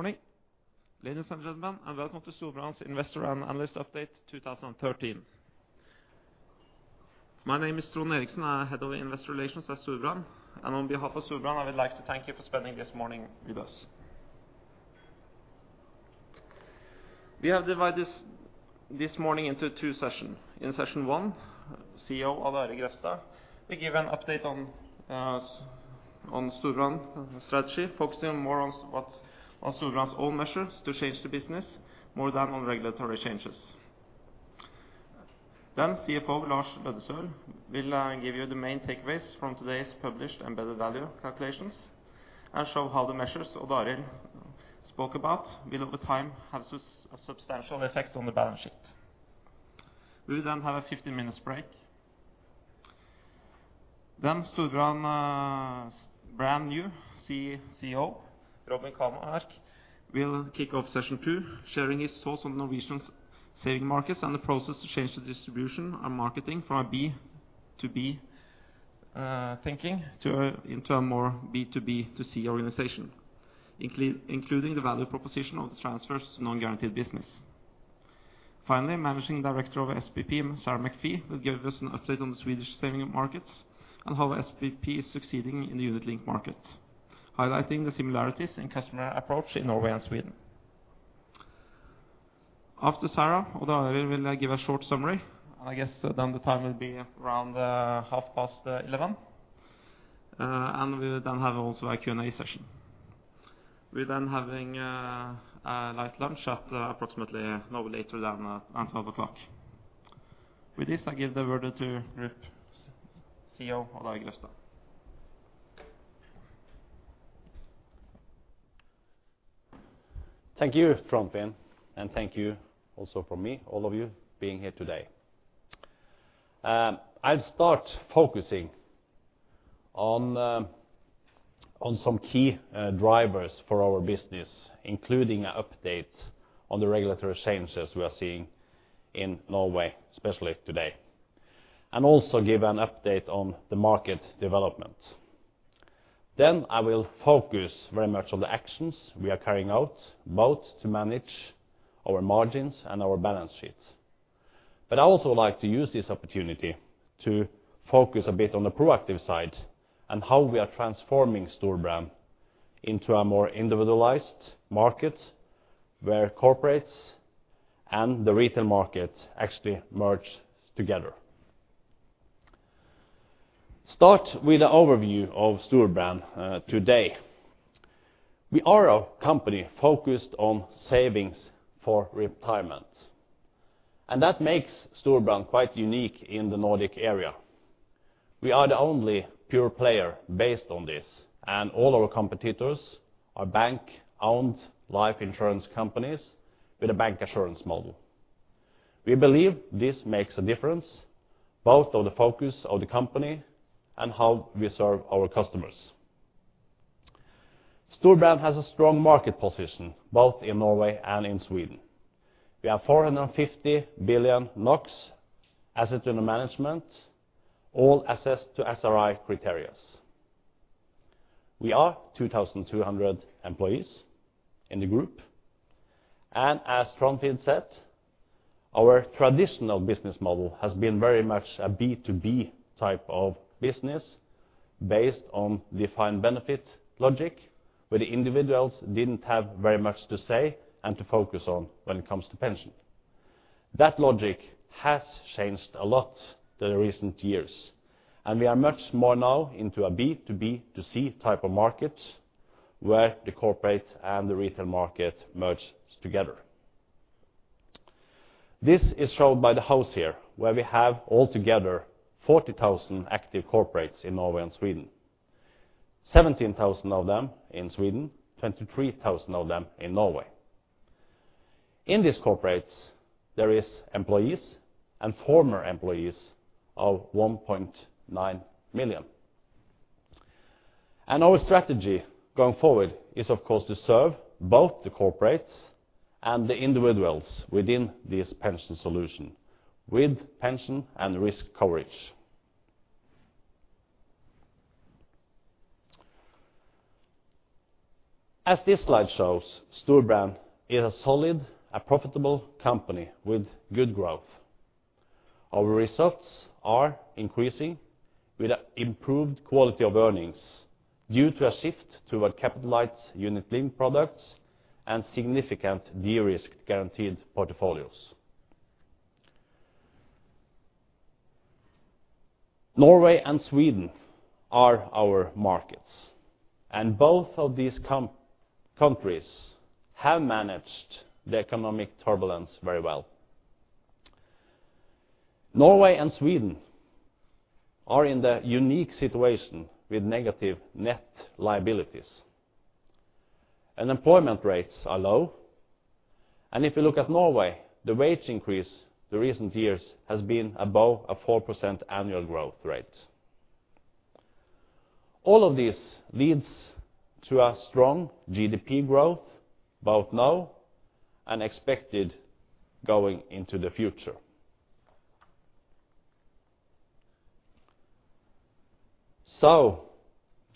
Good morning, ladies and gentlemen, and welcome to Storebrand's Investor and Analyst Update 2013. My name is Trond Eriksen, I'm Head of Investor Relations at Storebrand, and on behalf of Storebrand, I would like to thank you for spending this morning with us. We have divided this morning into two sessions. In session one, CEO Odd Arild Grefstad will give an update on Storebrand strategy, focusing more on what's on Storebrand's own measures to change the business more than on regulatory changes. Then CFO Lars Aasulv Løddesøl will give you the main takeaways from today's published Embedded Value calculations, and show how the measures Odd Arild Grefstad spoke about will, over time, have a substantial effect on the balance sheet. We will then have a 15-minute break. Storebrand's brand new CEO, Robin Kamark, will kick off session two, sharing his thoughts on the Norwegian saving markets and the process to change the distribution and marketing from a B2B thinking to a more B2B2C organization, including the value proposition of the transfers to non-guaranteed business. Finally, Managing Director of SPP, Sarah McPhee, will give us an update on the Swedish saving markets and how SPP is succeeding in the unit-linked market, highlighting the similarities in customer approach in Norway and Sweden. After Sarah, Odd Arild will give a short summary, and I guess then the time will be around 11:30 A.M. And we will then have also a Q&A session. We're then having a light lunch at approximately no later than 12:00 P.M. With this, I give the word to Group CEO Odd Arild Grefstad. Thank you, Trond, and thank you also from me, all of you, being here today. I'll start focusing on some key drivers for our business, including an update on the regulatory changes we are seeing in Norway, especially today, and also give an update on the market development. I will focus very much on the actions we are carrying out, both to manage our margins and our balance sheets. I also would like to use this opportunity to focus a bit on the proactive side, and how we are transforming Storebrand into a more individualized market, where corporates and the retail market actually merge together. Start with an overview of Storebrand today. We are a company focused on savings for retirement, and that makes Storebrand quite unique in the Nordic area. We are the only pure player based on this, and all our competitors are bank-owned life insurance companies with a bancassurance model. We believe this makes a difference, both of the focus of the company and how we serve our customers. Storebrand has a strong market position, both in Norway and in Sweden. We have 450 billion NOK assets under management, all assessed to SRI criteria. We are 2,200 employees in the group, and as Trond said, our traditional business model has been very much a B2B type of business, based on defined benefit logic, where the individuals didn't have very much to say and to focus on when it comes to pension. That logic has changed a lot in the recent years, and we are much more now into a B2B2C type of market, where the corporate and the retail market merge together. This is shown by the house here, where we have altogether 40,000 active corporates in Norway and Sweden. 17,000 of them in Sweden, 23,000 of them in Norway. In these corporates, there is employees and former employees of 1.9 million. And our strategy going forward is, of course, to serve both the corporates and the individuals within this pension solution with pension and risk coverage. As this slide shows, Storebrand is a solid and profitable company with good growth. Our results are increasing with an improved quality of earnings due to a shift toward capitalized unit-linked products and significant de-risk guaranteed portfolios. Norway and Sweden are our markets, and both of these countries have managed the economic turbulence very well. Norway and Sweden are in the unique situation with negative net liabilities. Unemployment rates are low, and if you look at Norway, the wage increase the recent years has been above a 4% annual growth rate. All of this leads to a strong GDP growth, both now and expected going into the future. So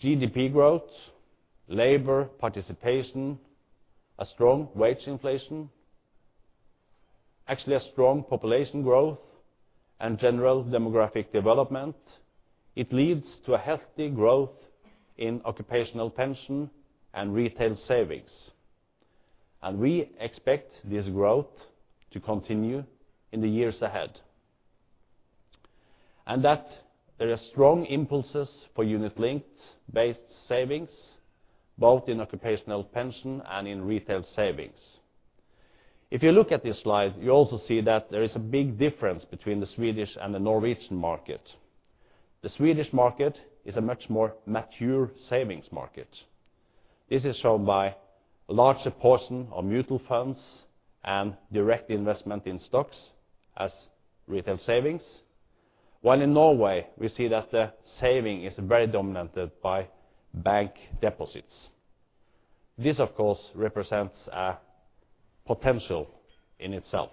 GDP growth, labor participation, a strong wage inflation, actually a strong population growth, and general demographic development, it leads to a healthy growth in occupational pension and retail savings. And we expect this growth to continue in the years ahead, and that there are strong impulses for unit linked based savings, both in occupational pension and in retail savings. If you look at this slide, you also see that there is a big difference between the Swedish and the Norwegian market. The Swedish market is a much more mature savings market. This is shown by a larger portion of mutual funds and direct investment in stocks as retail savings. While in Norway, we see that the saving is very dominated by bank deposits. This, of course, represents a potential in itself.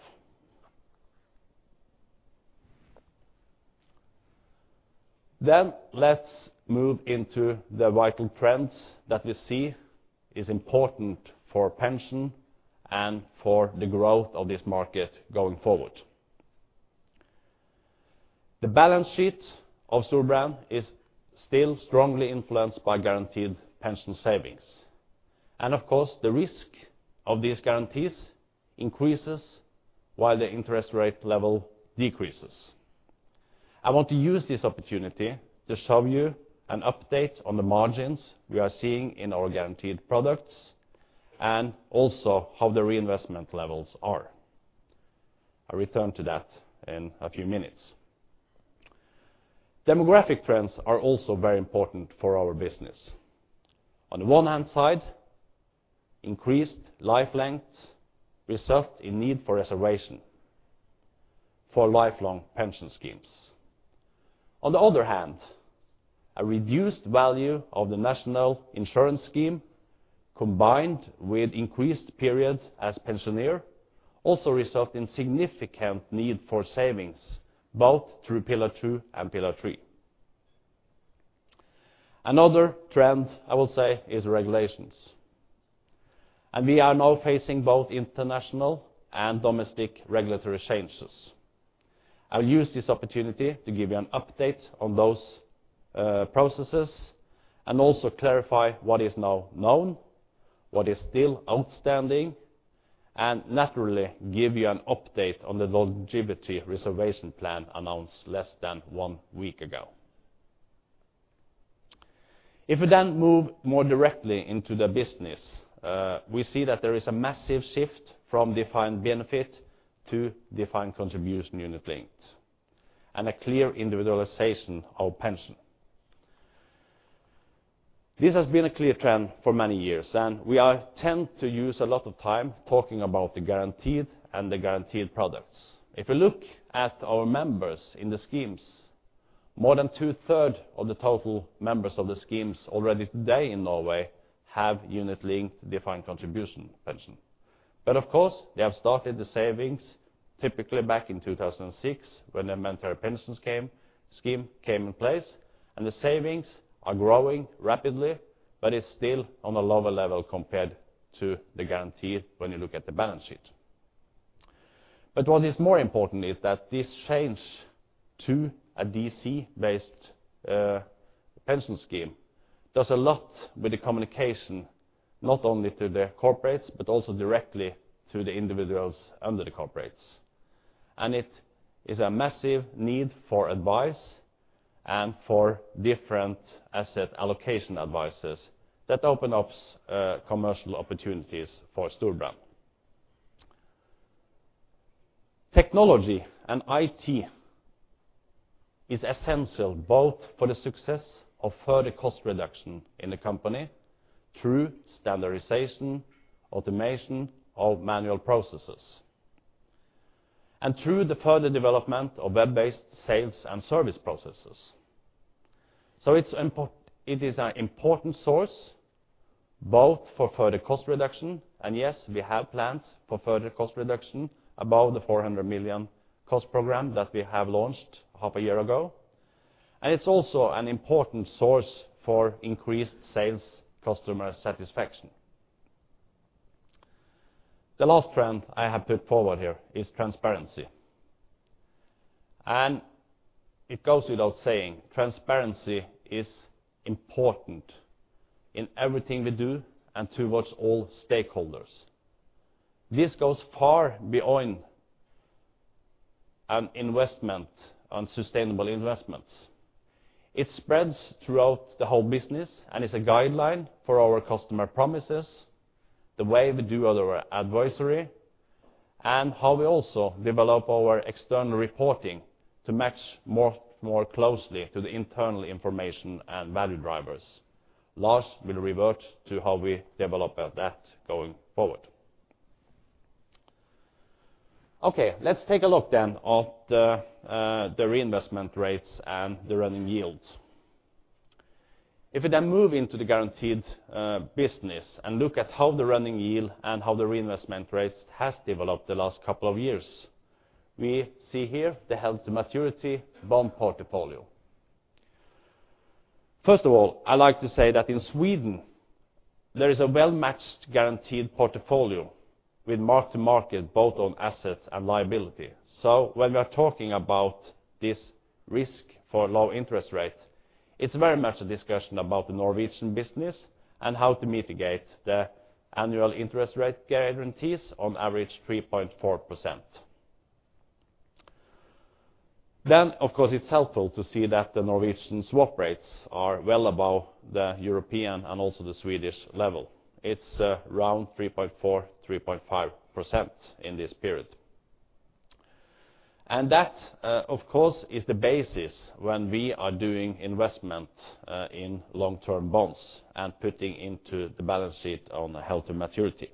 Then let's move into the vital trends that we see is important for pension and for the growth of this market going forward. The balance sheet of Storebrand is still strongly influenced by guaranteed pension savings, and of course, the risk of these guarantees increases while the interest rate level decreases. I want to use this opportunity to show you an update on the margins we are seeing in our guaranteed products, and also how the reinvestment levels are. I'll return to that in a few minutes. Demographic trends are also very important for our business. On the one hand side, increased life length result in need for reservation for lifelong pension schemes. On the other hand, a reduced value of the National Insurance Scheme, combined with increased periods as pensioner, also result in significant need for savings, both through Pillar Two and Pillar Three. Another trend, I will say, is regulations, and we are now facing both international and domestic regulatory changes. I'll use this opportunity to give you an update on those, processes and also clarify what is now known, what is still outstanding, and naturally, give you an update on the longevity reservation plan announced less than one week ago. If we then move more directly into the business, we see that there is a massive shift from defined benefit to defined contribution unit linked, and a clear individualization of pension. This has been a clear trend for many years, and we tend to use a lot of time talking about the guaranteed and the guaranteed products. If you look at our members in the schemes, more than two-thirds of the total members of the schemes already today in Norway have unit-linked defined contribution pension. But of course, they have started the savings, typically back in 2006, when the mandatory pensions came, scheme came in place, and the savings are growing rapidly, but it's still on a lower level compared to the guarantee when you look at the balance sheet. But what is more important is that this change to a DC-based pension scheme does a lot with the communication, not only to the corporates, but also directly to the individuals under the corporates. And it is a massive need for advice and for different asset allocation advices that opens up commercial opportunities for Storebrand. Technology and IT is essential both for the success of further cost reduction in the company through standardization, automation of manual processes, and through the further development of web-based sales and service processes. So it is an important source, both for further cost reduction, and yes, we have plans for further cost reduction above the 400 million cost program that we have launched half a year ago. And it is also an important source for increased sales customer satisfaction. The last trend I have put forward here is transparency, and it goes without saying, transparency is important in everything we do and towards all stakeholders. This goes far beyond an investment on sustainable investments. It spreads throughout the whole business and is a guideline for our customer promises, the way we do our advisory, and how we also develop our external reporting to match more, more closely to the internal information and value drivers. Last, we'll revert to how we develop that going forward. Okay, let's take a look then of the the reinvestment rates and the running yields. If we then move into the guaranteed business and look at how the running yield and how the reinvestment rates has developed the last couple of years. We see here the held-to-maturity bond portfolio. First of all, I'd like to say that in Sweden, there is a well-matched guaranteed portfolio with mark-to-market, both on assets and liability. So when we are talking about this risk for low interest rate, it's very much a discussion about the Norwegian business and how to mitigate the annual interest rate guarantees, on average 3.4%. Then, of course, it's helpful to see that the Norwegian swap rates are well above the European and also the Swedish level. It's around 3.4%-3.5% in this period. And that, of course, is the basis when we are doing investment in long-term bonds and putting into the balance sheet on the held-to-maturity.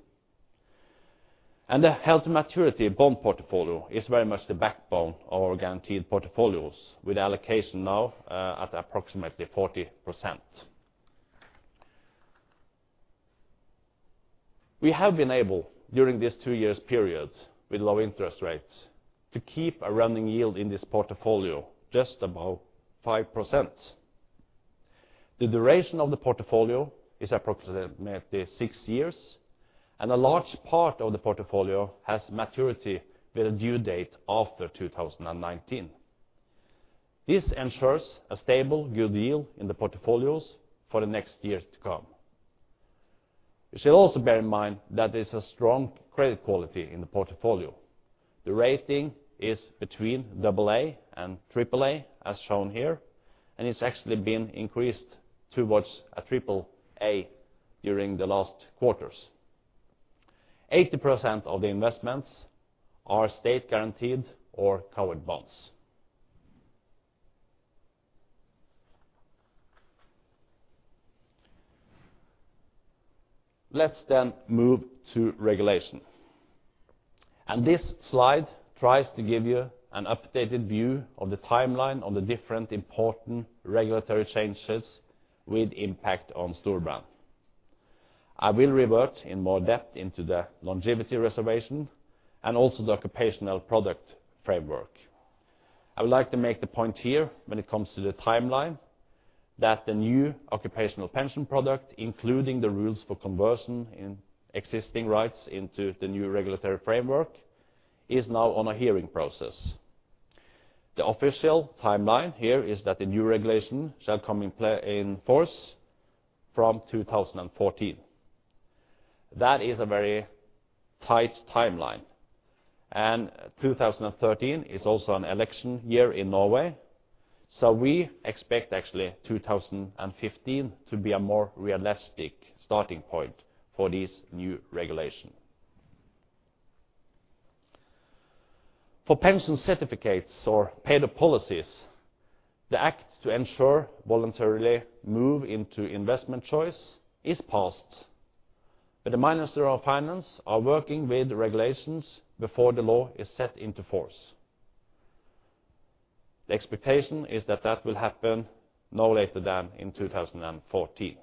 And the held-to-maturity bond portfolio is very much the backbone of our guaranteed portfolios, with allocation now at approximately 40%. We have been able, during this 2-year period with low interest rates, to keep a running yield in this portfolio just above 5%. The duration of the portfolio is approximately six years, and a large part of the portfolio has maturity with a due date after 2019. This ensures a stable, good yield in the portfolios for the next years to come. You should also bear in mind that there's a strong credit quality in the portfolio. The rating is between double A and triple A, as shown here, and it's actually been increased towards a triple A during the last quarters. 80% of the investments are state guaranteed or covered bonds. Let's then move to regulation. This slide tries to give you an updated view of the timeline on the different important regulatory changes with impact on Storebrand. I will revert in more depth into the longevity reservation and also the occupational product framework. I would like to make the point here, when it comes to the timeline, that the new occupational pension product, including the rules for conversion in existing rights into the new regulatory framework, is now on a hearing process. The official timeline here is that the new regulation shall come into force from 2014. That is a very tight timeline, and 2013 is also an election year in Norway, so we expect actually 2015 to be a more realistic starting point for this new regulation. For pension certificates or paid-up policies, the act to ensure voluntarily move into investment choice is passed, but the Minister of Finance are working with regulations before the law is set into force. The expectation is that that will happen no later than in 2014.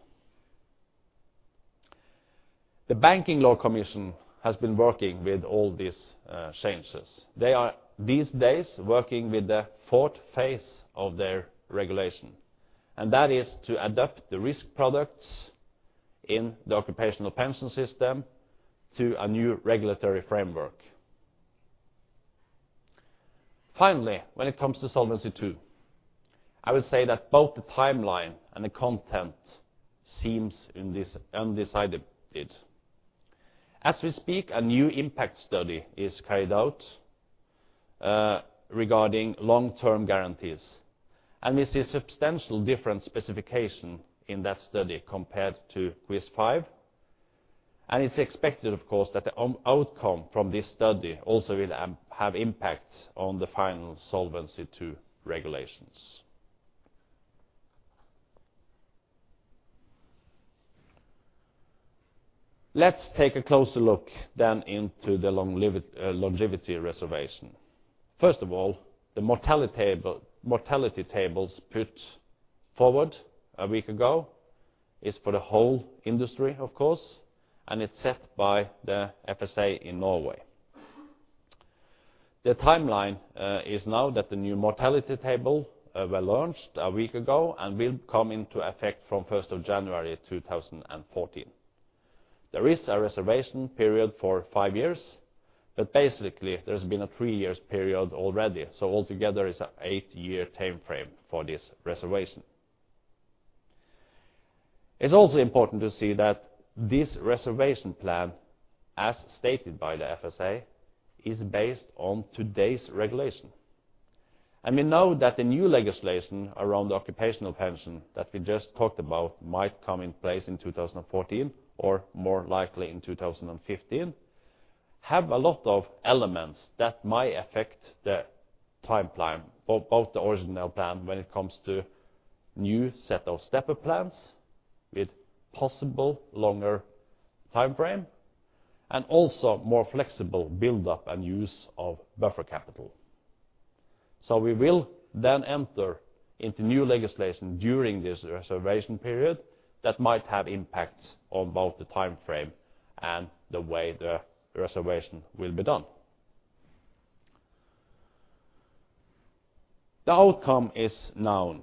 The Banking Law Commission has been working with all these changes. They are, these days, working with the fourth phase of their regulation, and that is to adapt the risk products in the occupational pension system to a new regulatory framework. Finally, when it comes to Solvency II, I would say that both the timeline and the content seems undecided, undecided. As we speak, a new impact study is carried out regarding long-term guarantees, and we see substantial different specification in that study compared to QIS5. And it's expected, of course, that the outcome from this study also will have impact on the final Solvency II regulations. Let's take a closer look then into the longevity reservation. First of all, the mortality table, mortality tables put forward a week ago is for the whole industry, of course, and it's set by the FSA in Norway. The timeline is now that the new mortality table were launched a week ago and will come into effect from January 1, 2014. There is a reservation period for five years, but basically, there's been a three years period already, so altogether, it's an eight-year time frame for this reservation. It's also important to see that this reservation plan, as stated by the FSA, is based on today's regulation. We know that the new legislation around the occupational pension, that we just talked about, might come in place in 2014, or more likely in 2015, have a lot of elements that might affect the timeline of both the original plan when it comes to new set of stepper plans with possible longer time frame, and also more flexible build-up and use of buffer capital. We will then enter into new legislation during this reservation period that might have impacts on both the time frame and the way the reservation will be done. The outcome is known.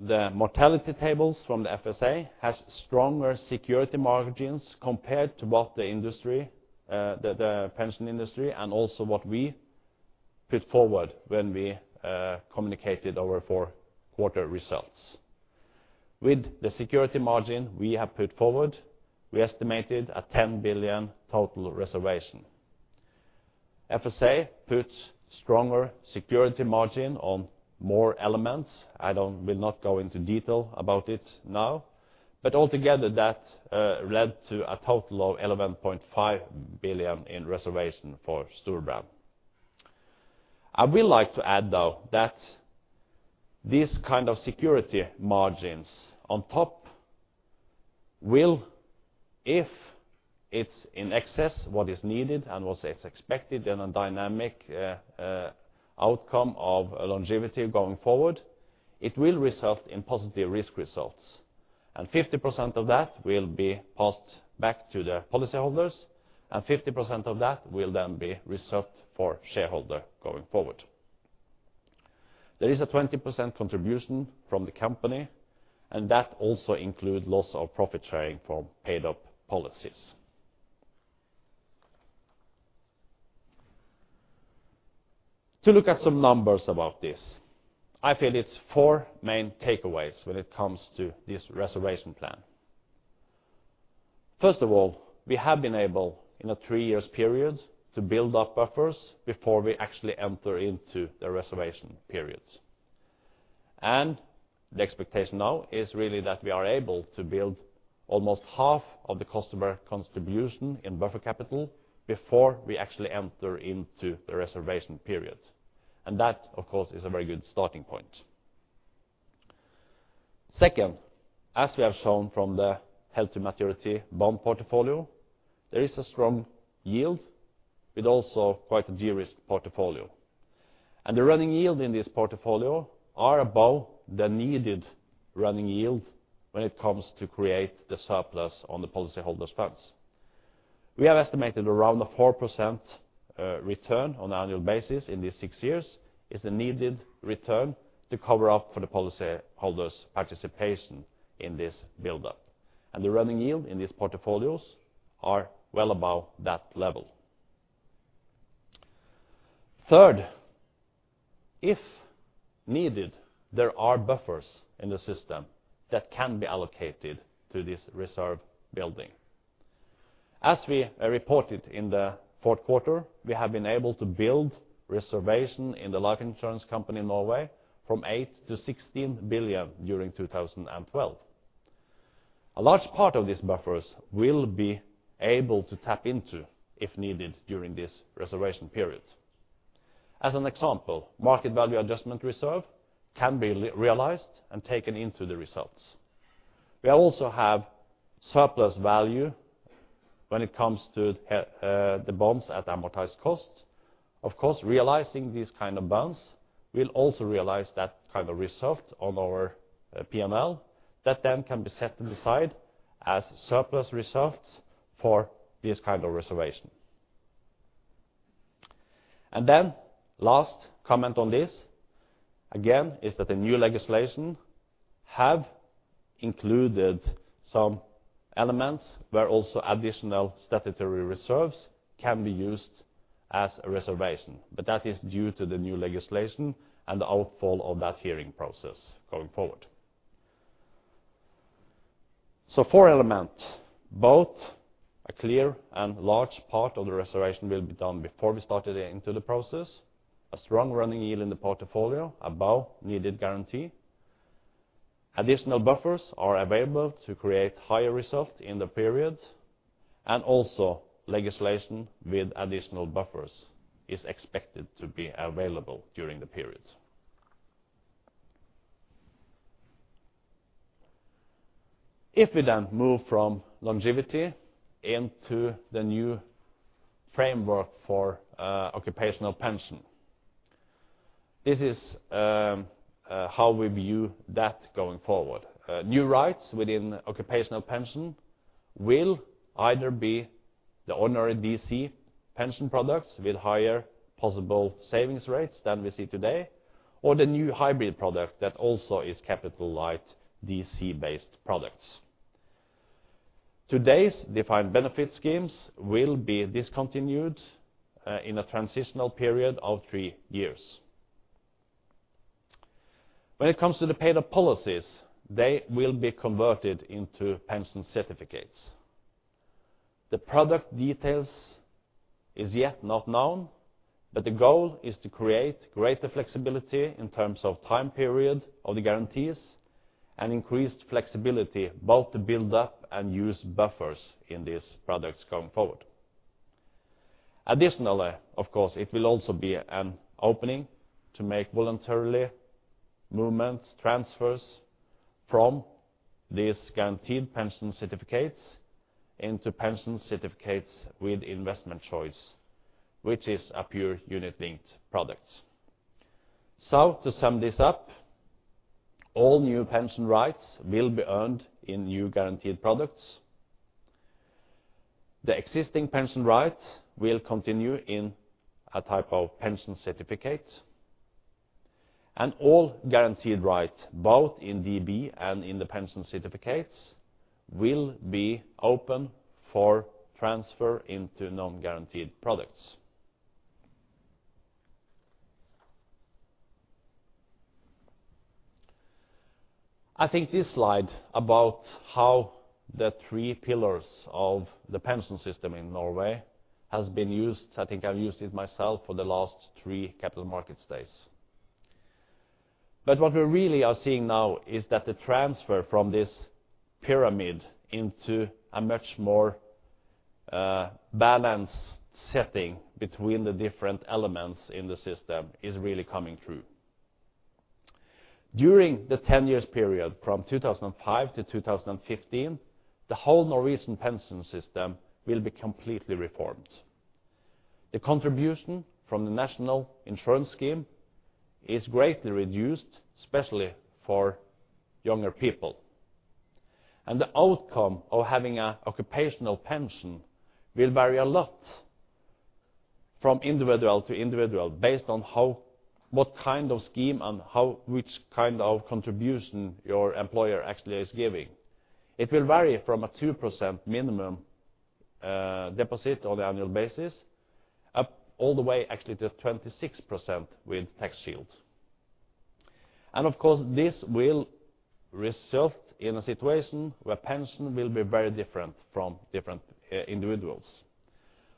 The mortality tables from the FSA has stronger security margins compared to what the industry, the pension industry, and also what we put forward when we communicated our fourth quarter results. With the security margin we have put forward, we estimated a 10 billion total reservation. FSA puts stronger security margin on more elements. I don't, will not go into detail about it now, but altogether, that, led to a total of 11.5 billion in reservation for Storebrand. I will like to add, though, that these kind of security margins on top will, if it's in excess what is needed and what is expected in a dynamic, outcome of longevity going forward, it will result in positive risk results, and 50% of that will be passed back to the policyholders, and 50% of that will then be reserved for shareholder going forward. There is a 20% contribution from the company, and that also include loss of profit sharing from paid up policies. To look at some numbers about this, I feel it's four main takeaways when it comes to this reservation plan. First of all, we have been able, in a three-year period, to build up buffers before we actually enter into the reservation periods. The expectation now is really that we are able to build almost half of the customer contribution in buffer capital before we actually enter into the reservation period. That, of course, is a very good starting point. Second, as we have shown from the held-to-maturity bond portfolio, there is a strong yield with also quite a de-risked portfolio. The running yield in this portfolio are above the needed running yield when it comes to create the surplus on the policyholder's funds. We have estimated around a 4% return on an annual basis in these six years, is the needed return to cover up for the policyholder's participation in this buildup. The running yield in these portfolios are well above that level. Third, if needed, there are buffers in the system that can be allocated to this reserve building. As we reported in the fourth quarter, we have been able to build reserves in the life insurance company in Norway from 8 billion-16 billion during 2012. A large part of these buffers we'll be able to tap into, if needed, during this reservation period. As an example, market value adjustment reserve can be realized and taken into the results. We also have surplus value when it comes to the bonds at amortized cost. Of course, realizing these kind of bonds will also realize that kind of result on our PNL, that then can be set aside as surplus results for this kind of reservation. And then last comment on this, again, is that the new legislation have included some elements where also additional statutory reserves can be used as a reservation, but that is due to the new legislation and the outcome of that hearing process going forward. So four elements, both a clear and large part of the reservation will be done before we started into the process. A strong running yield in the portfolio, above needed guarantee. Additional buffers are available to create higher results in the period, and also legislation with additional buffers is expected to be available during the period. If we then move from longevity into the new framework for occupational pension, this is how we view that going forward. New rights within occupational pension will either be the ordinary DC pension products with higher possible savings rates than we see today, or the new hybrid product that also is capital light, DC-based products. Today's defined benefit schemes will be discontinued in a transitional period of three years. When it comes to the paid-up policies, they will be converted into pension certificates. The product details is yet not known, but the goal is to create greater flexibility in terms of time period of the guarantees and increased flexibility, both to build up and use buffers in these products going forward. Additionally, of course, it will also be an opening to make voluntarily-... movements, transfers from these guaranteed pension certificates into pension certificates with investment choice, which is a pure unit-linked product. So to sum this up, all new pension rights will be earned in new guaranteed products. The existing pension rights will continue in a type of pension certificate, and all guaranteed rights, both in DB and in the pension certificates, will be open for transfer into non-guaranteed products. I think this slide about how the three pillars of the pension system in Norway has been used, I think I've used it myself for the last three capital market days. But what we really are seeing now is that the transfer from this pyramid into a much more balanced setting between the different elements in the system is really coming through. During the ten-year period from 2005 to 2015, the whole Norwegian pension system will be completely reformed. The contribution from the National Insurance Scheme is greatly reduced, especially for younger people, and the outcome of having an occupational pension will vary a lot from individual to individual based on how, what kind of scheme and how, which kind of contribution your employer actually is giving. It will vary from a 2% minimum deposit on the annual basis, up all the way, actually, to 26% with tax shield. And of course, this will result in a situation where pension will be very different from different individuals.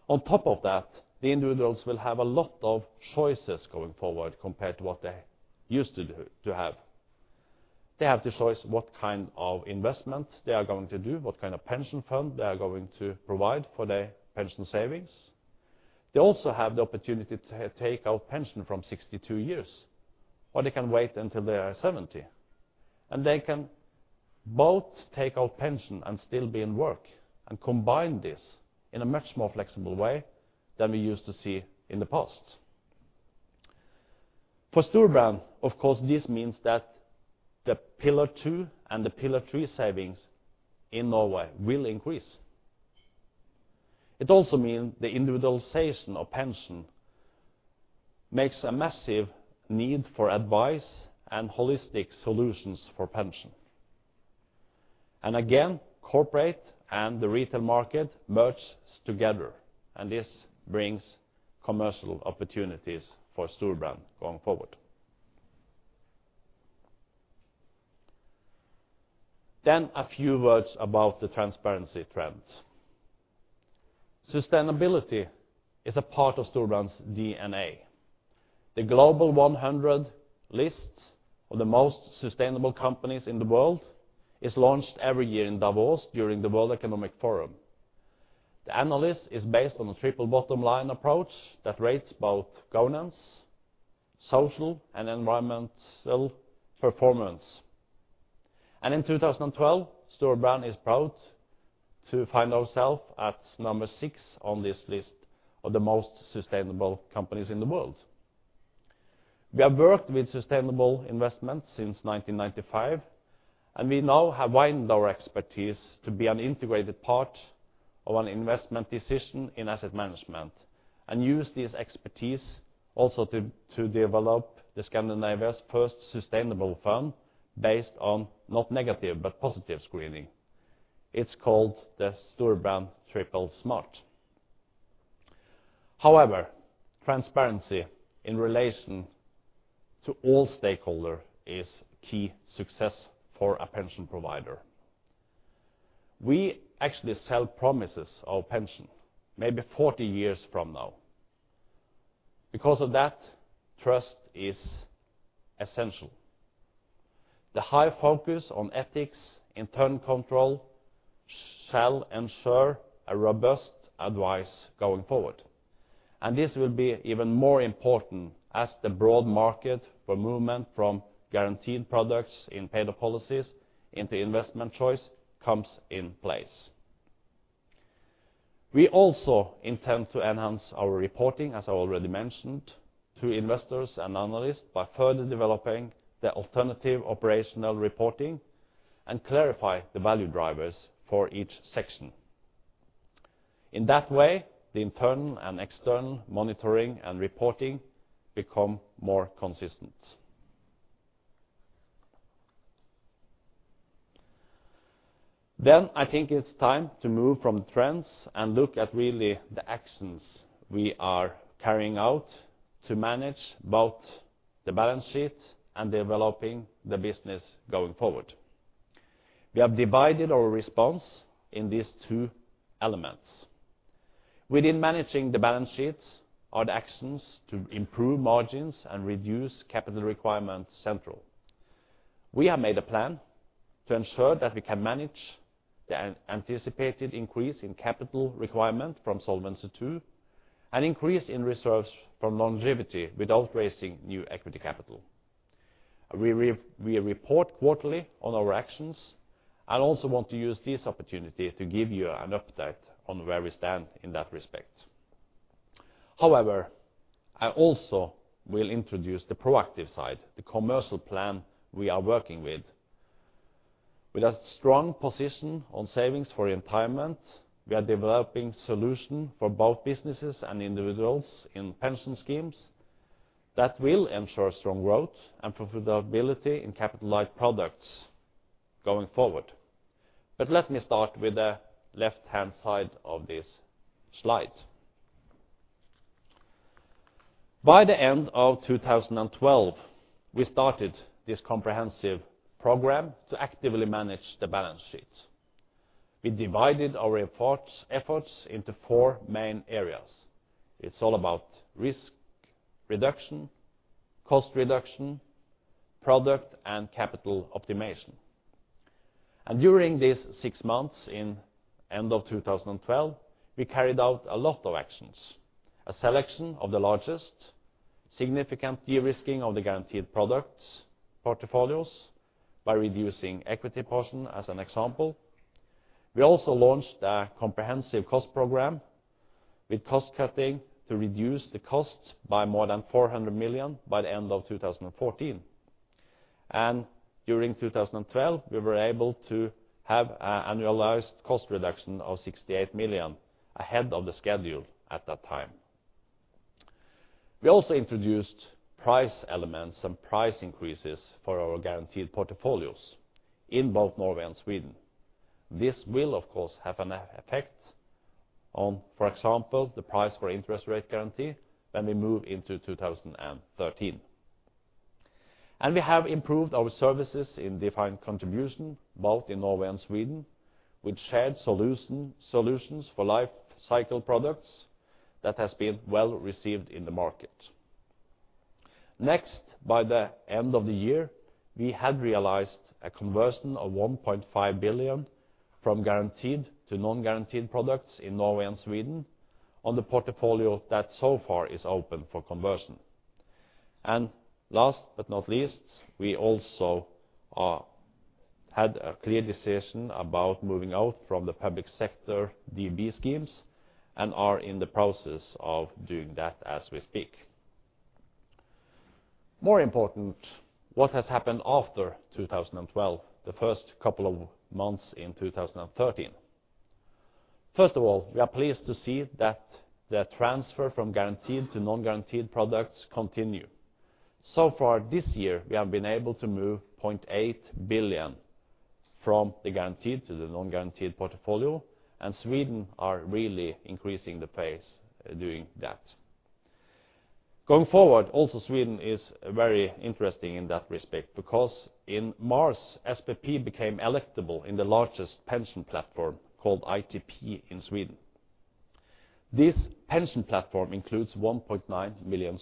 On top of that, the individuals will have a lot of choices going forward compared to what they used to do, to have. They have the choice, what kind of investment they are going to do, what kind of pension fund they are going to provide for their pension savings. They also have the opportunity to take out pension from 62 years, or they can wait until they are 70, and they can both take out pension and still be in work and combine this in a much more flexible way than we used to see in the past. For Storebrand, of course, this means that the pillar two and the pillar three savings in Norway will increase. It also means the individualization of pension makes a massive need for advice and holistic solutions for pension. And again, corporate and the retail market merges together, and this brings commercial opportunities for Storebrand going forward. Then a few words about the transparency trends. Sustainability is a part of Storebrand's DNA. The Global 100 list of the Most Sustainable Companies in the World is launched every year in Davos during the World Economic Forum. The analysis is based on a triple bottom line approach that rates both governance, social, and environmental performance. In 2012, Storebrand is proud to find ourselves at number six on this list of the Most Sustainable Companies in the World. We have worked with sustainable investment since 1995, and we now have widened our expertise to be an integrated part of an investment decision in asset management, and use this expertise also to develop Scandinavia's first sustainable fund, based on not negative, but positive screening. It's called the Storebrand Trippel Smart. However, transparency in relation to all stakeholders is key to success for a pension provider. We actually sell promises of pension maybe 40 years from now. Because of that, trust is essential. The high focus on ethics, internal control, shall ensure a robust advice going forward, and this will be even more important as the broad market for movement from guaranteed products in paid-up policies into investment choice comes in place. We also intend to enhance our reporting, as I already mentioned, to investors and analysts by further developing the alternative operational reporting and clarify the value drivers for each section. In that way, the internal and external monitoring and reporting become more consistent. Then I think it's time to move from trends and look at really the actions we are carrying out to manage both the balance sheet and developing the business going forward. We have divided our response in these two elements. Within managing the balance sheets are the actions to improve margins and reduce capital requirements central. We have made a plan to ensure that we can manage the anticipated increase in capital requirement from Solvency II, an increase in reserves from longevity without raising new equity capital. We report quarterly on our actions, and also want to use this opportunity to give you an update on where we stand in that respect. However, I also will introduce the proactive side, the commercial plan we are working with. With a strong position on savings for retirement, we are developing solution for both businesses and individuals in pension schemes that will ensure strong growth and profitability in capital light products going forward. But let me start with the left-hand side of this slide. By the end of 2012, we started this comprehensive program to actively manage the balance sheet. We divided our efforts into four main areas. It's all about risk reduction, cost reduction, product, and capital optimization. During these six months, at the end of 2012, we carried out a lot of actions. A selection of the largest, significant de-risking of the guaranteed products portfolios by reducing equity portion, as an example. We also launched a comprehensive cost program with cost cutting to reduce the cost by more than 400 million by the end of 2014. During 2012, we were able to have an annualized cost reduction of 68 million ahead of the schedule at that time. We also introduced price elements and price increases for our guaranteed portfolios in both Norway and Sweden. This will, of course, have an effect on, for example, the price for interest rate guarantee when we move into 2013. We have improved our services in defined contribution, both in Norway and Sweden, with shared solution, solutions for life cycle products that has been well received in the market. Next, by the end of the year, we had realized a conversion of 1.5 billion from guaranteed to non-guaranteed products in Norway and Sweden on the portfolio that so far is open for conversion. And last but not least, we also had a clear decision about moving out from the public sector DB schemes and are in the process of doing that as we speak. More important, what has happened after 2012, the first couple of months in 2013? First of all, we are pleased to see that the transfer from guaranteed to non-guaranteed products continue. So far this year, we have been able to move 0.8 billion from the guaranteed to the non-guaranteed portfolio, and Sweden are really increasing the pace doing that. Going forward, also Sweden is very interesting in that respect, because in March, SPP became electable in the largest pension platform called ITP in Sweden. This pension platform includes 1.9 million,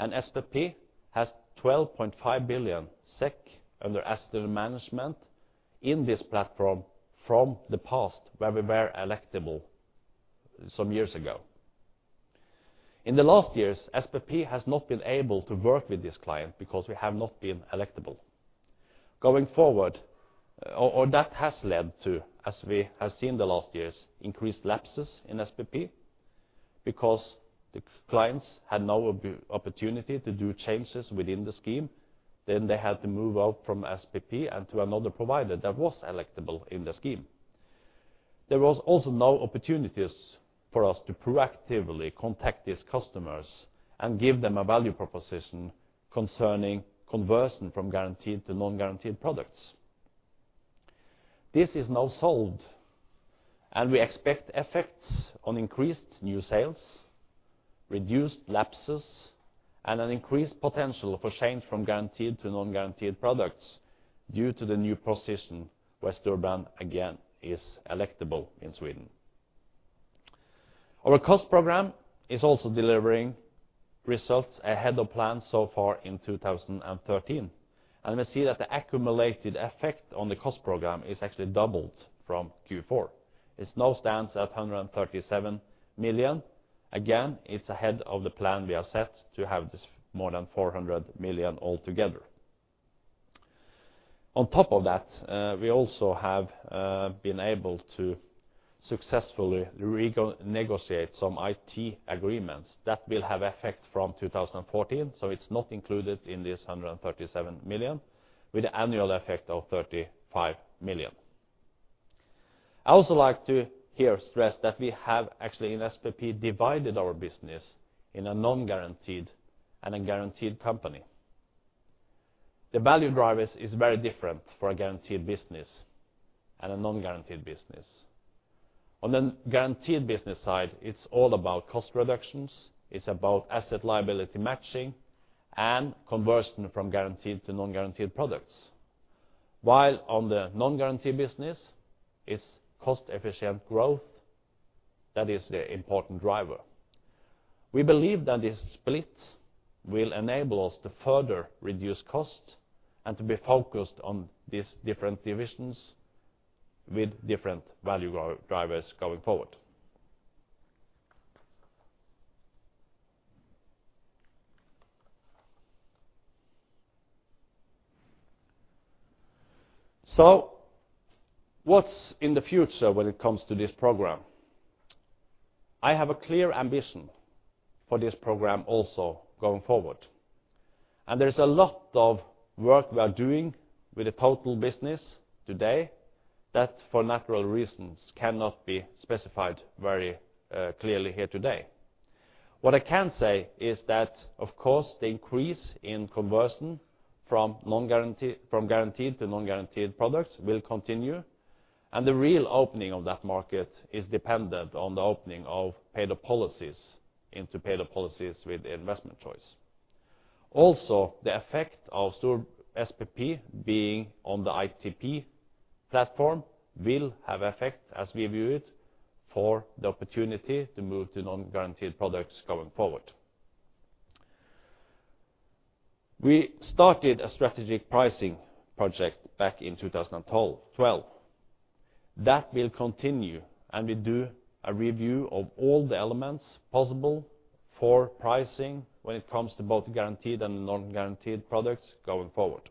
and SPP has 12.5 billion SEK under asset management in this platform from the past, where we were electable some years ago. In the last years, SPP has not been able to work with this client because we have not been electable. Going forward, that has led to, as we have seen the last years, increased lapses in SPP because the clients had no opportunity to do changes within the scheme, then they had to move out from SPP and to another provider that was electable in the scheme. There was also no opportunities for us to proactively contact these customers and give them a value proposition concerning conversion from guaranteed to non-guaranteed products. This is now solved, and we expect effects on increased new sales, reduced lapses, and an increased potential for change from guaranteed to non-guaranteed products due to the new position where Storebrand, again, is electable in Sweden. Our cost program is also delivering results ahead of plan so far in 2013, and we see that the accumulated effect on the cost program is actually doubled from Q4. It now stands at 137 million. Again, it's ahead of the plan we have set to have this more than 400 million altogether. On top of that, we also have been able to successfully re-negotiate some IT agreements that will have effect from 2014, so it's not included in this 137 million, with annual effect of 35 million. I also like to here stress that we have actually in SPP, divided our business in a non-guaranteed and a guaranteed company. The value drivers is very different for a guaranteed business and a non-guaranteed business. On the guaranteed business side, it's all about cost reductions, it's about asset liability matching, and conversion from guaranteed to non-guaranteed products, while on the non-guarantee business, it's cost efficient growth that is the important driver. We believe that this split will enable us to further reduce costs and to be focused on these different divisions with different value drivers going forward. What's in the future when it comes to this program? I have a clear ambition for this program also going forward, and there's a lot of work we are doing with the total business today that, for natural reasons, cannot be specified very clearly here today. What I can say is that, of course, the increase in conversion from guaranteed to non-guaranteed products will continue, and the real opening of that market is dependent on the opening of paid-up policies into paid-up policies with investment choice. Also, the effect of SPP being on the ITP platform will have effect, as we view it, for the opportunity to move to non-guaranteed products going forward. We started a strategic pricing project back in 2012. That will continue, and we do a review of all the elements possible for pricing when it comes to both guaranteed and non-guaranteed products going forward.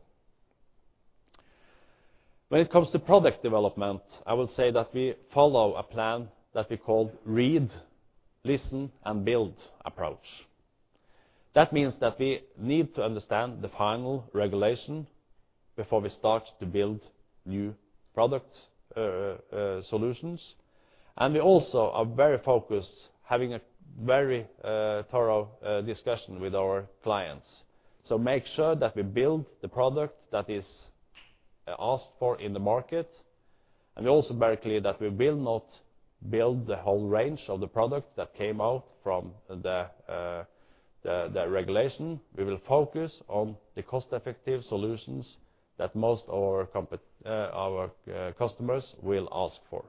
When it comes to product development, I will say that we follow a plan that we call read, listen, and build approach. That means that we need to understand the final regulation before we start to build new product solutions. And we also are very focused, having a very thorough discussion with our clients. So make sure that we build the product that is asked for in the market, and we're also very clear that we will not build the whole range of the product that came out from the regulation. We will focus on the cost-effective solutions that most of our customers will ask for.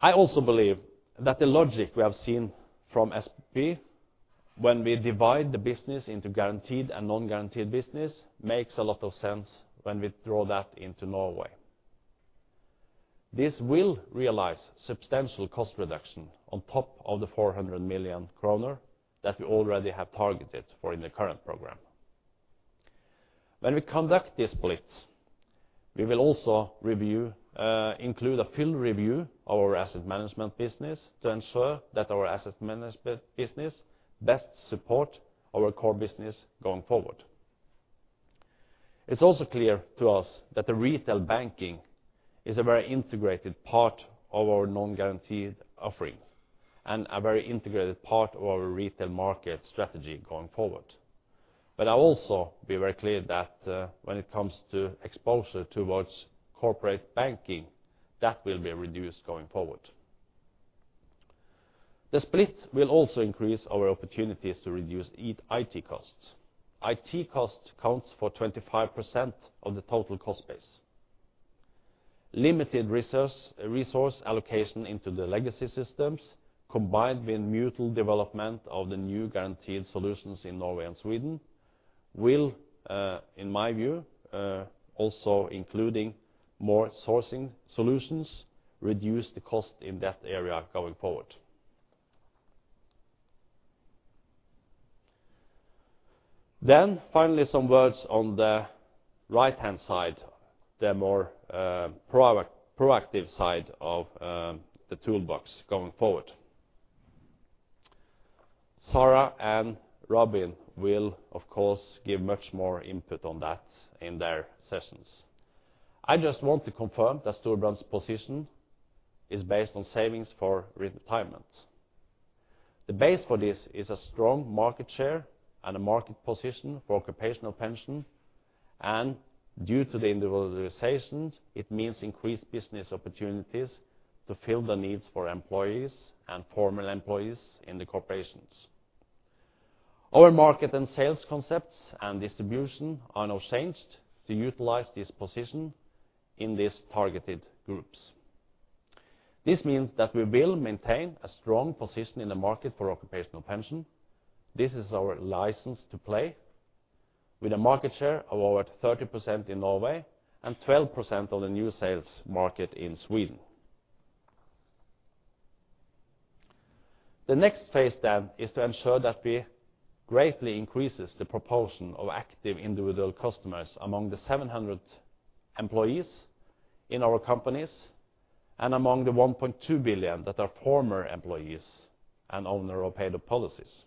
I also believe that the logic we have seen from SP, when we divide the business into guaranteed and non-guaranteed business, makes a lot of sense when we draw that into Norway. This will realize substantial cost reduction on top of the 400 million kroner that we already have targeted for in the current program. When we conduct this split, we will also review, include a field review of our asset management business to ensure that our asset management business best support our core business going forward. It's also clear to us that the retail banking is a very integrated part of our non-guaranteed offerings and a very integrated part of our retail market strategy going forward. But I'll also be very clear that, when it comes to exposure towards corporate banking, that will be reduced going forward. The split will also increase our opportunities to reduce IT costs. IT cost accounts for 25% of the total cost base. Limited resource allocation into the legacy systems, combined with mutual development of the new guaranteed solutions in Norway and Sweden, will, in my view, also including more sourcing solutions, reduce the cost in that area going forward. Then finally, some words on the right-hand side, the more proactive side of the toolbox going forward. Sarah and Robin will, of course, give much more input on that in their sessions. I just want to confirm that Storebrand's position is based on savings for retirement. The base for this is a strong market share and a market position for occupational pension, and due to the individualizations, it means increased business opportunities to fill the needs for employees and former employees in the corporations. Our market and sales concepts and distribution are now changed to utilize this position in these targeted groups. This means that we will maintain a strong position in the market for occupational pension. This is our license to play with a market share of over 30% in Norway and 12% of the new sales market in Sweden. The next phase, then, is to ensure that we greatly increases the proportion of active individual customers among the 700 employees in our companies and among the 1.2 billion that are former employees and owner of paid-up policies.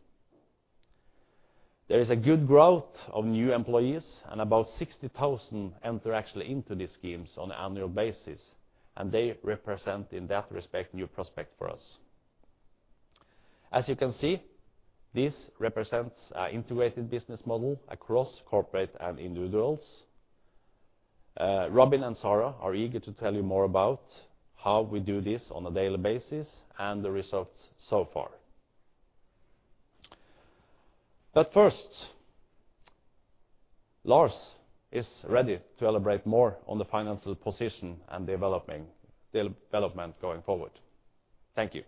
There is a good growth of new employees, and about 60,000 enter actually into these schemes on an annual basis, and they represent, in that respect, new prospect for us. As you can see, this represents an integrated business model across corporate and individuals. Robin and Sarah are eager to tell you more about how we do this on a daily basis and the results so far. But first, Lars is ready to elaborate more on the financial position and development going forward. Thank you.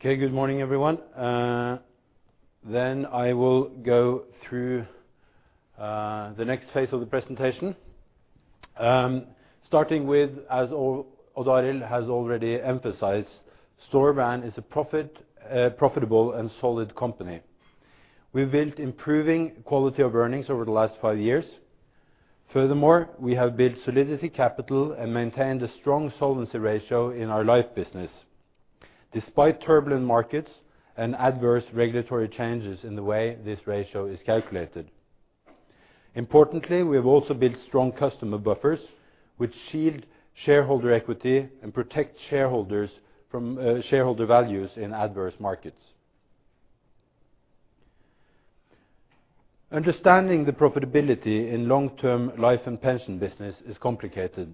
Okay, good morning, everyone. Then I will go through the next phase of the presentation. Starting with, as Odd Arild has already emphasized, Storebrand is a profit, a profitable and solid company. We've built improving quality of earnings over the last five years. Furthermore, we have built solidity capital and maintained a strong solvency ratio in our life business, despite turbulent markets and adverse regulatory changes in the way this ratio is calculated. Importantly, we have also built strong customer buffers, which shield shareholder equity and protect shareholders from shareholder values in adverse markets. Understanding the profitability in long-term life and pension business is complicated.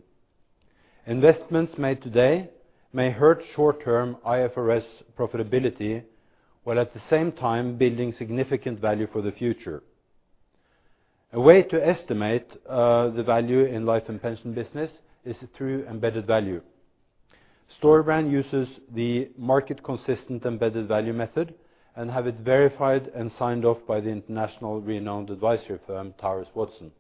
Investments made today may hurt short-term IFRS profitability, while at the same time building significant value for the future. A way to estimate the value in life and pension business is through Embedded Value. Storebrand uses the Market Consistent Embedded Value method and has it verified and signed off by the internationally renowned advisory firm, Towers Watson.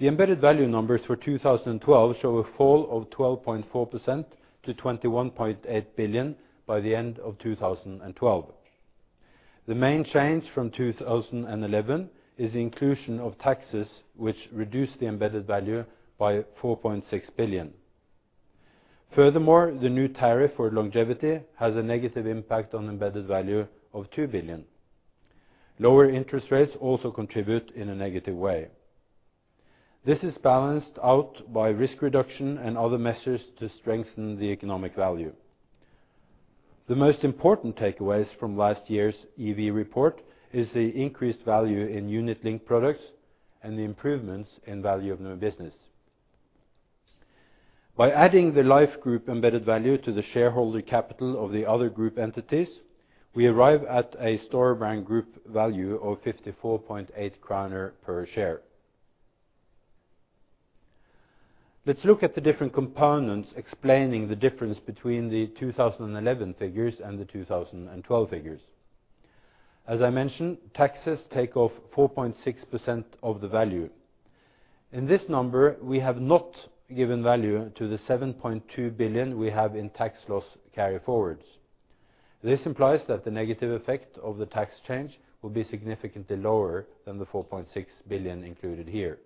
The Embedded Value numbers for 2012 show a fall of 12.4% to 21.8 billion by the end of 2012. The main change from 2011 is the inclusion of taxes, which reduced the Embedded Value by 4.6 billion. Furthermore, the new tariff for longevity has a negative impact on Embedded Value of 2 billion. Lower interest rates also contribute in a negative way. This is balanced out by risk reduction and other measures to strengthen the economic value. The most important takeaways from last year's EV report is the increased value in unit link products and the improvements in value of new business. By adding the life group Embedded Value to the shareholder capital of the other group entities, we arrive at a Storebrand group value of 54.8 kroner per share. Let's look at the different components explaining the difference between the 2011 figures and the 2012 figures. As I mentioned, taxes take off 4.6% of the value. In this number, we have not given value to the 7.2 billion we have in tax loss carryforwards. This implies that the negative effect of the tax change will be significantly lower than the 4.6 billion included here.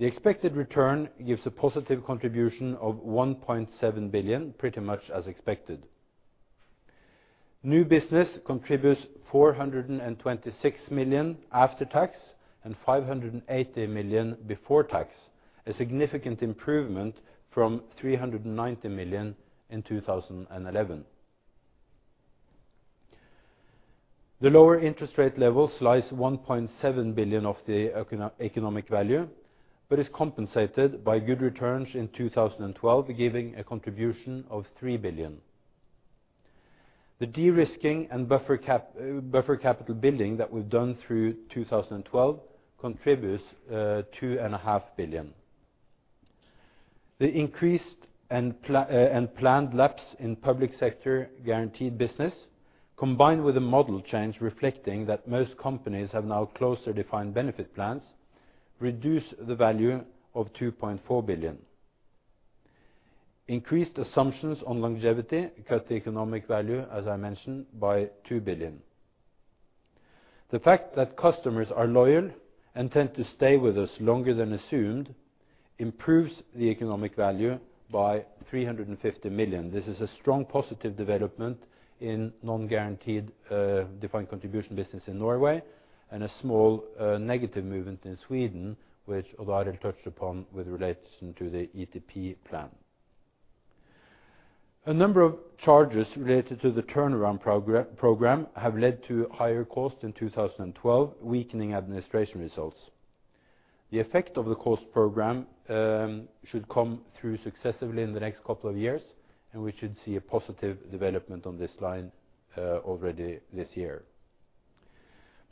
The expected return gives a positive contribution of 1.7 billion, pretty much as expected. New business contributes 426 million after tax and 580 million before tax, a significant improvement from 390 million in 2011. The lower interest rate level slices 1.7 billion of the economic value, but is compensated by good returns in 2012, giving a contribution of 3 billion. The de-risking and buffer capital building that we've done through 2012 contributes 2.5 billion. The increased and planned lapse in public sector guaranteed business, combined with a model change, reflecting that most companies have now closed defined benefit plans, reduces the value of 2.4 billion. Increased assumptions on longevity cut the economic value, as I mentioned, by 2 billion. The fact that customers are loyal and tend to stay with us longer than assumed, improves the economic value by 350 million. This is a strong positive development in non-guaranteed defined contribution business in Norway, and a small negative movement in Sweden, which Odd Arild touched upon with relation to the ITP plan. A number of charges related to the turnaround program have led to higher cost in 2012, weakening administration results. The effect of the cost program should come through successively in the next couple of years and we should see a positive development on this line already this year.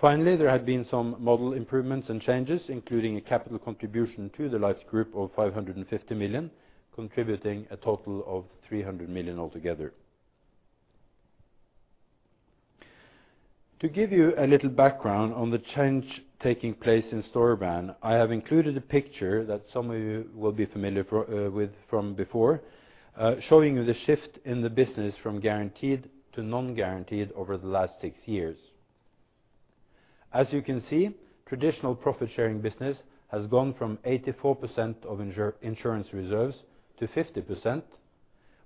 Finally, there have been some model improvements and changes, including a capital contribution to the life group of 550 million, contributing a total of 300 million altogether. To give you a little background on the change taking place in Storebrand, I have included a picture that some of you will be familiar with from before, showing you the shift in the business from guaranteed to non-guaranteed over the last six years. As you can see, traditional profit-sharing business has gone from 84% of insurance reserves to 50%,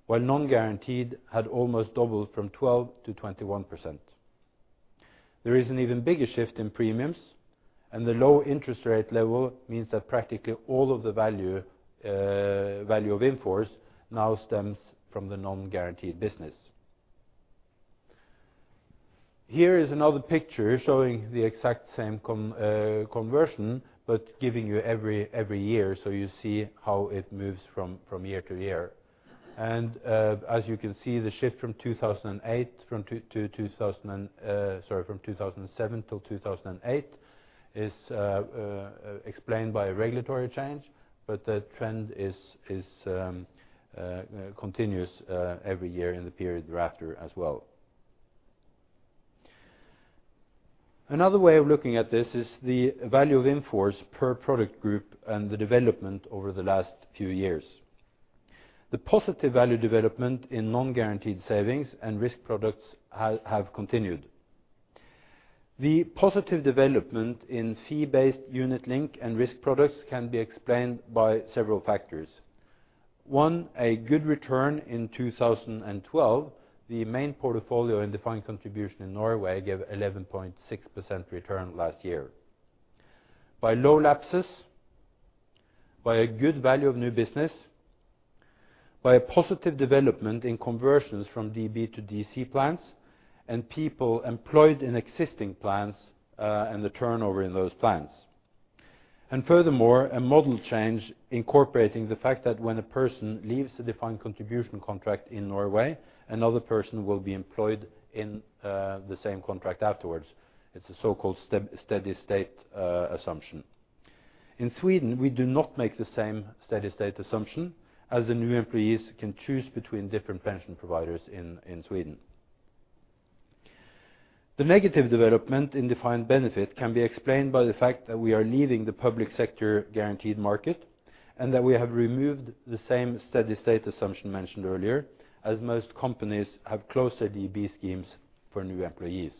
while non-guaranteed had almost doubled from 12%-21%. There is an even bigger shift in premiums, and the low interest rate level means that practically all of the value of inforce now stems from the non-guaranteed business. Here is another picture showing the exact same conversion, but giving you every year, so you see how it moves from year to year. As you can see, the shift from 2008, from two, to 2000 and, sorry, from 2007 till 2008, is explained by a regulatory change, but the trend is continuous every year in the period thereafter as well. Another way of looking at this is the value of in force per product group and the development over the last few years. The positive value development in non-guaranteed savings and risk products have continued. The positive development in fee-based unit link and risk products can be explained by several factors. One, a good return in 2012. The main portfolio in defined contribution in Norway gave 11.6% return last year. By low lapses, by a good value of new business, by a positive development in conversions from DB to DC plans, and people employed in existing plans, and the turnover in those plans. And furthermore, a model change incorporating the fact that when a person leaves a defined contribution contract in Norway, another person will be employed in the same contract afterwards. It's a so-called steady-state assumption. In Sweden, we do not make the same steady-state assumption, as the new employees can choose between different pension providers in Sweden. The negative development in Defined Benefit can be explained by the fact that we are leaving the public sector guaranteed market, and that we have removed the same steady-state assumption mentioned earlier, as most companies have closed their DB schemes for new employees,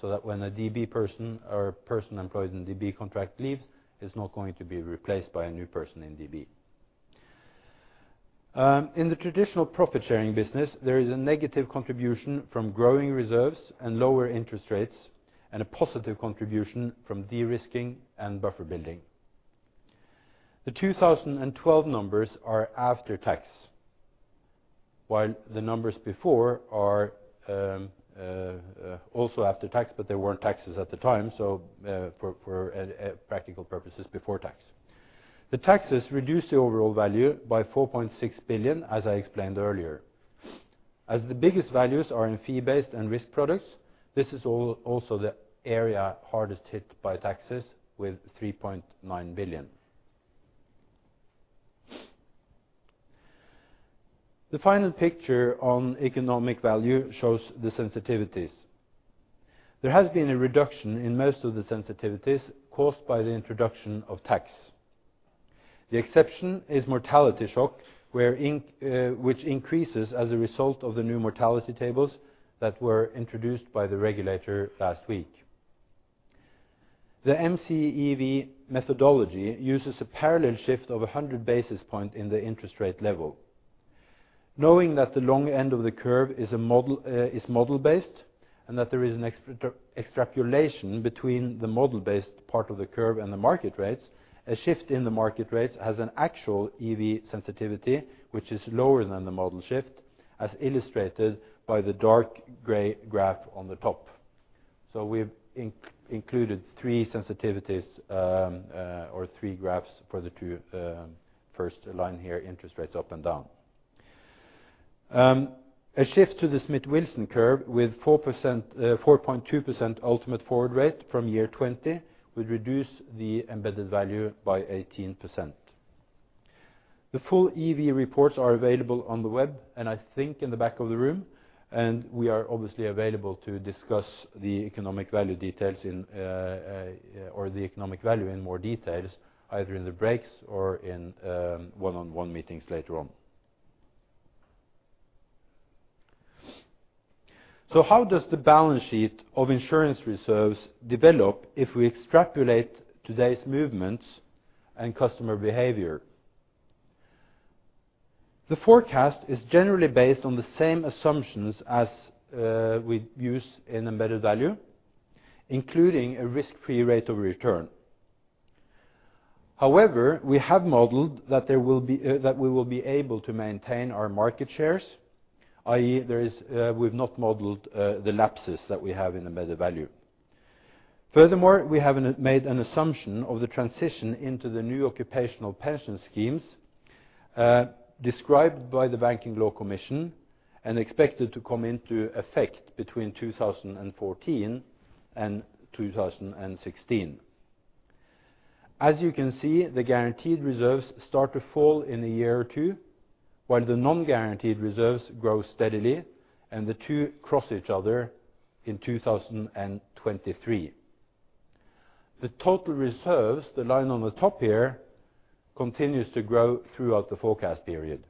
so that when a DB person or a person employed in DB contract leaves, it's not going to be replaced by a new person in DB. In the traditional profit-sharing business, there is a negative contribution from growing reserves and lower interest rates, and a positive contribution from de-risking and buffer building. The 2012 numbers are after tax, while the numbers before are also after tax, but there weren't taxes at the time, so for practical purposes, before tax. The taxes reduce the overall value by 4.6 billion, as I explained earlier. As the biggest values are in fee-based and risk products, this is also the area hardest hit by taxes with 3.9 billion. The final picture on economic value shows the sensitivities. There has been a reduction in most of the sensitivities caused by the introduction of tax. The exception is mortality shock, where, which increases as a result of the new mortality tables that were introduced by the regulator last week. The MCEV methodology uses a parallel shift of 100 basis points in the interest rate level. Knowing that the long end of the curve is a model, is model-based, and that there is an extrapolation between the model-based part of the curve and the market rates, a shift in the market rates has an actual EV sensitivity, which is lower than the model shift, as illustrated by the dark gray graph on the top. So we've included three sensitivities, or three graphs for the two, first line here, interest rates up and down. A shift to the Smith Wilson curve with 4%, 4.2% ultimate forward rate from year 20 would reduce the Embedded Value by 18%. The full EV reports are available on the web, and I think in the back of the room. We are obviously available to discuss the economic value details, or the economic value in more details, either in the breaks or in one-on-one meetings later on. How does the balance sheet of insurance reserves develop if we extrapolate today's movements and customer behavior? The forecast is generally based on the same assumptions as we use in Embedded Value, including a risk-free rate of return. However, we have modeled that we will be able to maintain our market shares, i.e., we have not modeled the lapses that we have in Embedded Value. Furthermore, we have made an assumption of the transition into the new occupational pension schemes described by the Banking Law Commission and expected to come into effect between 2014 and 2016. As you can see, the guaranteed reserves start to fall in a year or two, while the non-guaranteed reserves grow steadily, and the two cross each other in 2023. The total reserves, the line on the top here, continues to grow throughout the forecast period.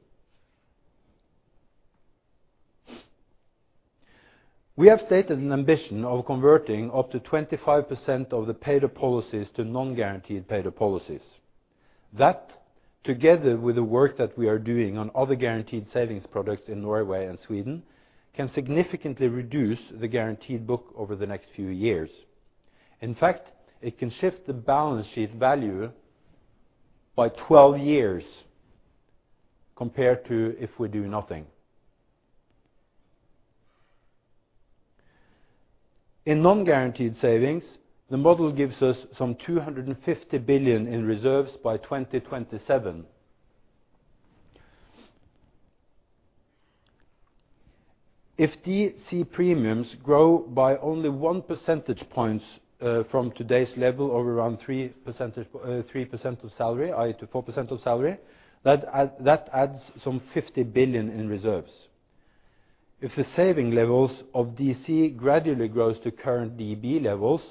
We have stated an ambition of converting up to 25% of the paid-up policies to non-guaranteed paid-up policies. That, together with the work that we are doing on other guaranteed savings products in Norway and Sweden, can significantly reduce the guaranteed book over the next few years. In fact, it can shift the balance sheet value by 12 years compared to if we do nothing. In non-guaranteed savings, the model gives us some 250 billion in reserves by 2027. If DC premiums grow by only 1 percentage points from today's level of around 3% of salary, i.e., to 4% of salary, that adds some 50 billion in reserves. If the saving levels of DC gradually grows to current DB levels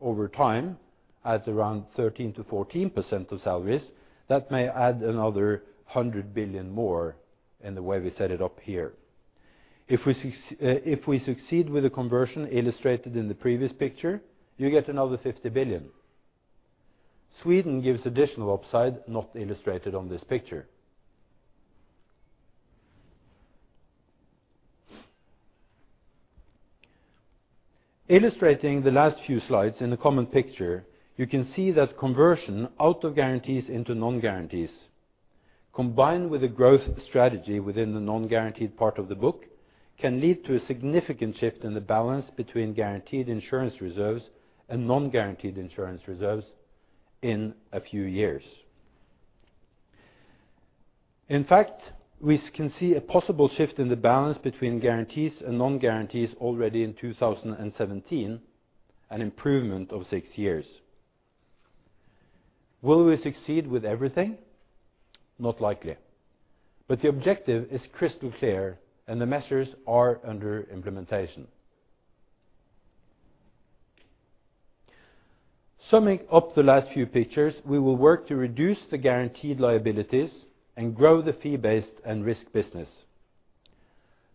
over time, at around 13%-14% of salaries, that may add another 100 billion more in the way we set it up here. If we succeed with the conversion illustrated in the previous picture, you get another 50 billion. Sweden gives additional upside, not illustrated on this picture. Illustrating the last few slides in the common picture, you can see that conversion out of guarantees into non-guarantees, combined with a growth strategy within the non-guaranteed part of the book, can lead to a significant shift in the balance between guaranteed insurance reserves and non-guaranteed insurance reserves in a few years. In fact, we can see a possible shift in the balance between guarantees and non-guarantees already in 2017, an improvement of years. Will we succeed with everything? Not likely. But the objective is crystal clear, and the measures are under implementation. Summing up the last few pictures, we will work to reduce the guaranteed liabilities and grow the fee-based and risk business.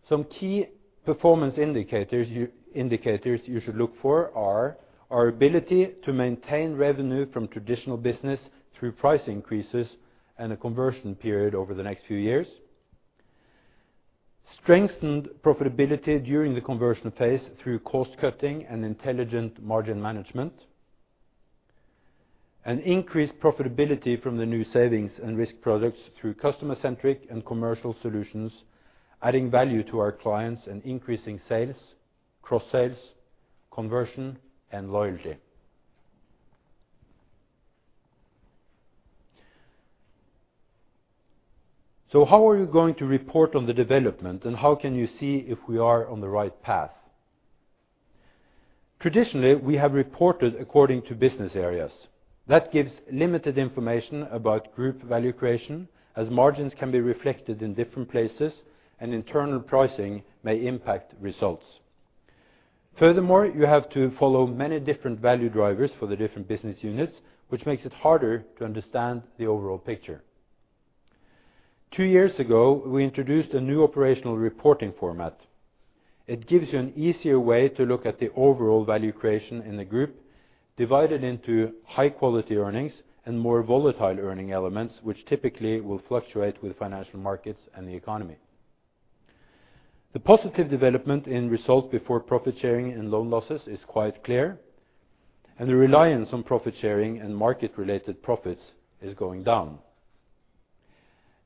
Some key performance indicators you should look for are: our ability to maintain revenue from traditional business through price increases and a conversion period over the next few years. Strengthened profitability during the conversion phase through cost cutting and intelligent margin management. An increased profitability from the new savings and risk products through customer-centric and commercial solutions, adding value to our clients and increasing sales, cross sales, conversion, and loyalty. So how are you going to report on the development, and how can you see if we are on the right path? Traditionally, we have reported according to business areas. That gives limited information about group value creation, as margins can be reflected in different places, and internal pricing may impact results. Furthermore, you have to follow many different value drivers for the different business units, which makes it harder to understand the overall picture. Two years ago, we introduced a new operational reporting format. It gives you an easier way to look at the overall value creation in the group, divided into high quality earnings and more volatile earning elements, which typically will fluctuate with financial markets and the economy. The positive development in result before profit sharing and loan losses is quite clear, and the reliance on profit sharing and market-related profits is going down.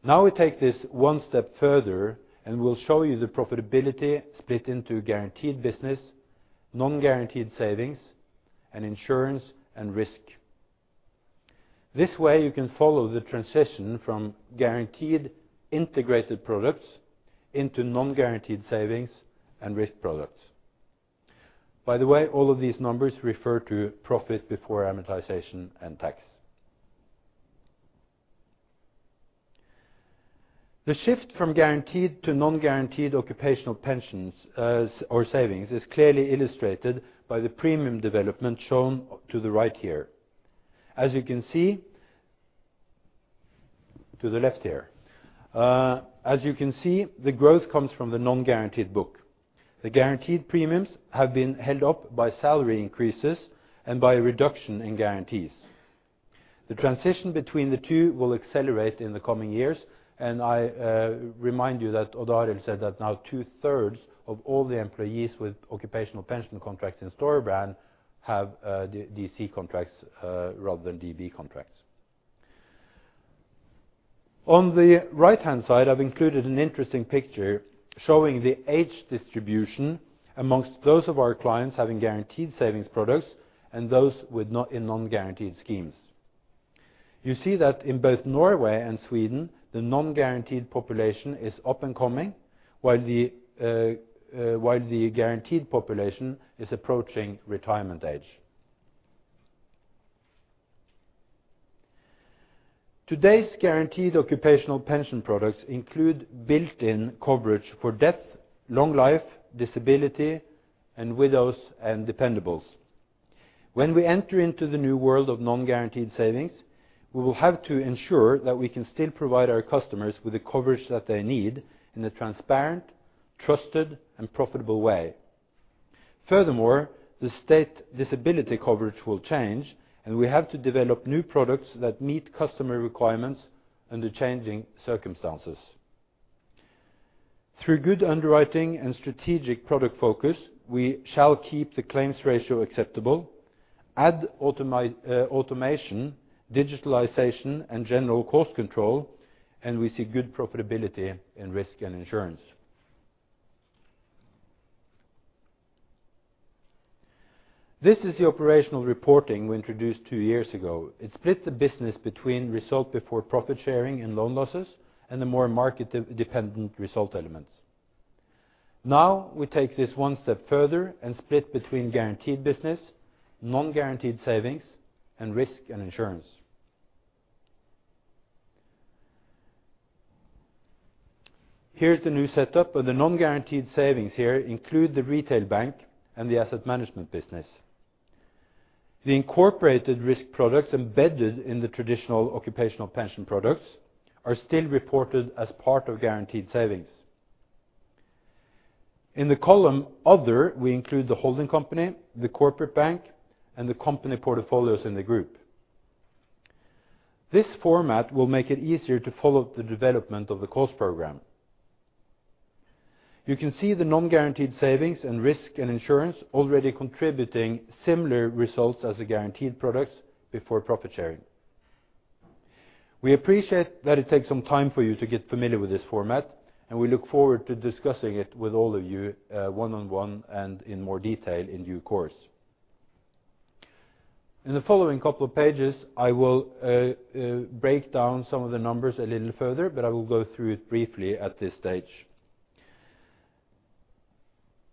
Now, we take this one step further, and we'll show you the profitability split into guaranteed business, non-guaranteed savings, and insurance and risk. This way, you can follow the transition from guaranteed integrated products into non-guaranteed savings and risk products. By the way, all of these numbers refer to profit before amortization and tax. The shift from guaranteed to non-guaranteed occupational pensions, or savings, is clearly illustrated by the premium development shown to the right here. As you can see to the left here. As you can see, the growth comes from the non-guaranteed book. The guaranteed premiums have been held up by salary increases and by a reduction in guarantees. The transition between the two will accelerate in the coming years, and I remind you that Odd Arild said that now two-thirds of all the employees with occupational pension contracts in Storebrand have DC contracts rather than DB contracts. On the right-hand side, I've included an interesting picture showing the age distribution amongst those of our clients having guaranteed savings products and those with not, in non-guaranteed schemes. You see that in both Norway and Sweden, the non-guaranteed population is up and coming, while the guaranteed population is approaching retirement age. Today's guaranteed occupational pension products include built-in coverage for death, long life, disability, and widows and dependables. When we enter into the new world of non-guaranteed savings, we will have to ensure that we can still provide our customers with the coverage that they need in a transparent, trusted, and profitable way. Furthermore, the state disability coverage will change, and we have to develop new products that meet customer requirements under changing circumstances. Through good underwriting and strategic product focus, we shall keep the claims ratio acceptable, add automation, digitalization, and general cost control, and we see good profitability in risk and insurance. This is the operational reporting we introduced two years ago. It splits the business between result before profit sharing and loan losses, and the more market dependent result elements. Now, we take this one step further and split between guaranteed business, non-guaranteed savings, and risk and insurance. Here's the new setup, where the non-guaranteed savings here include the retail bank and the asset management business. The incorporated risk products embedded in the traditional occupational pension products are still reported as part of guaranteed savings. In the column Other, we include the holding company, the corporate bank, and the company portfolios in the group. This format will make it easier to follow the development of the cost program. You can see the non-guaranteed savings and risk and insurance already contributing similar results as the guaranteed products before profit sharing. We appreciate that it takes some time for you to get familiar with this format, and we look forward to discussing it with all of you, one-on-one and in more detail in due course. In the following couple of pages, I will break down some of the numbers a little further, but I will go through it briefly at this stage.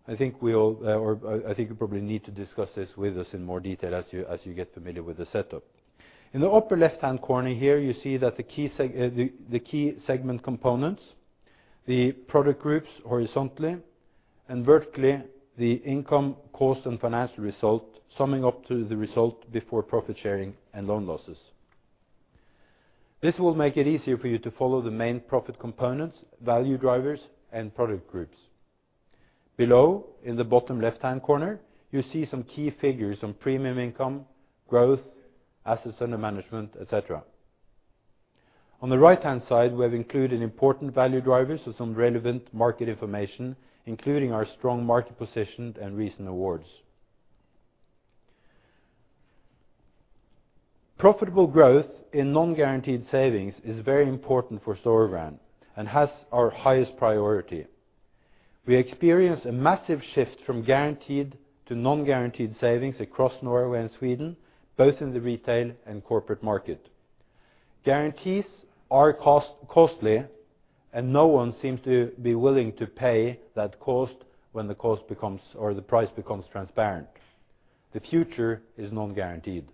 I think we all, or I think you probably need to discuss this with us in more detail as you get familiar with the setup. In the upper left-hand corner here, you see that the key segment components, the product groups horizontally, and vertically, the income, cost, and financial result, summing up to the result before profit sharing and loan losses. This will make it easier for you to follow the main profit components, value drivers, and product groups. Below, in the bottom left-hand corner, you see some key figures on premium income, growth, assets under management, et cetera. On the right-hand side, we have included important value drivers or some relevant market information, including our strong market position and recent awards. Profitable growth in non-guaranteed savings is very important for Storebrand and has our highest priority. We experience a massive shift from guaranteed to non-guaranteed savings across Norway and Sweden, both in the retail and corporate market. Guarantees are costly, and no one seems to be willing to pay that cost when the cost or the price becomes transparent. The future is non-guaranteed.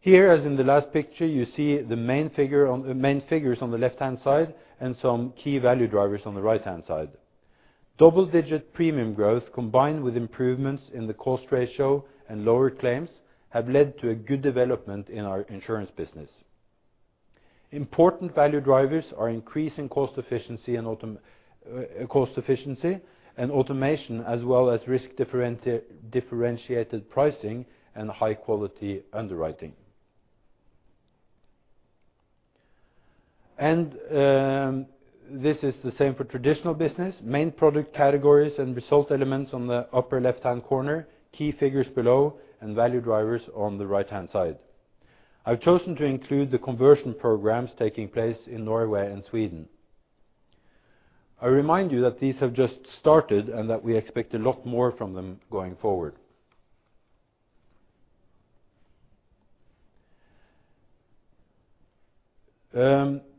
Here, as in the last picture, you see the main figures on the left-hand side and some key value drivers on the right-hand side. Double-digit premium growth, combined with improvements in the cost ratio and lower claims, have led to a good development in our insurance business. Important value drivers are increasing cost efficiency and automation, as well as risk differentiated pricing and high-quality underwriting. This is the same for traditional business. Main product categories and result elements on the upper left-hand corner, key figures below, and value drivers on the right-hand side. I've chosen to include the conversion programs taking place in Norway and Sweden. I remind you that these have just started, and that we expect a lot more from them going forward.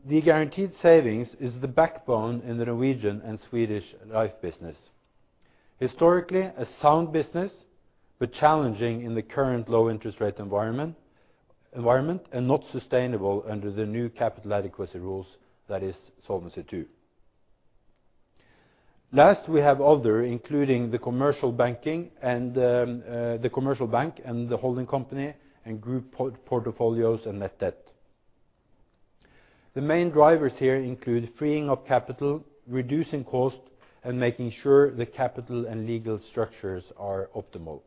The guaranteed savings is the backbone in the Norwegian and Swedish life business. Historically, a sound business, but challenging in the current low interest rate environment, and not sustainable under the new capital adequacy rules, that is Solvency II. Last, we have other, including the commercial banking and the commercial bank, and the holding company, and group portfolios, and net debt. The main drivers here include freeing up capital, reducing cost, and making sure the capital and legal structures are optimal.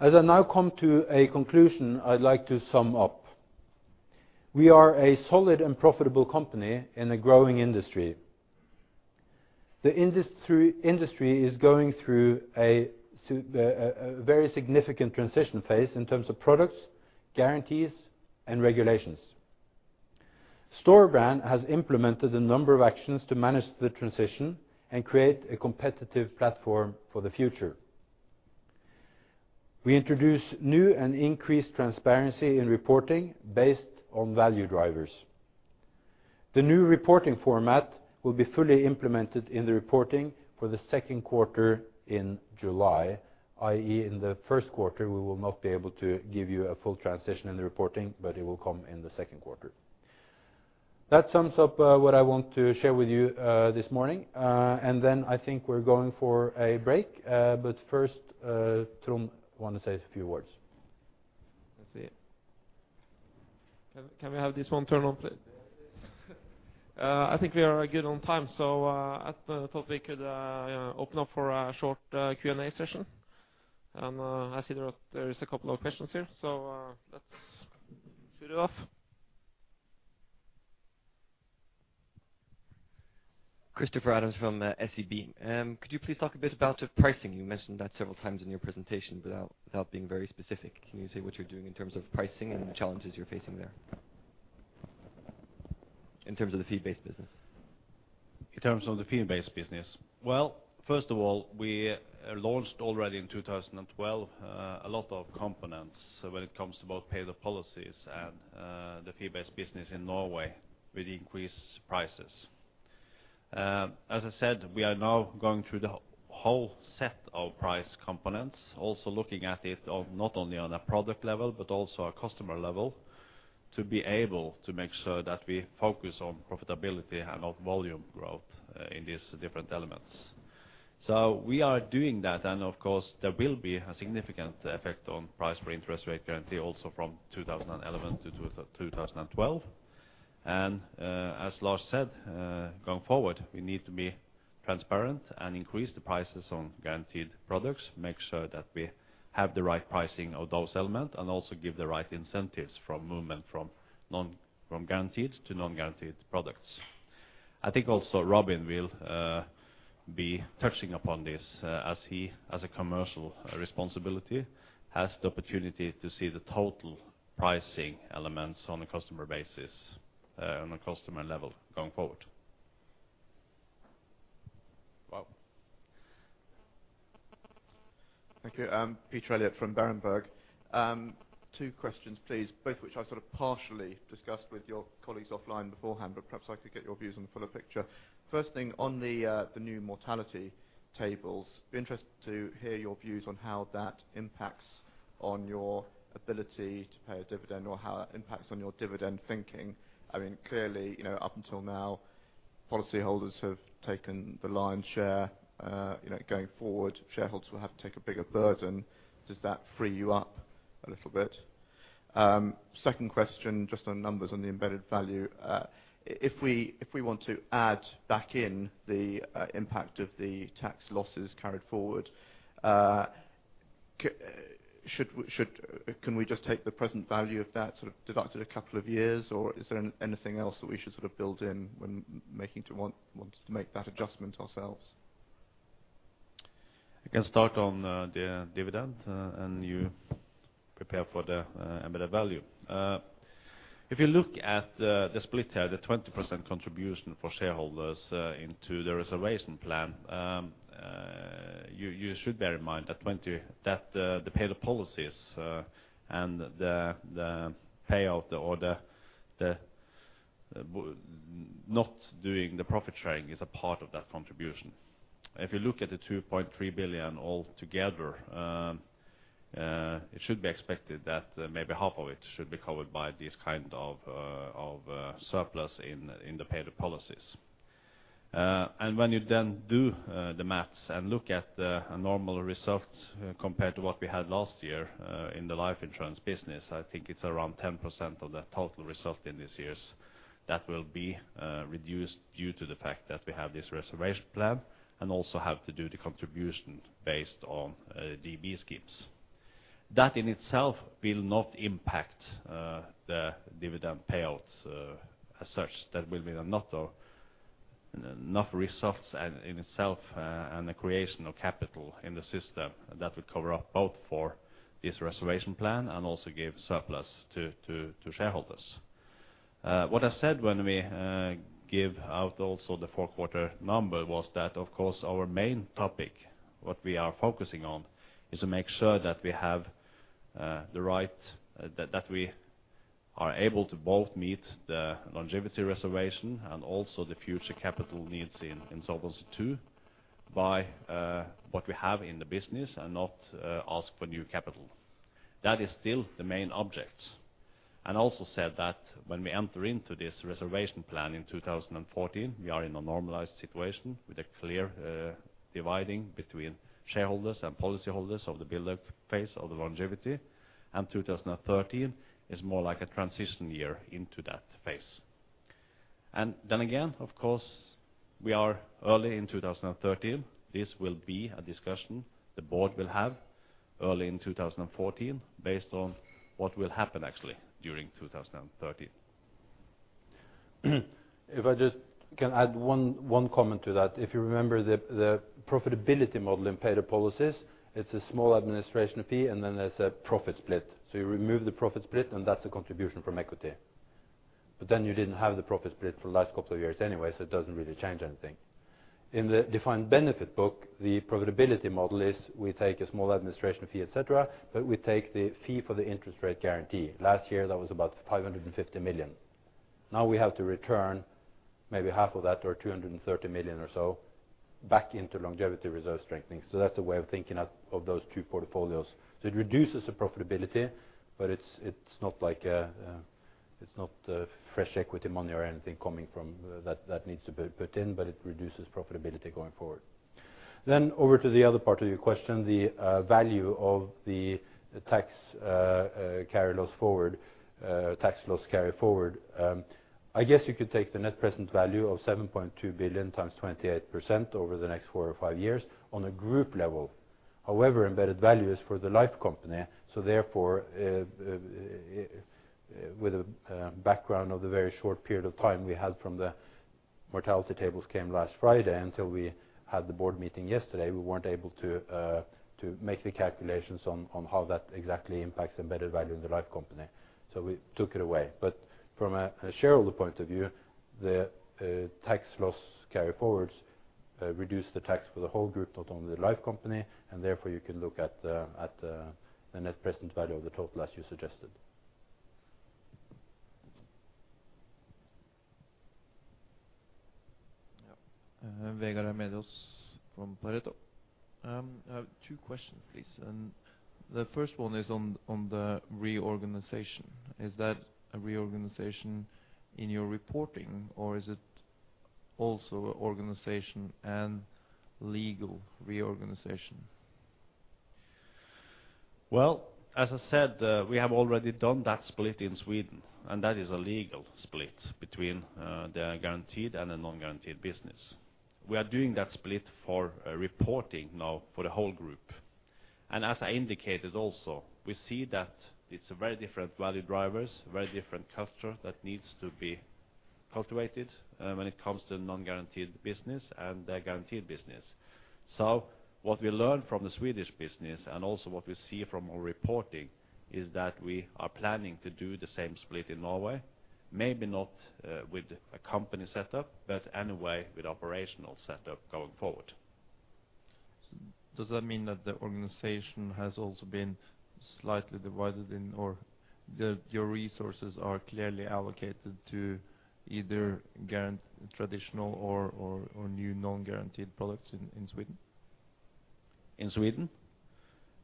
As I now come to a conclusion, I'd like to sum up. We are a solid and profitable company in a growing industry.... the industry is going through a very significant transition phase in terms of products, guarantees, and regulations. Storebrand has implemented a number of actions to manage the transition and create a competitive platform for the future. We introduce new and increased transparency in reporting based on value drivers. The new reporting format will be fully implemented in the reporting for the second quarter in July, i.e., in the first quarter, we will not be able to give you a full transition in the reporting, but it will come in the second quarter. That sums up what I want to share with you this morning. And then I think we're going for a break. But first, Trond want to say a few words. Let's see. Can we have this one turned on, please? I think we are good on time, so I thought we could open up for a short Q&A session. And I see there are—there is a couple of questions here, so let's start it off. Christopher Adams from SEB. Could you please talk a bit about the pricing? You mentioned that several times in your presentation without, without being very specific. Can you say what you're doing in terms of pricing and the challenges you're facing there? In terms of the fee-based business. In terms of the fee-based business. Well, first of all, we launched already in 2012 a lot of components when it comes to both paid-up policies and the fee-based business in Norway with increased prices. As I said, we are now going through the whole set of price components, also looking at it not only on a product level, but also a customer level, to be able to make sure that we focus on profitability and not volume growth in these different elements. So we are doing that, and of course, there will be a significant effect on price for interest rate guarantee also from 2011 to 2012. As Lars said, going forward, we need to be transparent and increase the prices on guaranteed products, make sure that we have the right pricing of those elements, and also give the right incentives for movement from guaranteed to non-guaranteed products. I think also Robin will be touching upon this, as he, as a commercial responsibility, has the opportunity to see the total pricing elements on a customer basis, on a customer level going forward. Well. Thank you. I'm Peter Elliott from Berenberg. Two questions, please, both which I sort of partially discussed with your colleagues offline beforehand, but perhaps I could get your views on the fuller picture. First thing, on the new mortality tables, be interested to hear your views on how that impacts on your ability to pay a dividend or how that impacts on your dividend thinking. I mean, clearly, you know, up until now, policyholders have taken the lion's share, you know, going forward, shareholders will have to take a bigger burden. Does that free you up a little bit? Second question, just on numbers on the Embedded Value. If we, if we want to add back in the impact of the tax losses carried forward, should we, should... Can we just take the present value of that, sort of, divided a couple of years, or is there anything else that we should sort of build in when we wanted to make that adjustment ourselves? I can start on the dividend, and you prepare for the Embedded Value. If you look at the split here, the 20% contribution for shareholders into the reservation plan, you should bear in mind that the paid-up policies, and the payout or the not doing the profit sharing is a part of that contribution. If you look at the 2.3 billion altogether, it should be expected that maybe half of it should be covered by this kind of surplus in the paid-up policies. And when you then do the math and look at the normal results compared to what we had last year, in the life insurance business, I think it's around 10% of the total result in this year. That will be reduced due to the fact that we have this reservation plan and also have to do the contribution based on DB schemes. That in itself will not impact the dividend payouts as such. That will be enough of, enough results and in itself and the creation of capital in the system that will cover up both for this reservation plan and also give surplus to shareholders. What I said when we give out also the fourth quarter number was that, of course, our main topic, what we are focusing on, is to make sure that we have the right. That, that we are able to both meet the longevity reservation and also the future capital needs in Solvency II by what we have in the business and not ask for new capital. That is still the main object. And also said that when we enter into this reservation plan in 2014, we are in a normalized situation with a clear dividing between shareholders and policyholders of the build-up phase of the longevity, and 2013 is more like a transition year into that phase. And then again, of course, we are early in 2013. This will be a discussion the board will have early in 2014, based on what will happen actually during 2013. If I just can add one comment to that. If you remember the profitability model in paid-up policies, it's a small administration fee, and then there's a profit split. So you remove the profit split, and that's the contribution from equity. But then you didn't have the profit split for the last couple of years anyway, so it doesn't really change anything. In the Defined Benefit book, the profitability model is we take a small administration fee, et cetera, but we take the fee for the interest rate guarantee. Last year, that was about 550 million. Now we have to return maybe half of that, or 230 million or so, back into longevity reserve strengthening. So that's a way of thinking out of those two portfolios. So it reduces the profitability, but it's not like a, it's not fresh equity money or anything coming from that that needs to be put in, but it reduces profitability going forward. Then over to the other part of your question, the value of the tax carry loss forward, tax loss carry forward. I guess you could take the net present value of 7.2 billion times 28% over the next four or five years on a group level. However, Embedded Value is for the life company, so therefore, with a background of the very short period of time we had from the mortality tables came last Friday until we had the board meeting yesterday, we weren't able to make the calculations on how that exactly impacts Embedded Value in the life company. So we took it away. But from a shareholder point of view, the tax loss carry forwards reduce the tax for the whole group, not only the life company, and therefore, you can look at the net present value of the total, as you suggested. Yeah. Vegard Toverud from Pareto. I have two questions, please, and the first one is on the reorganization. Is that a reorganization in your reporting, or is it also an organizational and legal reorganization? Well, as I said, we have already done that split in Sweden, and that is a legal split between, the guaranteed and the non-guaranteed business. We are doing that split for a reporting now for the whole group. And as I indicated also, we see that it's a very different value drivers, very different customer that needs to be cultivated, when it comes to non-guaranteed business and the guaranteed business. So what we learned from the Swedish business, and also what we see from our reporting, is that we are planning to do the same split in Norway, maybe not, with a company setup, but anyway, with operational setup going forward. So does that mean that the organization has also been slightly divided, or that your resources are clearly allocated to either guaranteed traditional or new non-guaranteed products in Sweden? In Sweden?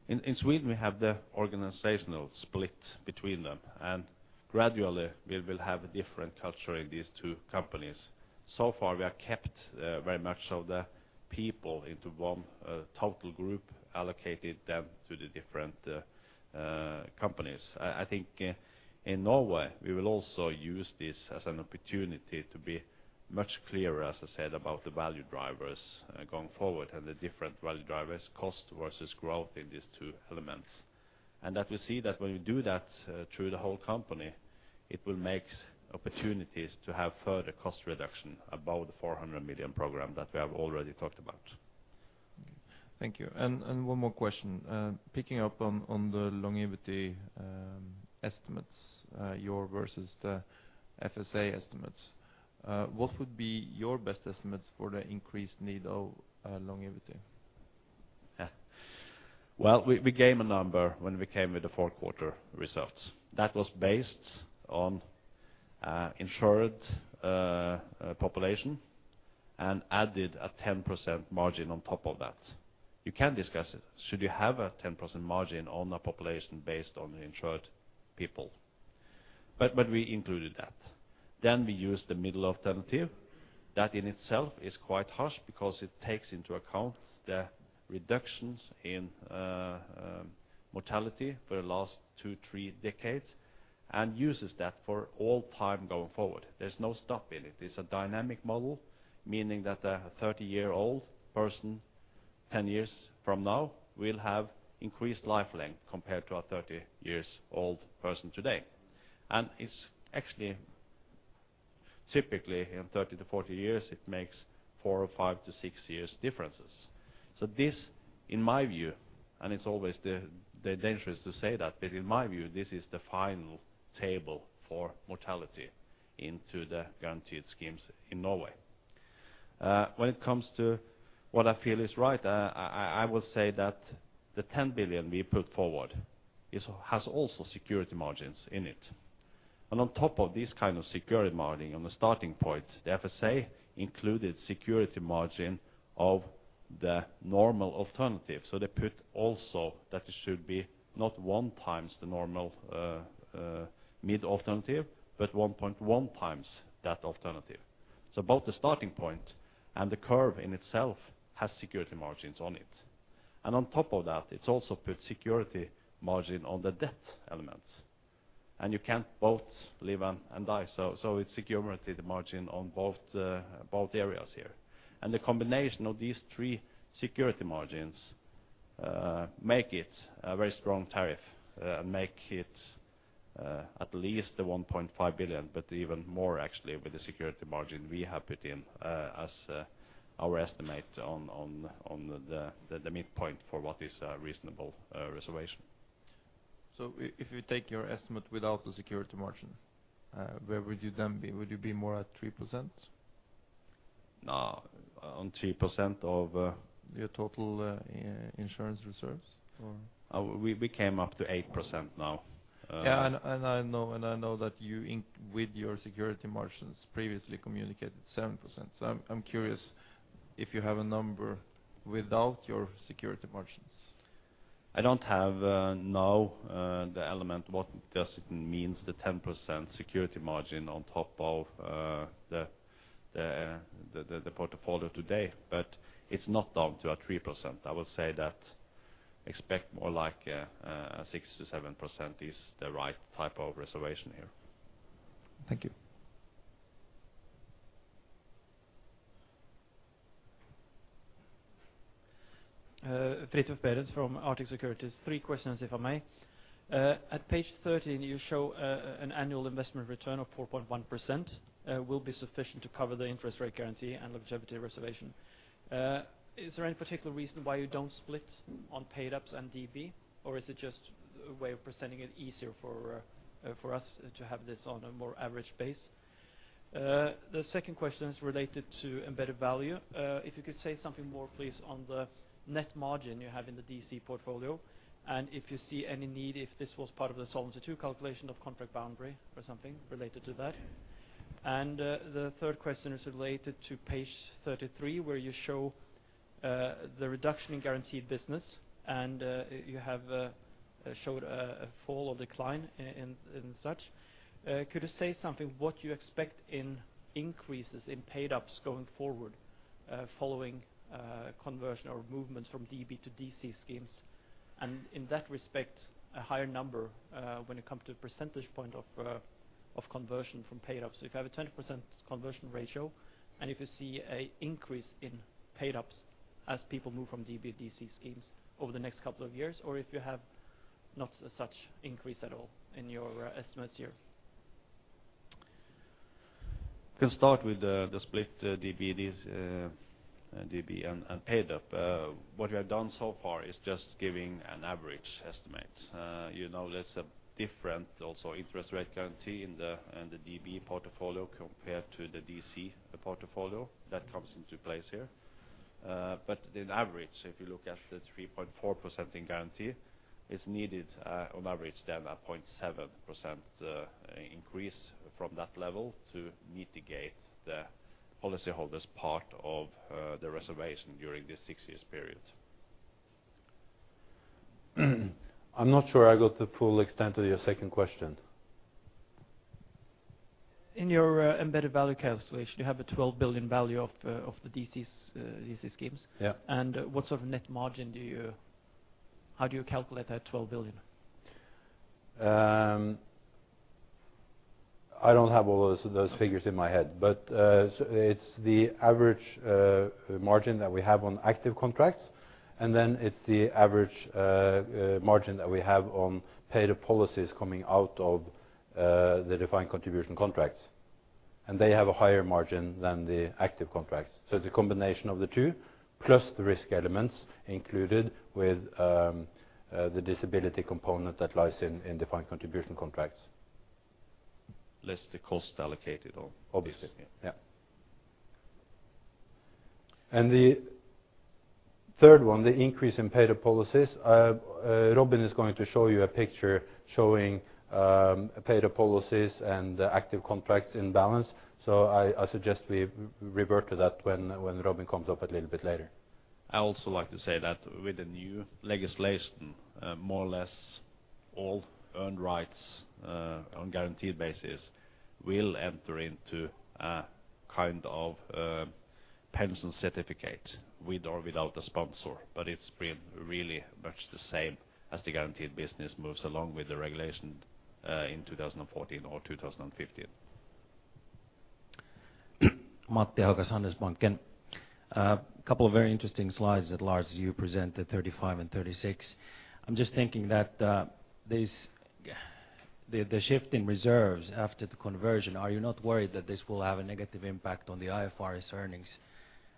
In Sweden, we have the organizational split between them, and gradually we will have a different culture in these two companies. So far, we have kept very much of the people into one total group, allocated them to the different companies. I think in Norway, we will also use this as an opportunity to be much clearer, as I said, about the value drivers going forward and the different value drivers, cost versus growth in these two elements. And that we see that when we do that through the whole company, it will make opportunities to have further cost reduction above the 400 million program that we have already talked about. Thank you. And one more question. Picking up on the longevity estimates, your versus the FSA estimates, what would be your best estimates for the increased need of longevity? Yeah. Well, we, we gave a number when we came with the fourth quarter results. That was based on insured population and added a 10% margin on top of that. You can discuss it. Should you have a 10% margin on a population based on the insured people? But, but we included that. Then we used the middle alternative. That in itself is quite harsh because it takes into account the reductions in mortality for the last two, three decades and uses that for all time going forward. There's no stopping it. It's a dynamic model, meaning that a 30-year-old person, 10 years from now, will have increased life length compared to a 30-year-old person today. And it's actually, typically, in 30-40 years, it makes four or five to six years differences. So this, in my view, and it's always the, the dangerous to say that, but in my view, this is the final table for mortality into the guaranteed schemes in Norway. When it comes to what I feel is right, I will say that the 10 billion we put forward is has also security margins in it. And on top of this kind of security margin, on the starting point, the FSA included security margin of the normal alternative. So they put also that it should be not one times the normal, mid alternative, but 1.1 times that alternative. So both the starting point and the curve in itself has security margins on it. And on top of that, it's also put security margin on the debt elements, and you can't both live and die. So, it's security, the margin on both areas here. And the combination of these three security margins make it a very strong tariff, make it at least 1.5 billion, but even more actually with the security margin we have put in, as our estimate on the midpoint for what is a reasonable reservation. If you take your estimate without the security margin, where would you then be? Would you be more at 3%? No, on 3% of, Your total, insurance reserves, or? We came up to 8% now. Yeah, and I know that you include with your security margins previously communicated 7%. So I'm curious if you have a number without your security margins. I don't have now the element, what does it means, the 10% security margin on top of the portfolio today. But it's not down to a 3%. I will say that expect more like 6%-7% is the right type of reservation here. Thank you. Fridtjof Berents from Arctic Securities. Three questions, if I may. At page 13, you show an annual investment return of 4.1% will be sufficient to cover the interest rate guarantee and longevity reservation. Is there any particular reason why you don't split on paid ups and DB? Or is it just a way of presenting it easier for us to have this on a more average base? The second question is related to Embedded Value. If you could say something more, please, on the net margin you have in the DC portfolio, and if you see any need, if this was part of the Solvency II calculation of contract boundary or something related to that. The third question is related to page 33, where you show the reduction in guaranteed business, and you have showed a fall or decline in such. Could you say something what you expect in increases in paid-ups going forward, following conversion or movement from DB to DC schemes? And in that respect, a higher number when it comes to percentage point of conversion from paid-up. So if you have a 20% conversion ratio, and if you see a increase in paid-ups as people move from DB to DC schemes over the next couple of years, or if you have not such increase at all in your estimates here. I can start with the split, DB, these, DB and paid up. What we have done so far is just giving an average estimate. You know, there's a different also interest rate guarantee in the DB portfolio compared to the DC portfolio. That comes into place here. But in average, if you look at the 3.4% in guarantee, it's needed, on average, then a 0.7% increase from that level to mitigate the policyholders' part of the reservation during this six years period. I'm not sure I got the full extent of your second question. In your Embedded Value calculation, you have a 12 billion value of the DCs, DC schemes. Yeah. What sort of net margin do you... How do you calculate that 12 billion? I don't have all those figures in my head, but it's the average margin that we have on active contracts, and then it's the average margin that we have on paid-up policies coming out of the defined contribution contracts. They have a higher margin than the active contracts. So it's a combination of the two, plus the risk elements included with the disability component that lies in defined contribution contracts, less the cost allocated on this. Obviously, yeah. The third one, the increase in paid-up policies, Robin is going to show you a picture showing paid-up policies and active contracts in balance. So I suggest we revert to that when Robin comes up a little bit later. I also like to say that with the new legislation, more or less all earned rights, on guaranteed basis will enter into a kind of, pension certificate, with or without a sponsor. But it's been really much the same as the guaranteed business moves along with the regulation, in 2014 or 2015. Matti Ahokas, Handelsbanken. A couple of very interesting slides that, Lars, you presented, 35 and 36. I'm just thinking that the shift in reserves after the conversion, are you not worried that this will have a negative impact on the IFRS earnings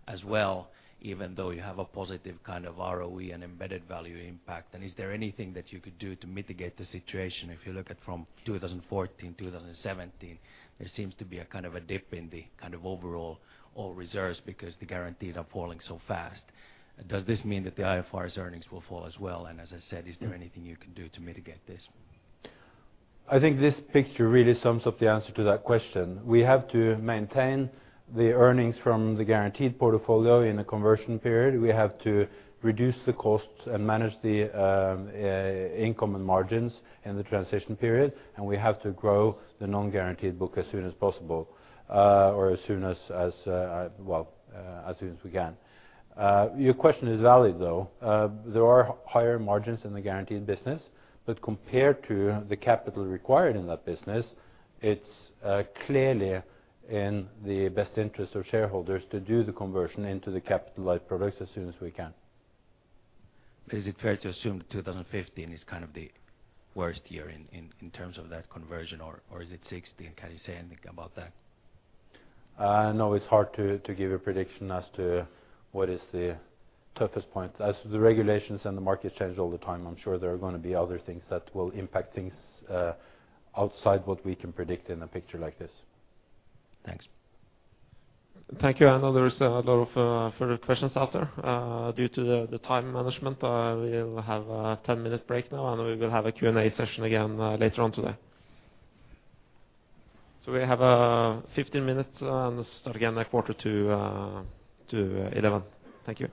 as well, even though you have a positive kind of ROE and Embedded Value impact? And is there anything that you could do to mitigate the situation? If you look at from 2014 to 2017, there seems to be a kind of a dip in the kind of overall reserves, because the guarantees are falling so fast. Does this mean that the IFRS earnings will fall as well? And as I said, is there anything you can do to mitigate this? I think this picture really sums up the answer to that question. We have to maintain the earnings from the guaranteed portfolio in a conversion period. We have to reduce the costs and manage the income and margins in the transition period, and we have to grow the non-guaranteed book as soon as possible, or as soon as, as, well, as soon as we can. Your question is valid, though. There are higher margins in the guaranteed business, but compared to the capital required in that business, it's clearly in the best interest of shareholders to do the conversion into the capitalized products as soon as we can.... Is it fair to assume that 2050 is kind of the worst year in terms of that conversion or is it 60? Can you say anything about that? No, it's hard to give a prediction as to what is the toughest point. As the regulations and the market change all the time, I'm sure there are gonna be other things that will impact things, outside what we can predict in a picture like this. Thanks. Thank you. I know there is a lot of further questions out there. Due to the time management, we'll have a 10-minute break now, and we will have a Q&A session again later on today. We have 15 minutes, and start again at 10:45 A.M. Thank you.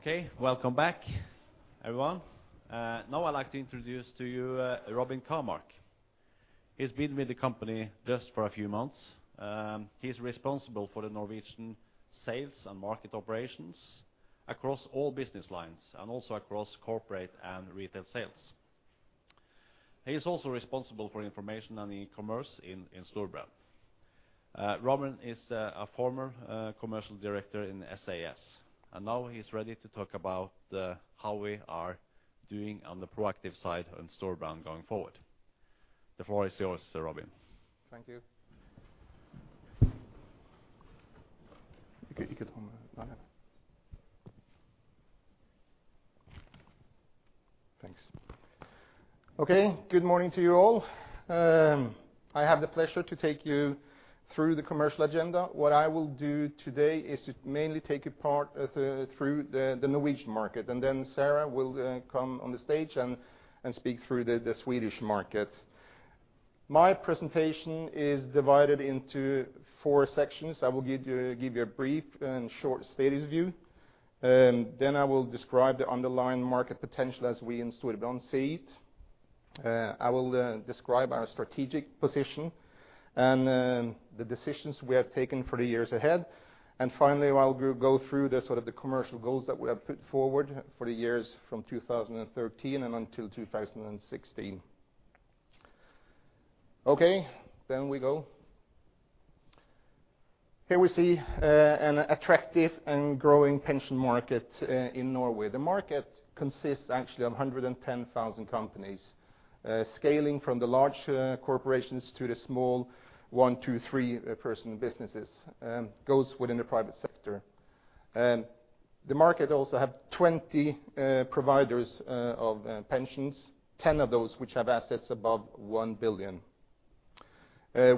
Okay, welcome back, everyone. Now I'd like to introduce to you, Robin Kamark. He's been with the company just for a few months. He's responsible for the Norwegian sales and market operations across all business lines and also across corporate and retail sales. He is also responsible for information and e-commerce in Storebrand. Robin is a former commercial director in SAS, and now he's ready to talk about how we are doing on the proactive side on Storebrand going forward. The floor is yours, Sir Robin. Thank you. You could, you could come there. Thanks. Okay, good morning to you all. I have the pleasure to take you through the commercial agenda. What I will do today is to mainly take you through the Norwegian market, and then Sarah will come on the stage and speak through the Swedish markets. My presentation is divided into four sections. I will give you a brief and short status view, then I will describe the underlying market potential as we in Storebrand see it. I will describe our strategic position and the decisions we have taken for the years ahead. And finally, I will go through the sort of the commercial goals that we have put forward for the years from 2013 and until 2016. Okay, then we go. Here we see an attractive and growing pension market in Norway. The market consists actually of 110,000 companies, scaling from the large corporations to the small one, two, three person businesses, goes within the private sector. The market also has 20 providers of pensions, 10 of those which have assets above 1 billion.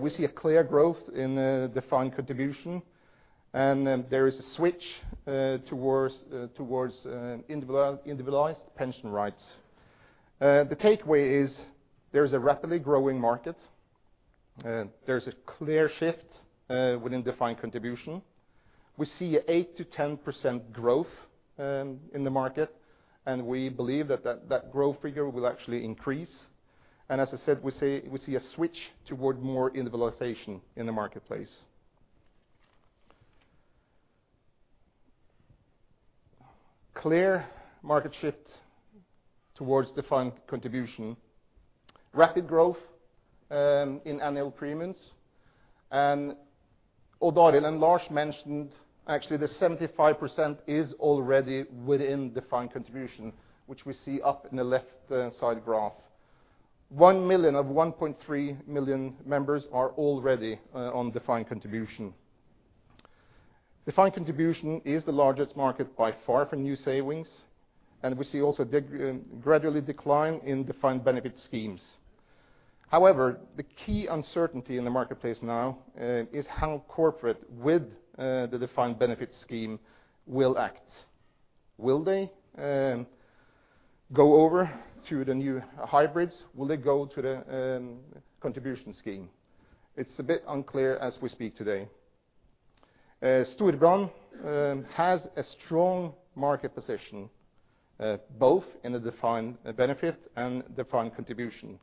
We see a clear growth in defined contribution, and then there is a switch towards individualized, individualized pension rights. The takeaway is there is a rapidly growing market? There's a clear shift within defined contribution. We see an 8%-10% growth in the market, and we believe that that growth figure will actually increase. As I said, we see a switch toward more individualization in the marketplace. Clear market shift towards defined contribution, rapid growth in annual premiums. Odd Arild and Lars mentioned, actually, the 75% is already within defined contribution, which we see up in the left side graph. 1 million of 1.3 million members are already on defined contribution. Defined contribution is the largest market by far for new savings, and we see also gradually decline in defined benefit schemes. However, the key uncertainty in the marketplace now is how corporate with the defined benefit scheme will act. Will they go over to the new hybrids? Will they go to the contribution scheme? It's a bit unclear as we speak today. Storebrand has a strong market position both in the defined benefit and defined contribution,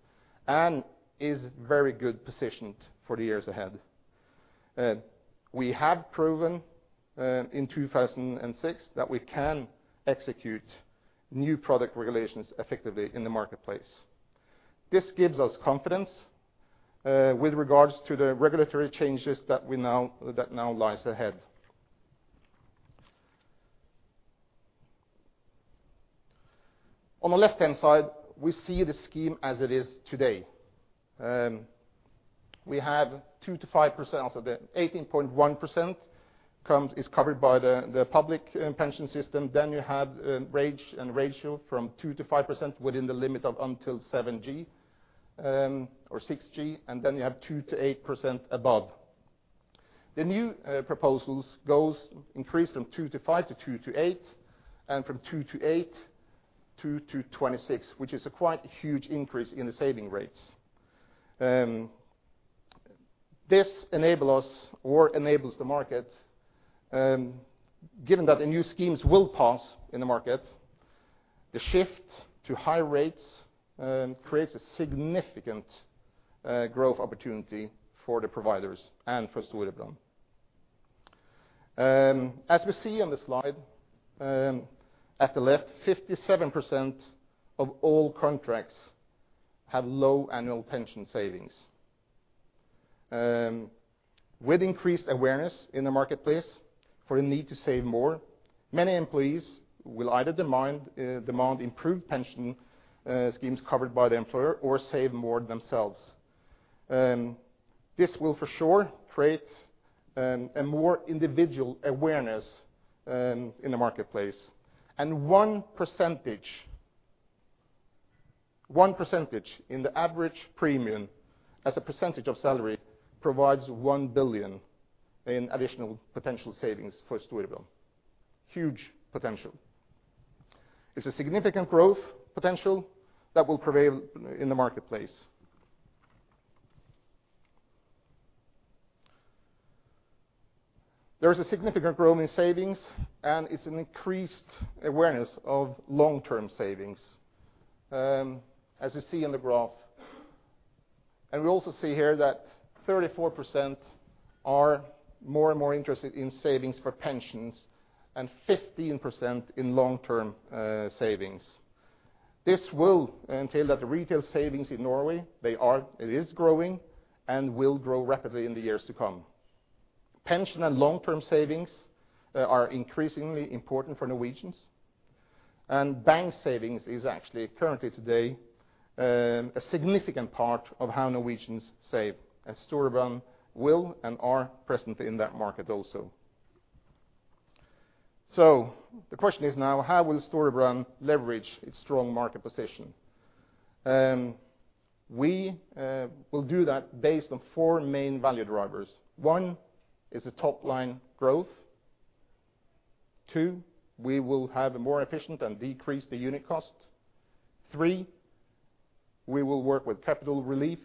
and is very good positioned for the years ahead. We have proven in 2006 that we can execute new product regulations effectively in the marketplace. This gives us confidence with regards to the regulatory changes that we now, that now lies ahead. On the left-hand side, we see the scheme as it is today. We have 2%-5%, so the 18.1% comes, is covered by the, the public pension system. Then you have range and ratio from 2%-5% within the limit of until 7G, or 6G, and then you have 2%-8% above. The new proposals goes increase from 2%-5% to 2%-8%, and from 2%-8% to 26%, which is a quite huge increase in the saving rates. This enable us or enables the market, given that the new schemes will pass in the market, the shift to high rates, creates a significant, growth opportunity for the providers and for Storebrand. As we see on the slide, at the left, 57% of all contracts have low annual pension savings. With increased awareness in the marketplace for the need to save more, many employees will either demand, demand improved pension, schemes covered by the employer or save more themselves. This will, for sure, create, a more individual awareness, in the marketplace. One percentage, one percentage in the average premium, as a percentage of salary, provides 1 billion in additional potential savings for Storebrand. Huge potential. It's a significant growth potential that will prevail in the marketplace. There is a significant growth in savings, and it's an increased awareness of long-term savings, as you see in the graph. And we also see here that 34% are more and more interested in savings for pensions and 15% in long-term savings. This will entail that the retail savings in Norway, it is growing and will grow rapidly in the years to come. Pension and long-term savings are increasingly important for Norwegians, and bank savings is actually currently today a significant part of how Norwegians save, and Storebrand will and are present in that market also. So the question is now: how will Storebrand leverage its strong market position? We will do that based on four main value drivers. One is the top line growth. Two, we will have a more efficient and decrease the unit cost. Three, we will work with capital relief.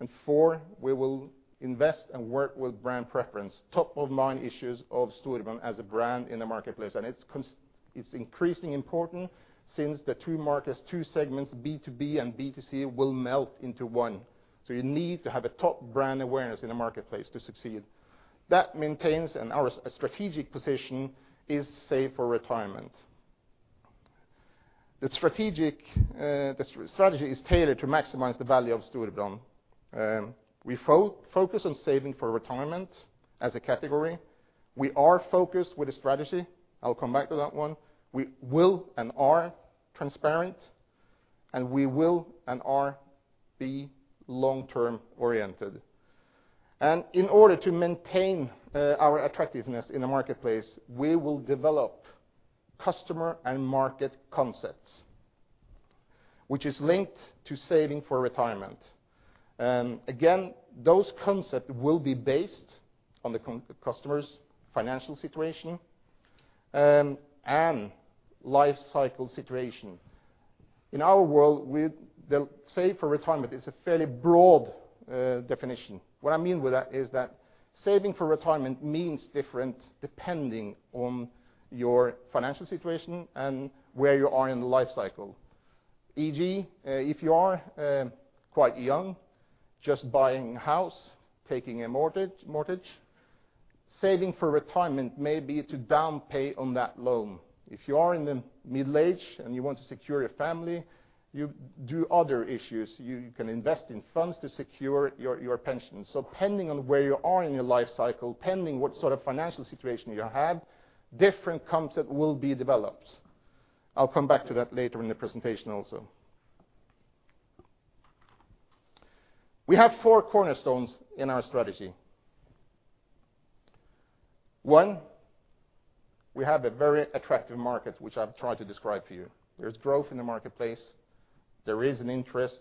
And four, we will invest and work with brand preference, top-of-mind issues of Storebrand as a brand in the marketplace, and it's increasingly important since the two markets, two segments, B to B and B to C, will melt into one. So you need to have a top brand awareness in the marketplace to succeed. That maintains and our strategic position is save for retirement. The strategic, the strategy is tailored to maximize the value of Storebrand. We focus on saving for retirement as a category. We are focused with a strategy. I'll come back to that one. We will and are transparent, and we will and are be long term oriented. And in order to maintain, our attractiveness in the marketplace, we will develop customer and market concepts, which is linked to saving for retirement. Again, those concepts will be based on the customer's financial situation and life cycle situation. In our world, with the save for retirement is a fairly broad definition. What I mean with that is that saving for retirement means different, depending on your financial situation and where you are in the life cycle. E.g., if you are quite young, just buying a house, taking a mortgage, saving for retirement may be to down payment on that loan. If you are in the middle age and you want to secure your family, you do other issues. You can invest in funds to secure your pension. So depending on where you are in your life cycle, depending what sort of financial situation you have, different concepts will be developed. I'll come back to that later in the presentation also. We have four cornerstones in our strategy. One, we have a very attractive market, which I've tried to describe to you. There's growth in the marketplace, there is an interest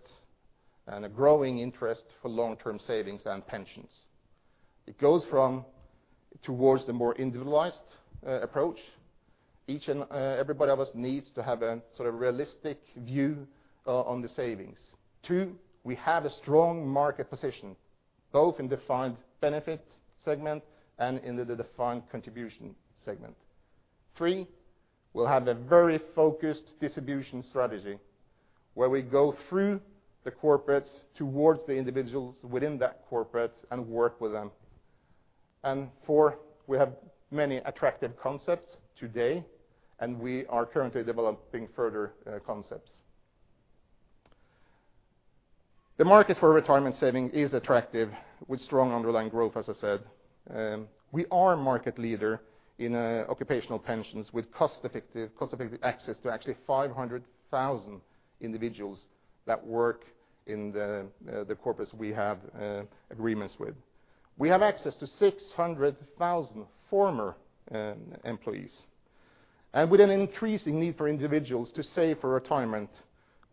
and a growing interest for long-term savings and pensions. It goes from towards the more individualized approach. Each and everybody of us needs to have a sort of realistic view on the savings. Two, we have a strong market position, both in defined benefit segment and in the defined contribution segment. Three, we'll have a very focused distribution strategy, where we go through the corporates towards the individuals within that corporate and work with them. And four, we have many attractive concepts today, and we are currently developing further concepts. The market for retirement saving is attractive, with strong underlying growth, as I said. We are a market leader in occupational pensions, with cost effective, cost effective access to actually 500,000 individuals that work in the corporates we have agreements with. We have access to 600,000 former employees. And with an increasing need for individuals to save for retirement,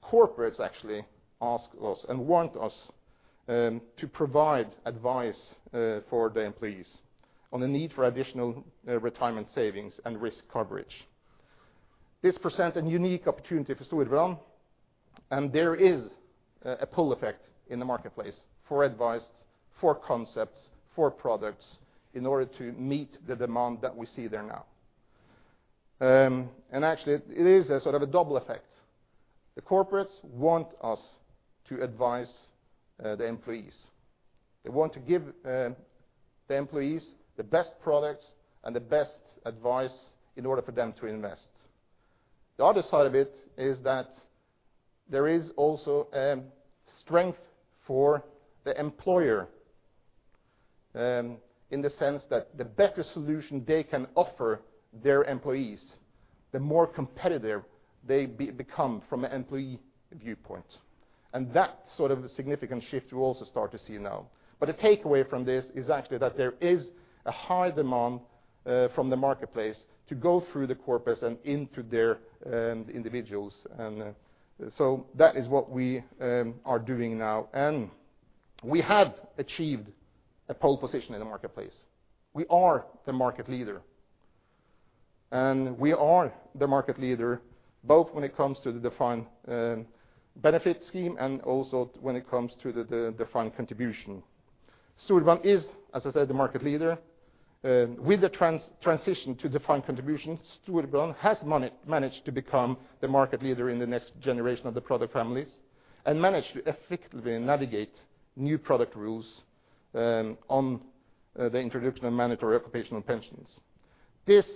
corporates actually ask us and want us to provide advice for their employees on the need for additional retirement savings and risk coverage. This presents a unique opportunity for Storebrand, and there is a pull effect in the marketplace for advice, for concepts, for products, in order to meet the demand that we see there now. And actually, it is a sort of a double effect. The corporates want us to advise the employees. They want to give the employees the best products and the best advice in order for them to invest. The other side of it is that there is also strength for the employer in the sense that the better solution they can offer their employees, the more competitive they become from an employee viewpoint. And that sort of a significant shift you also start to see now. But the takeaway from this is actually that there is a high demand from the marketplace to go through the corporates and into their individuals. And so that is what we are doing now, and we have achieved a pole position in the marketplace. We are the market leader, and we are the market leader, both when it comes to the defined benefit scheme and also when it comes to the defined contribution. Storebrand is, as I said, the market leader. With the transition to defined contribution, Storebrand has managed to become the market leader in the next generation of the product families, and managed to effectively navigate new product rules, on the introduction of mandatory occupational pensions. This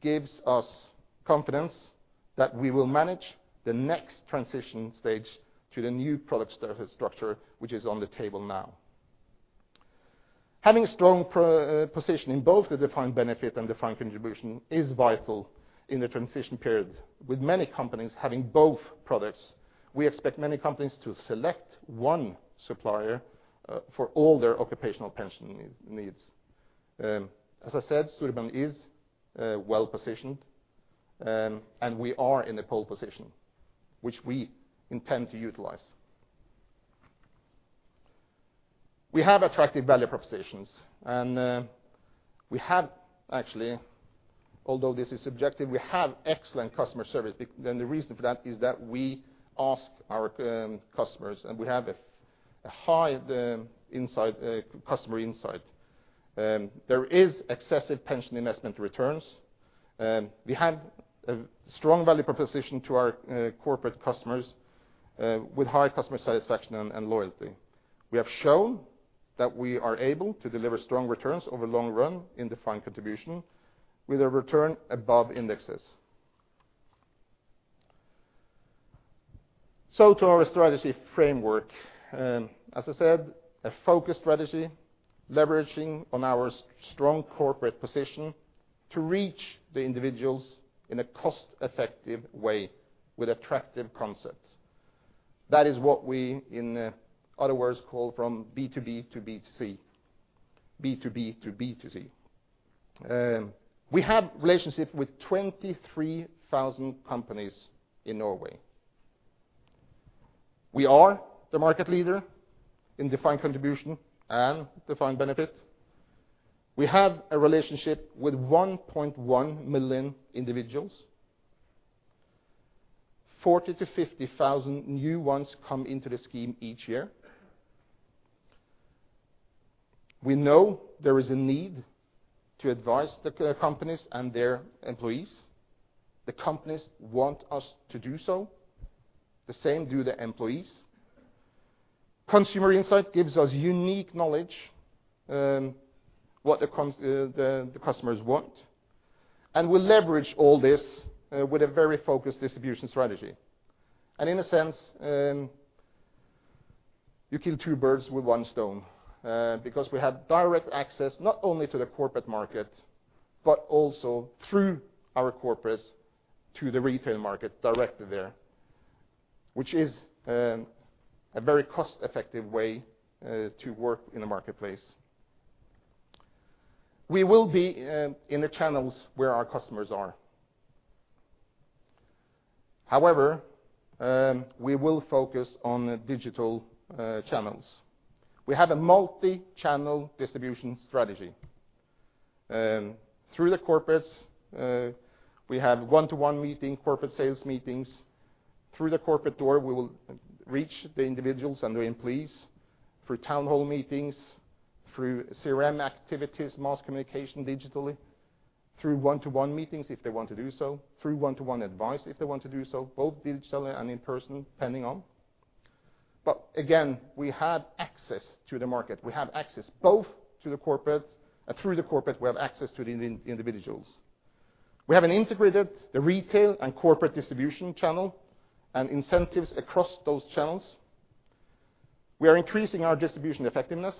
gives us confidence that we will manage the next transition stage to the new product structure, which is on the table now. Having a strong position in both the defined benefit and defined contribution is vital in the transition period. With many companies having both products, we expect many companies to select one supplier, for all their occupational pension needs. As I said, Storebrand is well positioned, and we are in a pole position, which we intend to utilize. We have attractive value propositions, and we have actually, although this is subjective, we have excellent customer service. The reason for that is that we ask our customers, and we have a high customer insight. There is excessive pension investment returns, we have a strong value proposition to our corporate customers, with high customer satisfaction and loyalty. We have shown that we are able to deliver strong returns over long run in defined contribution, with a return above indexes. To our strategy framework, as I said, a focused strategy, leveraging on our strong corporate position to reach the individuals in a cost-effective way with attractive concepts. That is what we, in other words, call from B2B to B2C, B2B to B2C. We have relationship with 23,000 companies in Norway. We are the market leader in defined contribution and defined benefit. We have a relationship with 1.1 million individuals. 40,000-50,000 new ones come into the scheme each year. We know there is a need to advise the companies and their employees. The companies want us to do so, the same do the employees. Consumer insight gives us unique knowledge, what the customers want, and we leverage all this with a very focused distribution strategy. And in a sense, you kill two birds with one stone, because we have direct access, not only to the corporate market, but also through our corporates to the retail market directly there, which is a very cost-effective way to work in the marketplace. We will be in the channels where our customers are. However, we will focus on the digital channels. We have a multi-channel distribution strategy. Through the corporates, we have one-to-one meeting, corporate sales meetings. Through the corporate door, we will reach the individuals and the employees, through town hall meetings, through CRM activities, mass communication digitally, through one-to-one meetings if they want to do so, through one-to-one advice if they want to do so, both digitally and in person, depending on. But again, we have access to the market. We have access both to the corporate, and through the corporate, we have access to the individuals. We have an integrated the retail and corporate distribution channel and incentives across those channels. We are increasing our distribution effectiveness,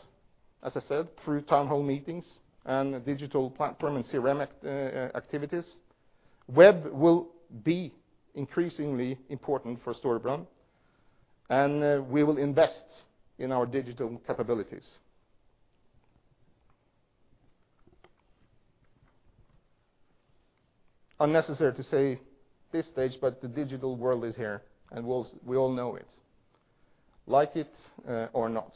as I said, through town hall meetings and digital platform and CRM activities. Web will be increasingly important for Storebrand, and we will invest in our digital capabilities. Unnecessary to say at this stage, but the digital world is here, and we'll, we all know it, like it or not.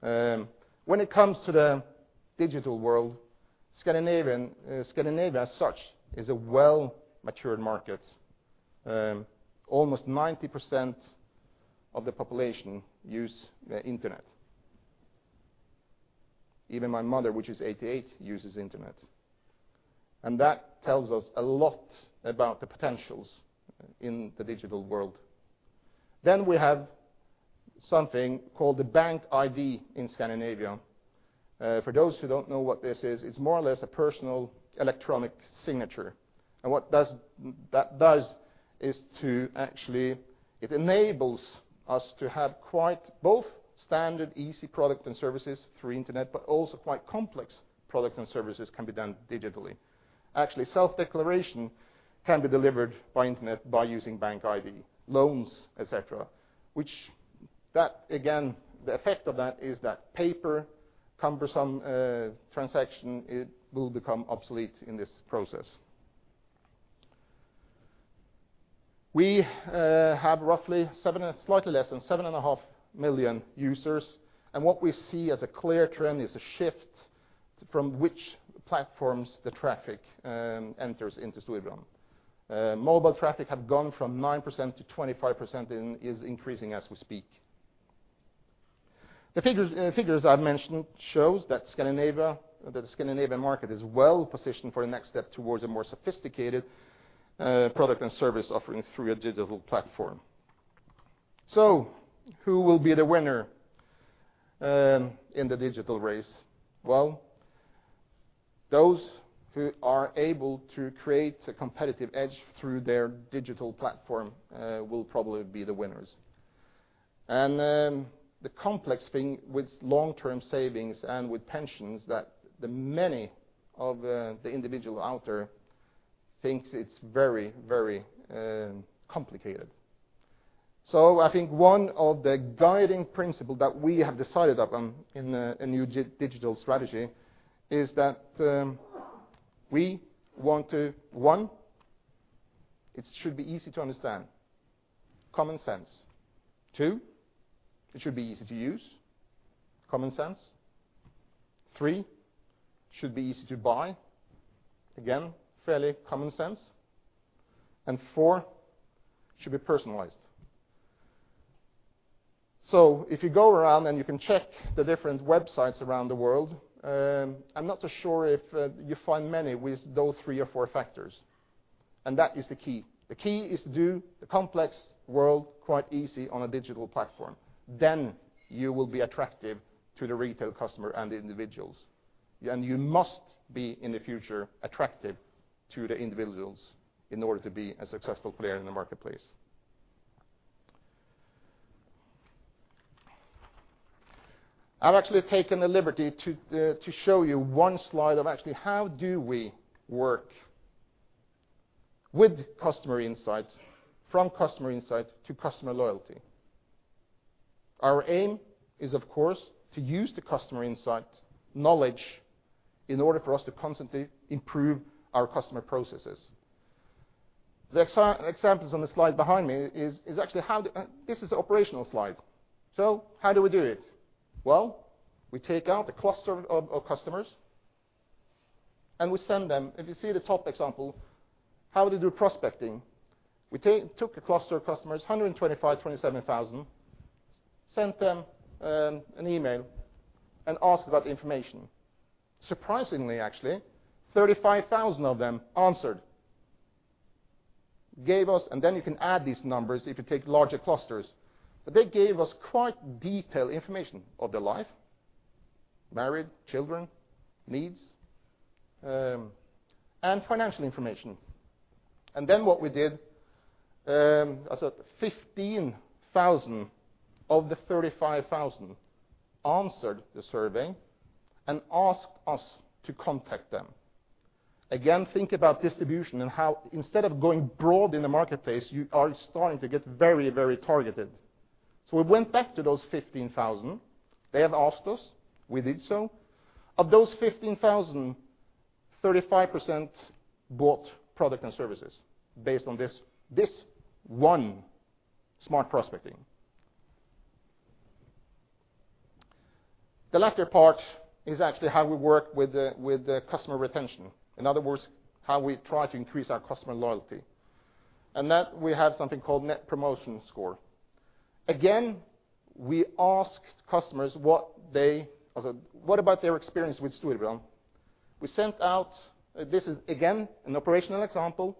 When it comes to the digital world, Scandinavia, as such, is a well-matured market. Almost 90% of the population use the internet. Even my mother, which is 88, uses internet, and that tells us a lot about the potentials in the digital world. Then we have something called the BankID in Scandinavia. For those who don't know what this is, it's more or less a personal electronic signature, and what that does is to actually. It enables us to have quite both standard, easy product and services through internet, but also quite complex products and services can be done digitally. Actually, self-declaration can be delivered by internet by using BankID, loans, et cetera, which that, again, the effect of that is that paper, cumbersome, transaction, it will become obsolete in this process. We have roughly 7 and slightly less than 7.5 million users, and what we see as a clear trend is a shift from which platforms the traffic enters into Storebrand. Mobile traffic have gone from 9%-25% and is increasing as we speak. The figures, figures I've mentioned shows that Scandinavia, that the Scandinavian market is well positioned for the next step towards a more sophisticated, product and service offerings through a digital platform. So who will be the winner in the digital race? Well, those who are able to create a competitive edge through their digital platform will probably be the winners. The complex thing with long-term savings and with pensions is that many of the individuals out there think it's very, very complicated. So I think one of the guiding principles that we have decided upon in a new digital strategy is that we want to, one, it should be easy to understand, common sense. Two, it should be easy to use, common sense. Three, should be easy to buy. Again, fairly common sense. And four, should be personalized. So if you go around and you can check the different websites around the world, I'm not so sure if you find many with those three or four factors, and that is the key. The key is to do the complex world quite easy on a digital platform, then you will be attractive to the retail customer and the individuals. You must be, in the future, attractive to the individuals in order to be a successful player in the marketplace. I've actually taken the liberty to show you one slide of actually how do we work with customer insights, from customer insight to customer loyalty. Our aim is, of course, to use the customer insight knowledge in order for us to constantly improve our customer processes. The examples on the slide behind me is actually how the this is the operational slide. So how do we do it? Well, we take out a cluster of customers, and we send them, if you see the top example, how to do prospecting. We took a cluster of customers, 125,127 thousand, sent them an email and asked about information. Surprisingly, actually, 35,000 of them answered, gave us... Then you can add these numbers if you take larger clusters. But they gave us quite detailed information of their life, married, children, needs, and financial information. And then what we did, as 15,000 of the 35,000 answered the survey and asked us to contact them. Again, think about distribution and how instead of going broad in the marketplace, you are starting to get very, very targeted. So we went back to those 15,000. They have asked us, we did so. Of those 15,000, 35% bought product and services based on this, this one smart prospecting. The latter part is actually how we work with the customer retention. In other words, how we try to increase our customer loyalty, and that we have something called Net Promoter Score. Again, we asked customers what they, as a, what about their experience with Storebrand? We sent out, this is again, an operational example,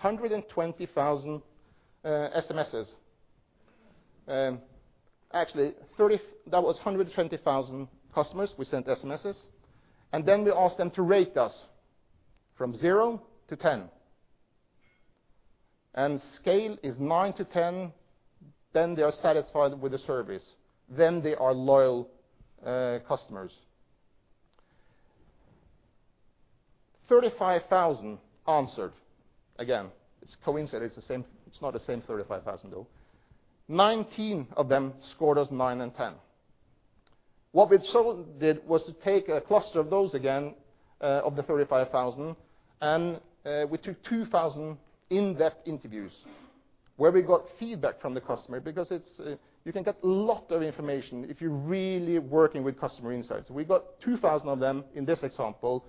120,000 SMS. Actually, that was 120,000 customers we sent SMS, and then we asked them to rate us from 0 to 10. And scale is 9 to 10, then they are satisfied with the service, then they are loyal, customers. 35,000 answered. Again, it's coincidence, it's the same, it's not the same 35,000, though. 19 of them scored us 9 and 10. What we so did was to take a cluster of those again, of the 35,000, and, we took 2,000 in-depth interviews where we got feedback from the customer, because it's, you can get a lot of information if you're really working with customer insights. We got 2,000 of them in this example,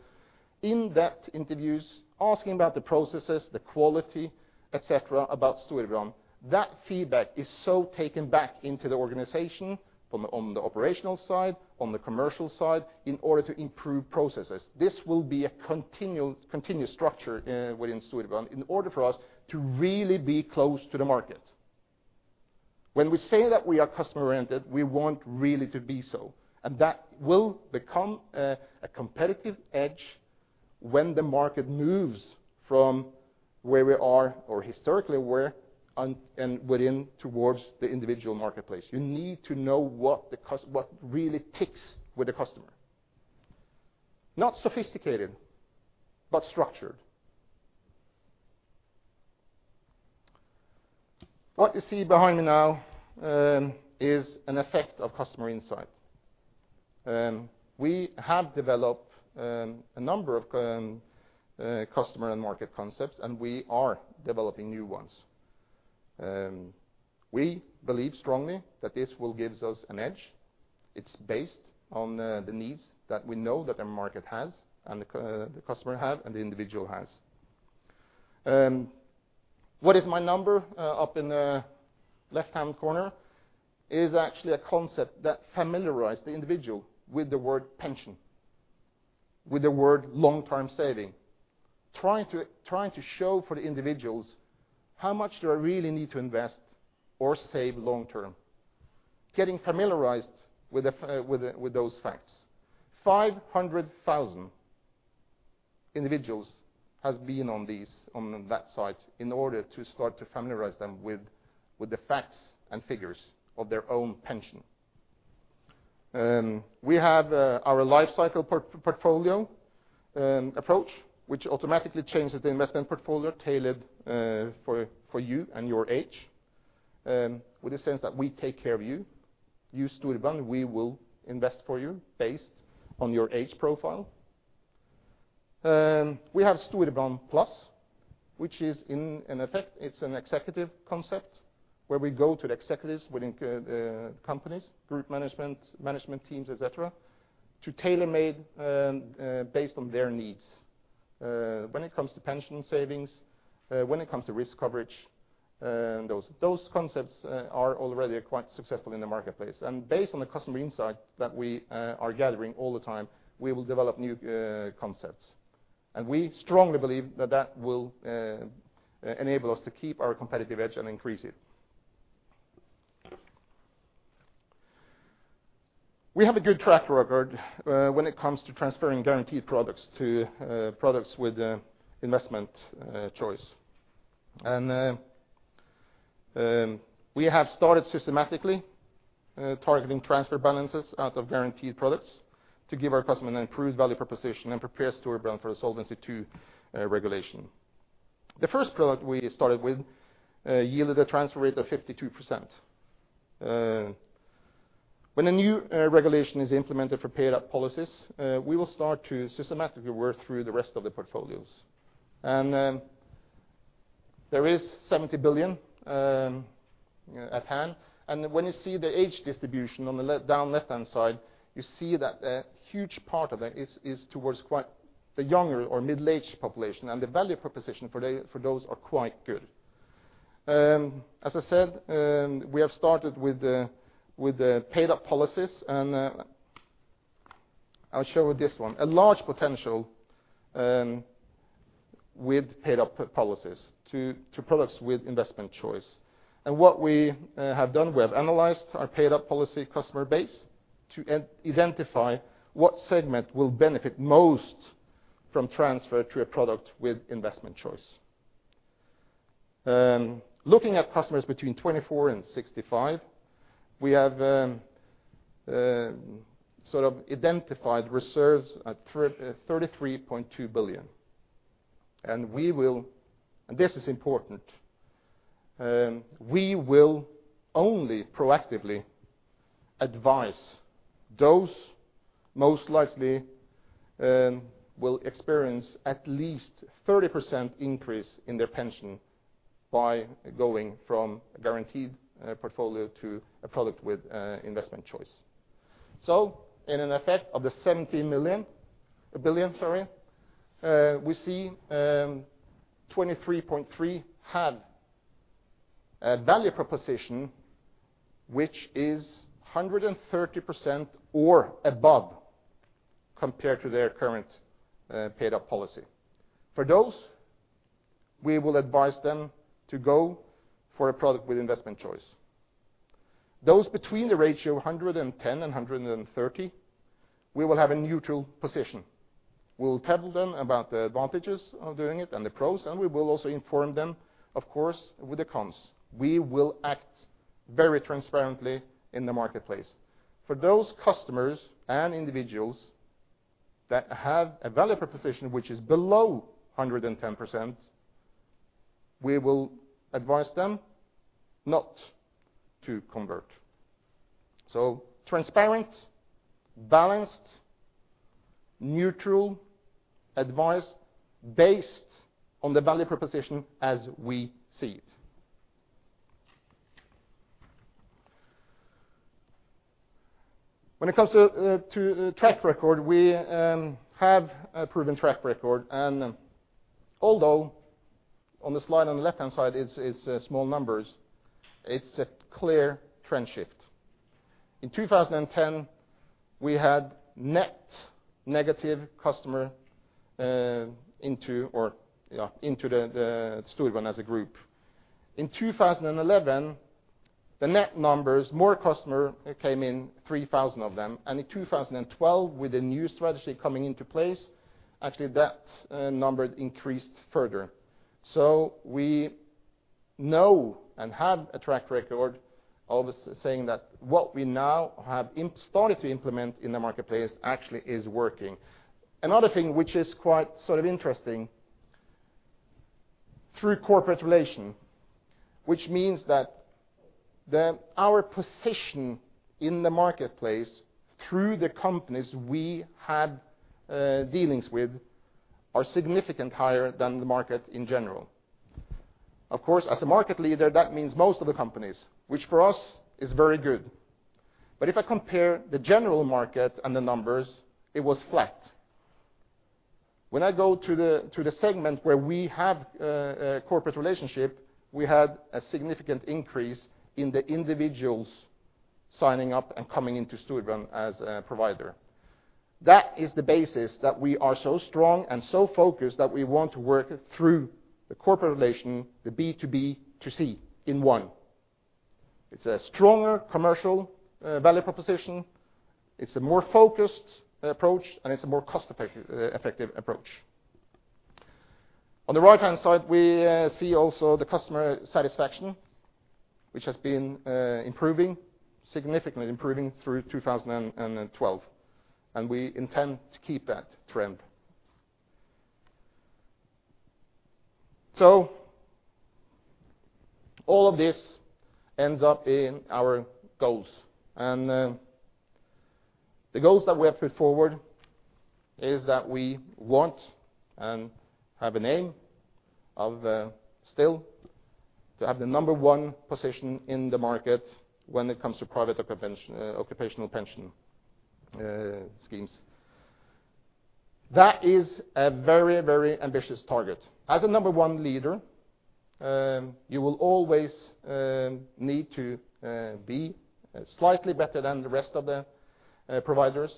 in-depth interviews, asking about the processes, the quality, et cetera, about Storebrand. That feedback is so taken back into the organization from on the operational side, on the commercial side, in order to improve processes. This will be a continual, continuous structure within Storebrand in order for us to really be close to the market. When we say that we are customer-oriented, we want really to be so, and that will become a, a competitive edge when the market moves from where we are or historically were, and, and within, towards the individual marketplace. You need to know what the cust- what really ticks with the customer. Not sophisticated, but structured. What you see behind me now is an effect of customer insight. We have developed a number of customer and market concepts, and we are developing new ones. We believe strongly that this will gives us an edge. It's based on the needs that we know that the market has, and the customer have, and the individual has. What is my number up in the left-hand corner is actually a concept that familiarize the individual with the word pension, with the word long-term saving, trying to show for the individuals how much do I really need to invest or save long term, getting familiarized with the facts. 500,000 individuals have been on these, on that site in order to start to familiarize them with the facts and figures of their own pension. We have our life cycle portfolio approach, which automatically changes the investment portfolio tailored for you and your age with a sense that we take care of you. Use Storebrand, we will invest for you based on your age profile. We have Storebrand Plus, which is in effect, it's an executive concept, where we go to the executives within companies, group management, management teams, et cetera, to tailor-made based on their needs. When it comes to pension savings, when it comes to risk coverage, those concepts are already quite successful in the marketplace. And based on the customer insight that we are gathering all the time, we will develop new concepts. And we strongly believe that that will enable us to keep our competitive edge and increase it. We have a good track record when it comes to transferring guaranteed products to products with investment choice. And we have started systematically targeting transfer balances out of guaranteed products to give our customer an improved value proposition and prepare Storebrand for a Solvency II regulation. The first product we started with yielded a transfer rate of 52%. When a new regulation is implemented for paid-up policies, we will start to systematically work through the rest of the portfolios. And there is 70 billion at hand. And when you see the age distribution on the left, down left-hand side, you see that a huge part of that is towards quite the younger or middle-aged population, and the value proposition for they, for those are quite good. As I said, we have started with the paid-up policies, and I'll show you this one. A large potential with paid-up policies to products with investment choice. What we have done, we have analyzed our paid-up policy customer base to identify what segment will benefit most from transfer to a product with investment choice. Looking at customers between 24 and 65, we have sort of identified reserves at 33.2 billion. We will, and this is important, only proactively advise those most likely will experience at least 30% increase in their pension by going from a guaranteed portfolio to a product with investment choice. So in effect of the 17 billion, we see 23.3 have a value proposition, which is 130% or above compared to their current paid-up policy. For those, we will advise them to go for a product with investment choice. Those between the ratio of 110 and 130, we will have a neutral position. We'll tell them about the advantages of doing it and the pros, and we will also inform them, of course, with the cons. We will act very transparently in the marketplace. For those customers and individuals that have a value proposition, which is below 110%, we will advise them not to convert. So transparent, balanced, neutral advice based on the value proposition as we see it. When it comes to track record, we have a proven track record, and although on the slide on the left-hand side, it's small numbers, it's a clear trend shift. In 2010, we had net negative customer into the Storebrand as a group. In 2011, the net numbers, more customer came in, 3,000 of them, and in 2012, with a new strategy coming into place, actually, that number increased further. So we know and have a track record of saying that what we now have started to implement in the marketplace actually is working. Another thing which is quite sort of interesting, through corporate relation, which means that our position in the marketplace, through the companies we have dealings with, are significant higher than the market in general. Of course, as a market leader, that means most of the companies, which for us is very good. But if I compare the general market and the numbers, it was flat. When I go to the segment where we have a corporate relationship, we had a significant increase in the individuals signing up and coming into Storebrand as a provider. That is the basis that we are so strong and so focused that we want to work through the corporate relation, the B2B2C in one. It's a stronger commercial value proposition, it's a more focused approach, and it's a more cost-effective effective approach. On the right-hand side, we see also the customer satisfaction, which has been improving, significantly improving through 2012, and we intend to keep that trend. So all of this ends up in our goals. The goals that we have put forward is that we want and have an aim of still to have the number one position in the market when it comes to private occupational pension schemes. That is a very, very ambitious target. As a number one leader, you will always need to be slightly better than the rest of the providers.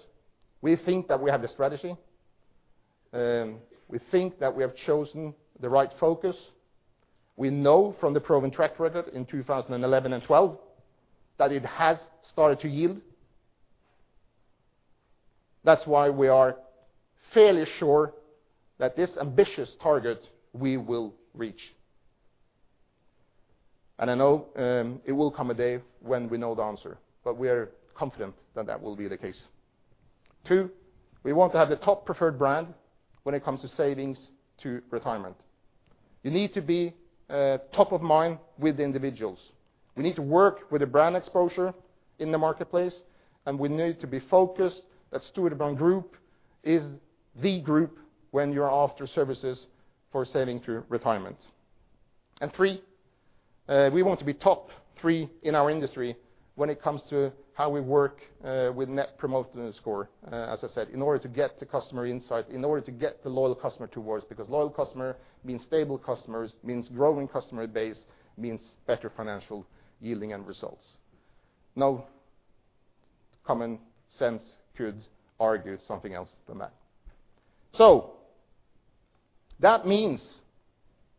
We think that we have the strategy. We think that we have chosen the right focus. We know from the proven track record in 2011 and 2012, that it has started to yield. That's why we are fairly sure that this ambitious target we will reach. And I know, it will come a day when we know the answer, but we are confident that that will be the case... Two, we want to have the top preferred brand when it comes to savings to retirement. You need to be top of mind with individuals. We need to work with the brand exposure in the marketplace, and we need to be focused that Storebrand Group is the group when you're after services for saving through retirement. And three, we want to be top three in our industry when it comes to how we work with Net Promoter Score, as I said, in order to get the customer insight, in order to get the loyal customer to us, because loyal customer means stable customers, means growing customer base, means better financial yielding and results. No common sense could argue something else than that. So that means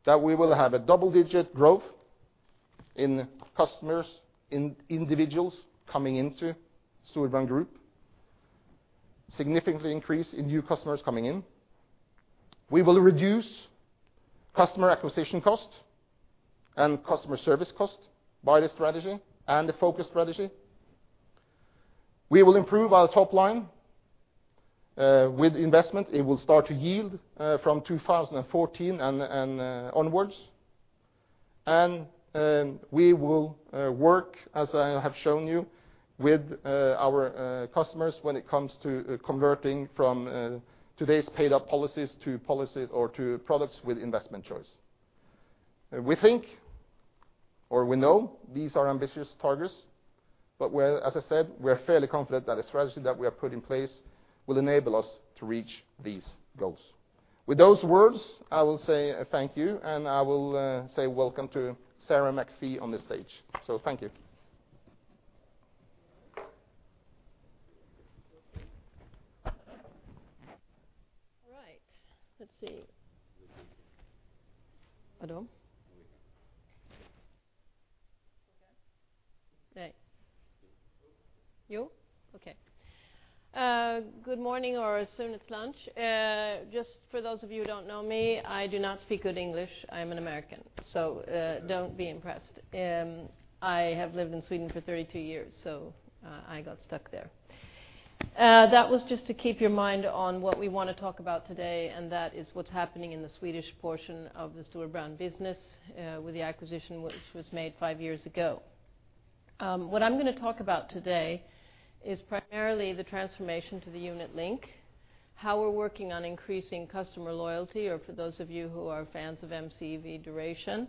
that we will have a double-digit growth in customers, in individuals coming into Storebrand Group, significantly increase in new customers coming in. We will reduce customer acquisition cost and customer service cost by the strategy and the focus strategy. We will improve our top line with investment. It will start to yield from 2014 and onwards. We will work, as I have shown you, with our customers when it comes to converting from today's paid-up policies to policy or to products with investment choice. We think, or we know, these are ambitious targets, but well, as I said, we're fairly confident that the strategy that we have put in place will enable us to reach these goals. With those words, I will say thank you, and I will say welcome to Sarah McPhee on the stage. Thank you. All right, let's see. Hello? You? Okay. Good morning, or soon it's lunch. Just for those of you who don't know me, I do not speak good English. I'm an American, so, don't be impressed. I have lived in Sweden for 32 years, so, I got stuck there. That was just to keep your mind on what we wanna talk about today, and that is what's happening in the Swedish portion of the Storebrand business, with the acquisition which was made five years ago. What I'm gonna talk about today is primarily the transformation to the unit-linked, how we're working on increasing customer loyalty, or for those of you who are fans of MCEV duration,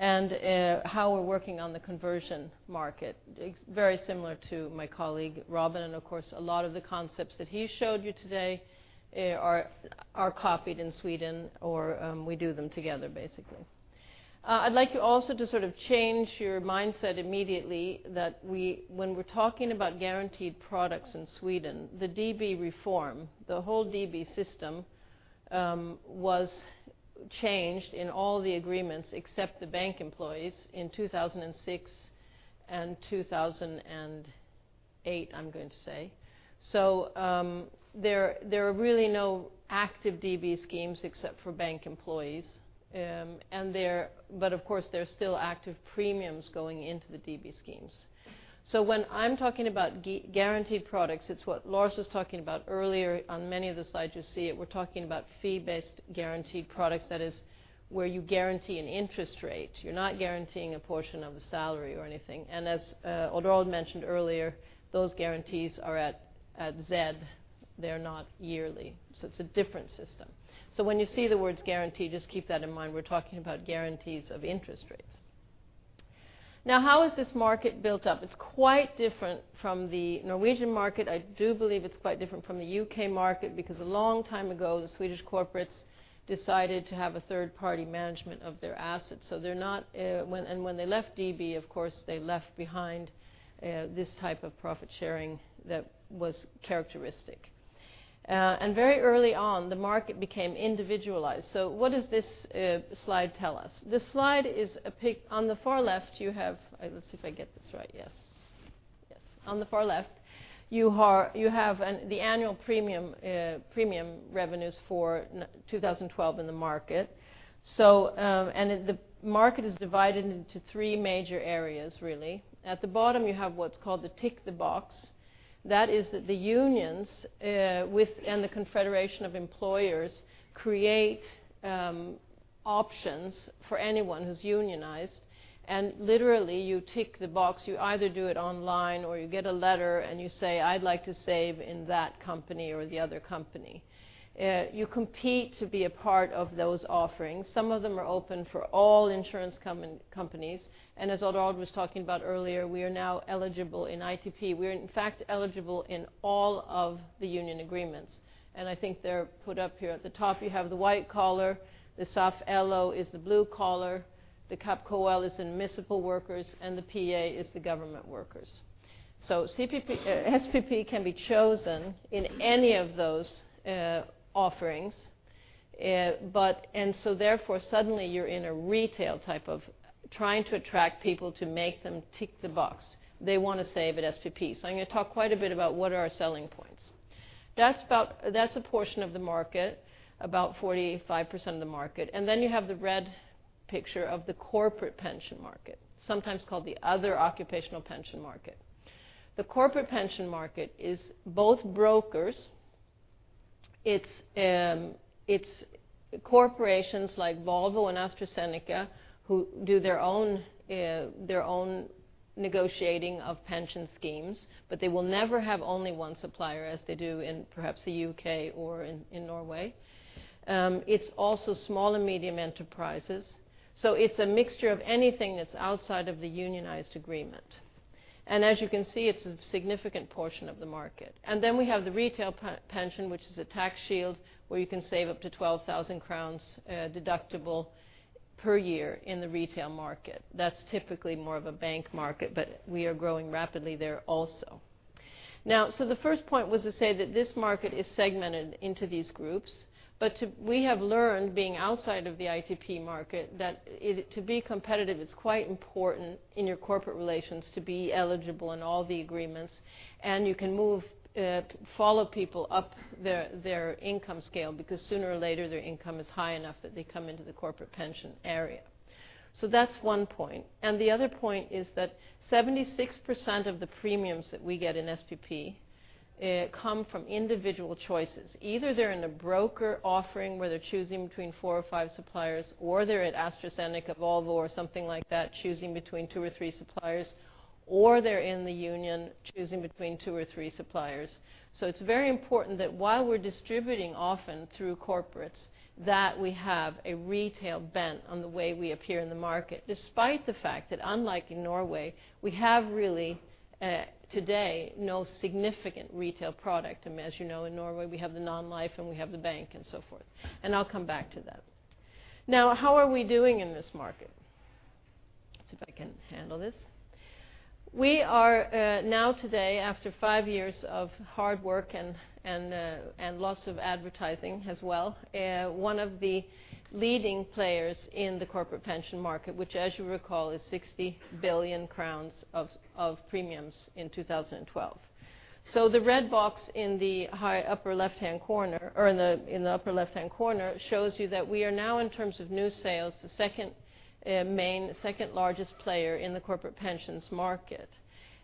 and, how we're working on the conversion market. It's very similar to my colleague, Robin, and of course, a lot of the concepts that he showed you today are copied in Sweden, or we do them together, basically. I'd like you also to sort of change your mindset immediately that we—when we're talking about guaranteed products in Sweden, the DB reform, the whole DB system was changed in all the agreements, except the bank employees in 2006 and 2008, I'm going to say. So, there are really no active DB schemes except for bank employees, and there. But of course, there are still active premiums going into the DB schemes. So when I'm talking about guaranteed products, it's what Lars was talking about earlier. On many of the slides, you see it. We're talking about fee-based guaranteed products. That is, where you guarantee an interest rate. You're not guaranteeing a portion of the salary or anything. And as Odd Arild mentioned earlier, those guarantees are at zero. They're not yearly, so it's a different system. So when you see the words guarantee, just keep that in mind. We're talking about guarantees of interest rates. Now, how is this market built up? It's quite different from the Norwegian market. I do believe it's quite different from the U.K. market, because a long time ago, the Swedish corporates decided to have a third-party management of their assets. So they're not. And when they left DB, of course, they left behind this type of profit-sharing that was characteristic. And very early on, the market became individualized. So what does this slide tell us? This slide is a pic... On the far left, you have. Let's see if I get this right. Yes. Yes. On the far left, you have the annual premium revenues for 2012 in the market. So, the market is divided into three major areas, really. At the bottom, you have what's called the tick-the-box. That is, the unions and the Confederation of Employers create options for anyone who's unionized. And literally, you tick the box. You either do it online, or you get a letter, and you say, "I'd like to save in that company or the other company." You compete to be a part of those offerings. Some of them are open for all insurance companies, and as Odd Arild was talking about earlier, we are now eligible in ITP. We're in fact eligible in all of the union agreements, and I think they're put up here. At the top, you have the white collar, the soft yellow is the blue collar, the KAP-KL is the municipal workers, and the PA is the government workers. So, SPP can be chosen in any of those offerings, but and so therefore, suddenly you're in a retail type of trying to attract people to make them tick the box. They wanna save at SPP. So I'm gonna talk quite a bit about what are our selling points. That's a portion of the market, about 45% of the market, and then you have the red picture of the corporate pension market, sometimes called the other occupational pension market. The corporate pension market is both brokers, it's, it's corporations like Volvo and AstraZeneca, who do their own, their own negotiating of pension schemes, but they will never have only one supplier, as they do in perhaps the U.K. or in Norway. It's also small and medium enterprises, so it's a mixture of anything that's outside of the unionized agreement. As you can see, it's a significant portion of the market. We have the retail pension, which is a tax shield, where you can save up to 12,000 crowns deductible per year in the retail market. That's typically more of a bank market, but we are growing rapidly there also. The first point was to say that this market is segmented into these groups, but we have learned, being outside of the ITP market, that it... To be competitive, it's quite important in your corporate relations to be eligible in all the agreements, and you can move, follow people up their income scale, because sooner or later, their income is high enough that they come into the corporate pension area. So that's one point. And the other point is that 76% of the premiums that we get in SPP come from individual choices. Either they're in a broker offering where they're choosing between four or five suppliers, or they're at AstraZeneca, Volvo, or something like that, choosing between two or three suppliers, or they're in the union, choosing between two or three suppliers. So it's very important that while we're distributing often through corporates, that we have a retail bent on the way we appear in the market, despite the fact that, unlike in Norway, we have really today no significant retail product. And as you know, in Norway, we have the non-life, and we have the bank, and so forth. And I'll come back to that. Now, how are we doing in this market? Let's see if I can handle this. We are now today, after five years of hard work and lots of advertising as well, one of the leading players in the corporate pension market, which, as you recall, is 60 billion crowns of premiums in 2012. So the red box in the high upper left-hand corner, or in the upper left-hand corner, shows you that we are now, in terms of new sales, the second main—second largest player in the corporate pensions market.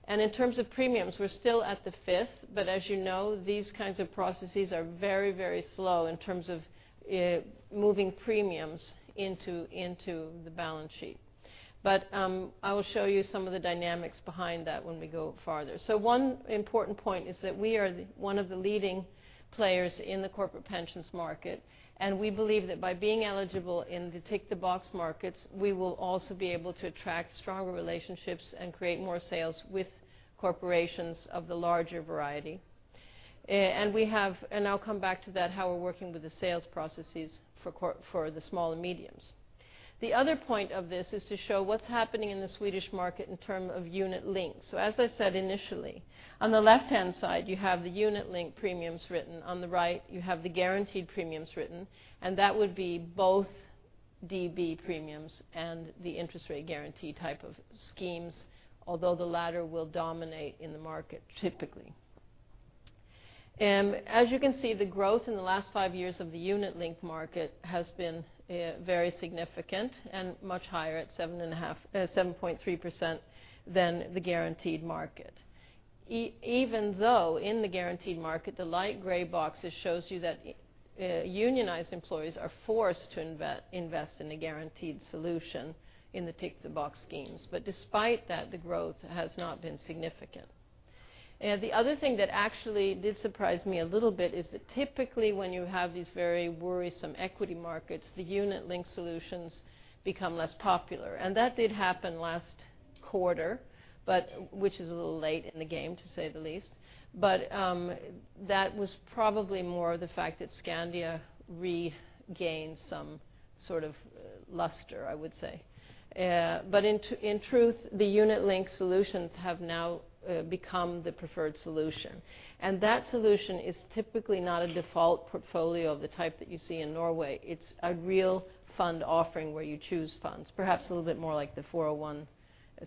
And in terms of premiums, we're still at the fifth, but as you know, these kinds of processes are very, very slow in terms of moving premiums into the balance sheet. But I will show you some of the dynamics behind that when we go farther. So one important point is that we are one of the leading players in the corporate pensions market, and we believe that by being eligible in the tick-the-box markets, we will also be able to attract stronger relationships and create more sales with corporations of the larger variety. And we have... I'll come back to that, how we're working with the sales processes for the small and mediums. The other point of this is to show what's happening in the Swedish market in terms of unit links. So as I said initially, on the left-hand side, you have the unit link premiums written. On the right, you have the guaranteed premiums written, and that would be both DB premiums and the interest rate guarantee type of schemes, although the latter will dominate in the market, typically. As you can see, the growth in the last five years of the unit-linked market has been very significant and much higher at 7.5%, 7.3% than the guaranteed market. Even though in the guaranteed market, the light gray boxes shows you that unionized employees are forced to invest in a guaranteed solution in the tick-the-box schemes. But despite that, the growth has not been significant. And the other thing that actually did surprise me a little bit is that typically, when you have these very worrisome equity markets, the unit-linked solutions become less popular. And that did happen last quarter, but which is a little late in the game, to say the least. But that was probably more the fact that Skandia regained some sort of luster, I would say. But in truth, the unit-linked solutions have now become the preferred solution. And that solution is typically not a default portfolio of the type that you see in Norway. It's a real fund offering where you choose funds, perhaps a little bit more like the 401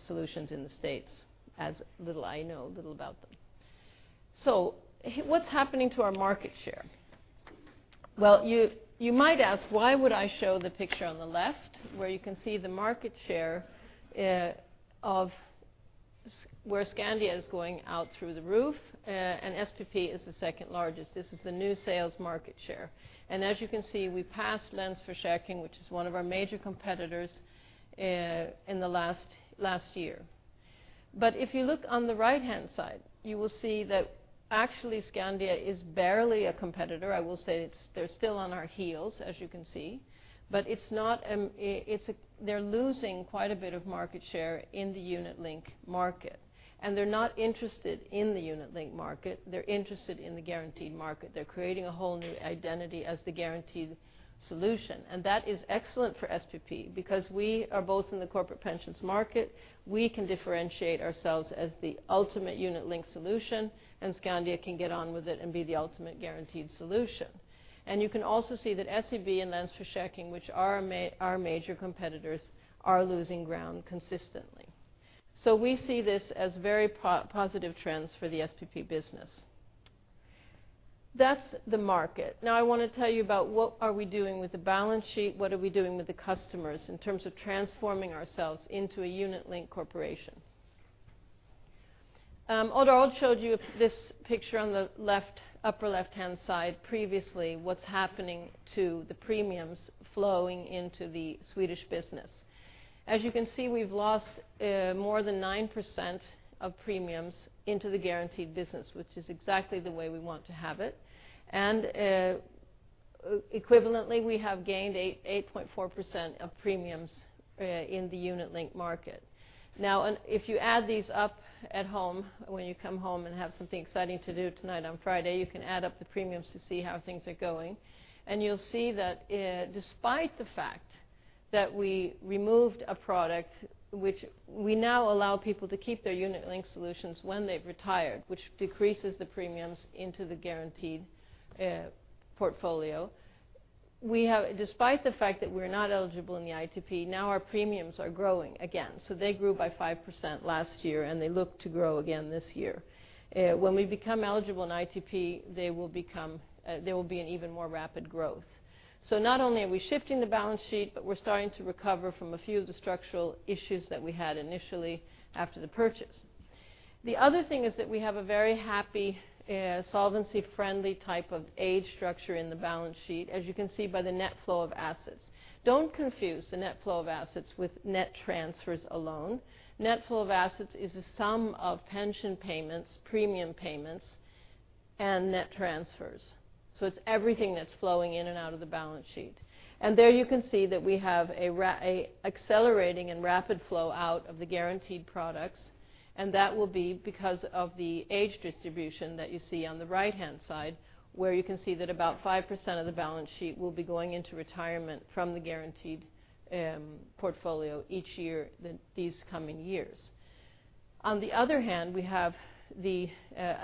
solutions in the States, as little I know a little about them. So what's happening to our market share? Well, you might ask, why would I show the picture on the left, where you can see the market share where Skandia is going through the roof, and SPP is the second largest? This is the new sales market share. And as you can see, we passed Länsförsäkringar, which is one of our major competitors, in the last year. But if you look on the right-hand side, you will see that actually Skandia is barely a competitor. I will say they're still on our heels, as you can see, but it's not, it's... They're losing quite a bit of market share in the unit-linked market, and they're not interested in the unit-linked market. They're interested in the guaranteed market. They're creating a whole new identity as the guaranteed solution, and that is excellent for SPP because we are both in the corporate pensions market. We can differentiate ourselves as the ultimate unit-linked solution, and Skandia can get on with it and be the ultimate guaranteed solution. And you can also see that SEB and Länsförsäkringar, which are major competitors, are losing ground consistently. So we see this as very positive trends for the SPP business. That's the market. Now, I wanna tell you about what are we doing with the balance sheet? What are we doing with the customers in terms of transforming ourselves into a unit-linked corporation? Odd Arild showed you this picture on the left, upper left-hand side, previously, what's happening to the premiums flowing into the Swedish business. As you can see, we've lost more than 9% of premiums into the guaranteed business, which is exactly the way we want to have it. Equivalently, we have gained 8.4% of premiums in the unit-linked market. Now, if you add these up at home, when you come home and have something exciting to do tonight on Friday, you can add up the premiums to see how things are going. You'll see that, despite the fact that we removed a product, which we now allow people to keep their unit-linked solutions when they've retired, which decreases the premiums into the guaranteed portfolio. We have despite the fact that we're not eligible in the ITP, now our premiums are growing again. So they grew by 5% last year, and they look to grow again this year. When we become eligible in ITP, there will be an even more rapid growth. So not only are we shifting the balance sheet, but we're starting to recover from a few of the structural issues that we had initially after the purchase. The other thing is that we have a very happy, solvency-friendly type of age structure in the balance sheet, as you can see by the net flow of assets. Don't confuse the net flow of assets with net transfers alone. Net flow of assets is the sum of pension payments, premium payments, and net transfers. So it's everything that's flowing in and out of the balance sheet. And there you can see that we have a accelerating and rapid flow out of the guaranteed products, and that will be because of the age distribution that you see on the right-hand side, where you can see that about 5% of the balance sheet will be going into retirement from the guaranteed portfolio each year, these coming years. On the other hand, we have a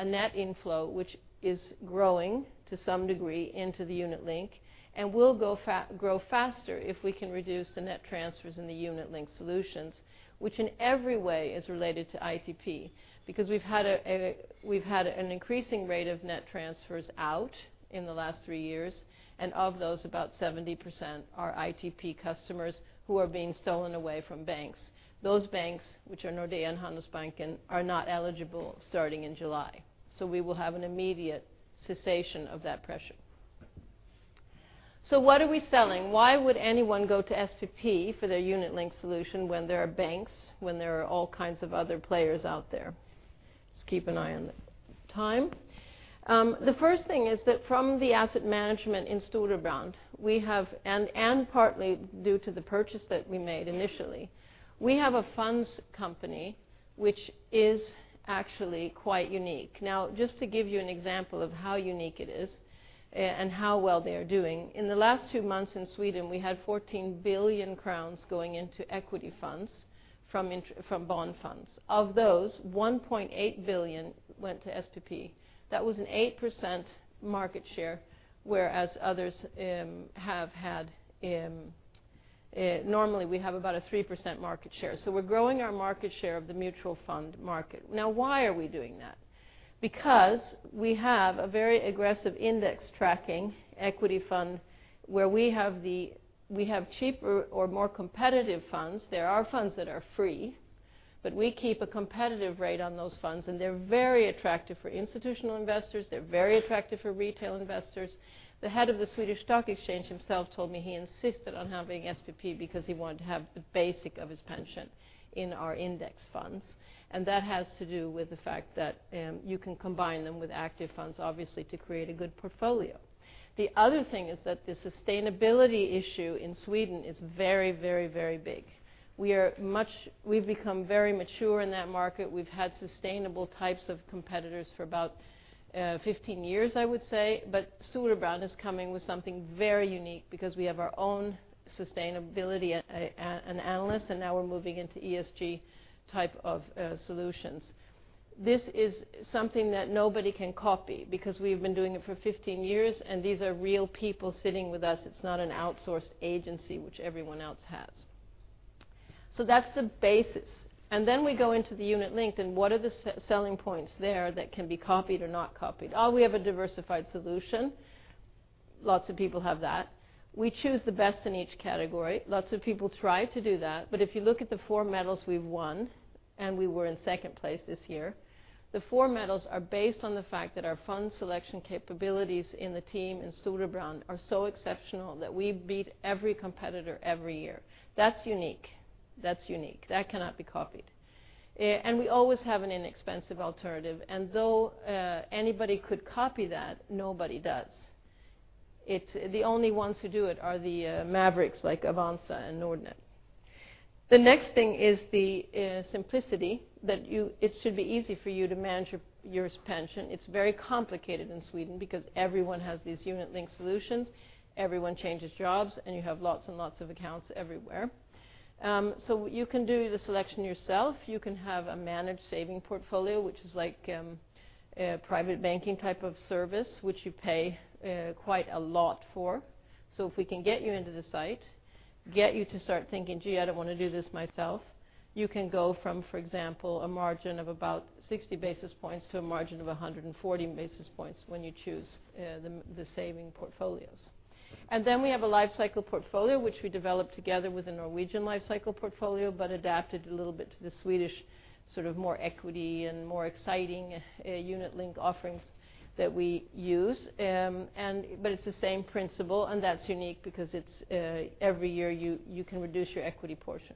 net inflow, which is growing to some degree into the unit link, and will grow faster if we can reduce the net transfers in the unit-linked solutions, which in every way is related to ITP. Because we've had an increasing rate of net transfers out in the last 3 years, and of those, about 70% are ITP customers who are being stolen away from banks. Those banks, which are Nordea and Handelsbanken, are not eligible starting in July. So we will have an immediate cessation of that pressure. So what are we selling? Why would anyone go to SPP for their unit-linked solution when there are banks, when there are all kinds of other players out there? Just keep an eye on the time. The first thing is that from the asset management in Storebrand, we have... And partly due to the purchase that we made initially, we have a funds company, which is actually quite unique. Now, just to give you an example of how unique it is, and how well they are doing, in the last two months in Sweden, we had 14 billion crowns going into equity funds from bond funds. Of those, 1.8 billion went to SPP. That was an 8% market share, whereas others have had. Normally, we have about a 3% market share. So we're growing our market share of the mutual fund market. Now, why are we doing that? Because we have a very aggressive index tracking equity fund, where we have cheaper or more competitive funds. There are funds that are free, but we keep a competitive rate on those funds, and they're very attractive for institutional investors, they're very attractive for retail investors. The head of the Swedish Stock Exchange himself told me he insisted on having SPP because he wanted to have the basic of his pension in our index funds, and that has to do with the fact that you can combine them with active funds, obviously, to create a good portfolio. The other thing is that the sustainability issue in Sweden is very, very, very big. We are much. We've become very mature in that market. We've had sustainable types of competitors for about 15 years, I would say. But Storebrand is coming with something very unique because we have our own sustainability an analyst, and now we're moving into ESG type of solutions. This is something that nobody can copy because we've been doing it for 15 years, and these are real people sitting with us. It's not an outsourced agency, which everyone else has. So that's the basis. And then we go into the Unit Linked, and what are the selling points there that can be copied or not copied? Oh, we have a diversified solution. Lots of people have that. We choose the best in each category. Lots of people try to do that, but if you look at the four medals we've won, and we were in second place this year, the four medals are based on the fact that our fund selection capabilities in the team in Storebrand are so exceptional that we beat every competitor every year. That's unique. That's unique. That cannot be copied. And we always have an inexpensive alternative, and though anybody could copy that, nobody does. It's the only ones who do it are the mavericks like Avanza and Nordnet. The next thing is the simplicity, that you it should be easy for you to manage your, your pension. It's very complicated in Sweden because everyone has these unit-linked solutions, everyone changes jobs, and you have lots and lots of accounts everywhere. So you can do the selection yourself. You can have a managed saving portfolio, which is like, a private banking type of service, which you pay quite a lot for. So if we can get you to start thinking, "Gee, I don't wanna do this myself," you can go from, for example, a margin of about 60 basis points to a margin of 140 basis points when you choose the saving portfolios. And then we have a lifecycle portfolio, which we developed together with a Norwegian lifecycle portfolio, but adapted a little bit to the Swedish, sort of, more equity and more exciting unit link offerings that we use. But it's the same principle, and that's unique because it's every year you can reduce your equity portion.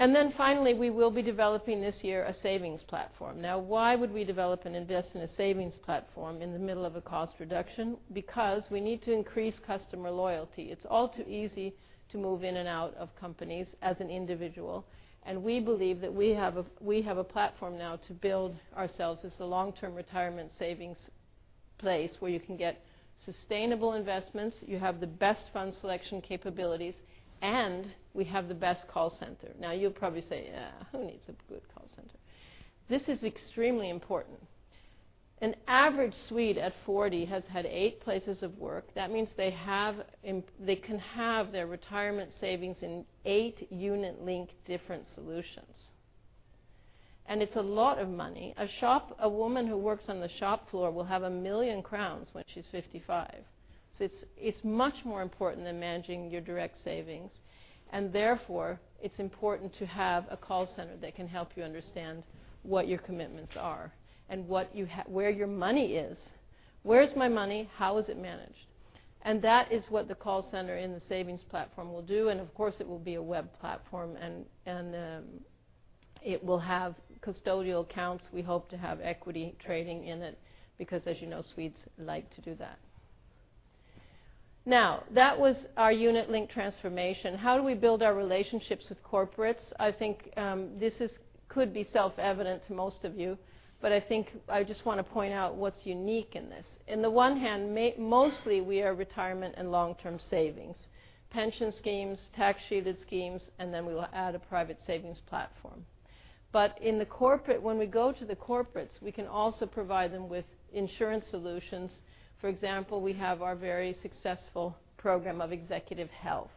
And then finally, we will be developing this year a savings platform. Now, why would we develop and invest in a savings platform in the middle of a cost reduction? Because we need to increase customer loyalty. It's all too easy to move in and out of companies as an individual, and we believe that we have a, we have a platform now to build ourselves as the long-term retirement savings place, where you can get sustainable investments, you have the best fund selection capabilities, and we have the best call center. Now, you'll probably say, "Who needs a good call center?" This is extremely important. An average Swede at 40 has had eight places of work. That means they can have their retirement savings in 8 unit-linked different solutions. And it's a lot of money. A woman who works on the shop floor will have 1 million crowns when she's 55. So it's, it's much more important than managing your direct savings, and therefore, it's important to have a call center that can help you understand what your commitments are and where your money is. Where is my money? How is it managed? And that is what the call center in the savings platform will do, and of course, it will be a web platform, and it will have custodial accounts. We hope to have equity trading in it, because as you know, Swedes like to do that. Now, that was our unit-linked transformation. How do we build our relationships with corporates? I think this could be self-evident to most of you, but I think I just wanna point out what's unique in this. On the one hand, mostly, we are retirement and long-term savings, pension schemes, tax-sheltered schemes, and then we will add a private savings platform. But in the corporate, when we go to the corporates, we can also provide them with insurance solutions. For example, we have our very successful program of executive health,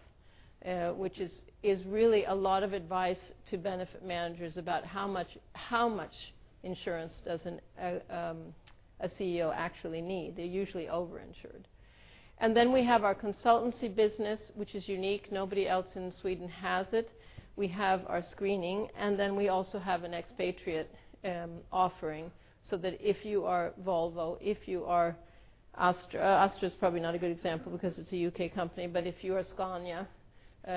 which is really a lot of advice to benefit managers about how much insurance does a CEO actually need? They're usually over-insured. And then we have our consultancy business, which is unique. Nobody else in Sweden has it. We have our screening, and then we also have an expatriate offering, so that if you are Volvo, if you are AstraZeneca—AstraZeneca is probably not a good example because it's a U.K. company, but if you are Scania,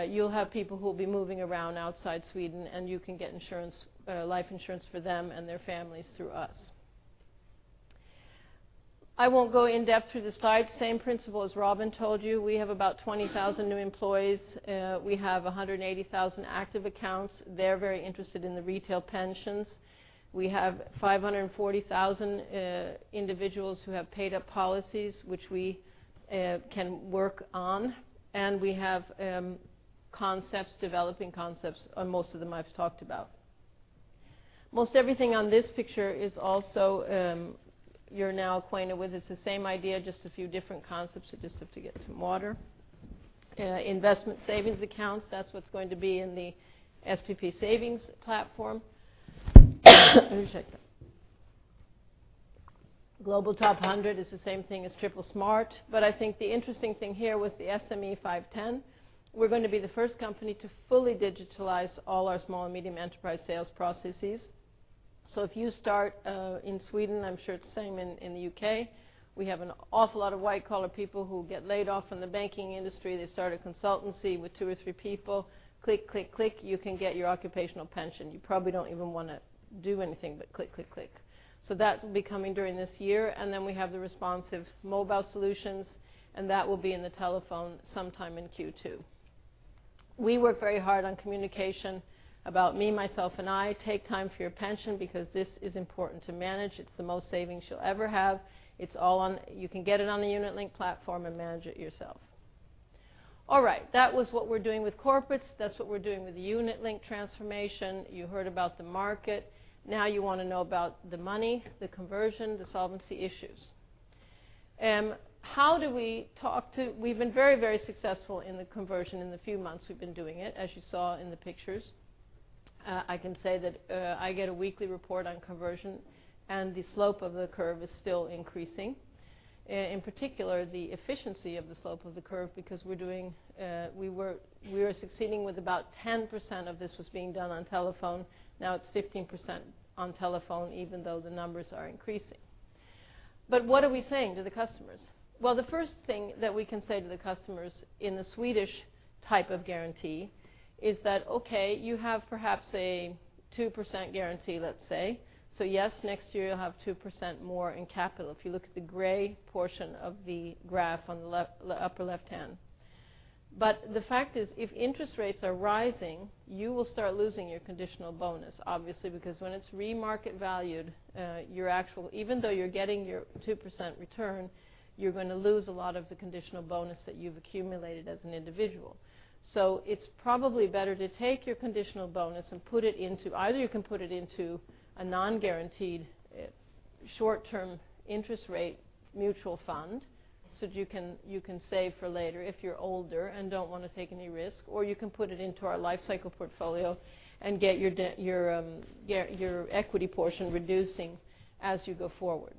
you'll have people who will be moving around outside Sweden, and you can get insurance, life insurance for them and their families through us. I won't go in depth through the slides. Same principle as Robin told you, we have about 20,000 new employees. We have 180,000 active accounts. They're very interested in the retail pensions. We have 540,000 individuals who have paid up policies, which we can work on, and we have concepts, developing concepts, and most of them I've talked about. Most everything on this picture is also. You're now acquainted with. It's the same idea, just a few different concepts. I just have to get some water. Investment savings accounts, that's what's going to be in the SPP savings platform. Let me check that. Global 100 is the same thing as Triple Smart. But I think the interesting thing here with the SME 5-10, we're gonna be the first company to fully digitalize all our small and medium enterprise sales processes. So if you start in Sweden, I'm sure it's the same in the U.K., we have an awful lot of white-collar people who get laid off from the banking industry. They start a consultancy with two or three people. Click, click, click, you can get your occupational pension. You probably don't even wanna do anything but click, click, click. So that will be coming during this year, and then we have the responsive mobile solutions, and that will be in the telephone sometime in Q2. We work very hard on communication about me, myself, and I. Take time for your pension because this is important to manage. It's the most savings you'll ever have. It's all on. You can get it on the unit-linked platform and manage it yourself. All right. That was what we're doing with corporates. That's what we're doing with the unit-linked transformation. You heard about the market. Now you wanna know about the money, the conversion, the solvency issues. How do we talk to... We've been very, very successful in the conversion in the few months we've been doing it, as you saw in the pictures. I can say that, I get a weekly report on conversion, and the slope of the curve is still increasing. In particular, the efficiency of the slope of the curve, because we're doing. We were, we are succeeding with about 10% of this was being done on telephone. Now it's 15% on telephone, even though the numbers are increasing. But what are we saying to the customers? Well, the first thing that we can say to the customers in the Swedish type of guarantee is that, okay, you have perhaps a 2% guarantee, let's say. So yes, next year you'll have 2% more in capital. If you look at the gray portion of the graph on the left, upper left-hand. But the fact is, if interest rates are rising, you will start losing your conditional bonus, obviously, because when it's re-market valued, your actual even though you're getting your 2% return, you're gonna lose a lot of the conditional bonus that you've accumulated as an individual. So it's probably better to take your conditional bonus and put it into either you can put it into a non-guaranteed short-term interest rate mutual fund, so you can save for later if you're older and don't wanna take any risk, or you can put it into our life cycle portfolio and get your equity portion reducing as you go forward.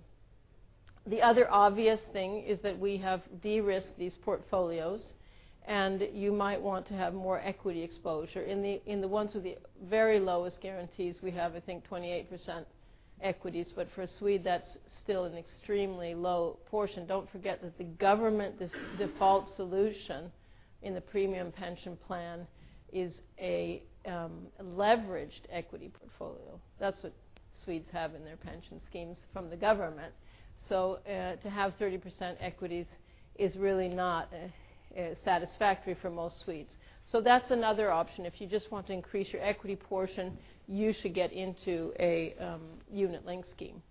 The other obvious thing is that we have de-risked these portfolios, and you might want to have more equity exposure. In the ones with the very lowest guarantees, we have, I think, 28% equities, but for a Swede, that's still an extremely low portion. Don't forget that the government default solution in the premium pension plan is a leveraged equity portfolio. That's what Swedes have in their pension schemes from the government. So, to have 30% equities is really not satisfactory for most Swedes. So that's another option. If you just want to increase your equity portion, you should get into a unit-linked scheme.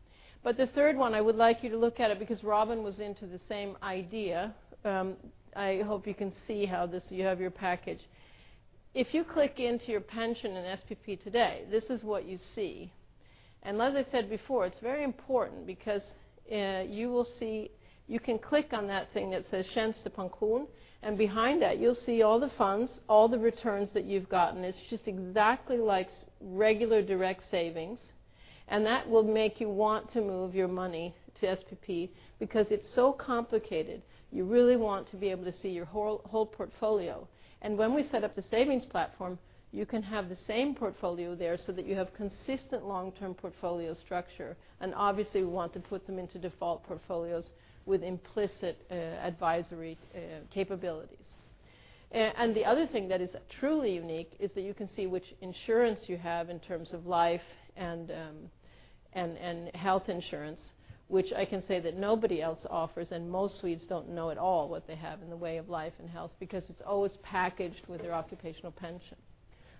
But the third one, I would like you to look at it because Robin was into the same idea. I hope you can see how this... You have your package. If you click into your pension in SPP today, this is what you see. And as I said before, it's very important because, you will see—you can click on that thing that says, "Tjänstepension" and behind that, you'll see all the funds, all the returns that you've gotten. It's just exactly like regular direct savings, and that will make you want to move your money to SPP. Because it's so complicated, you really want to be able to see your whole, whole portfolio. And when we set up the savings platform, you can have the same portfolio there so that you have consistent long-term portfolio structure, and obviously, we want to put them into default portfolios with implicit, advisory, capabilities. The other thing that is truly unique is that you can see which insurance you have in terms of life and health insurance, which I can say that nobody else offers, and most Swedes don't know at all what they have in the way of life and health because it's always packaged with their occupational pension.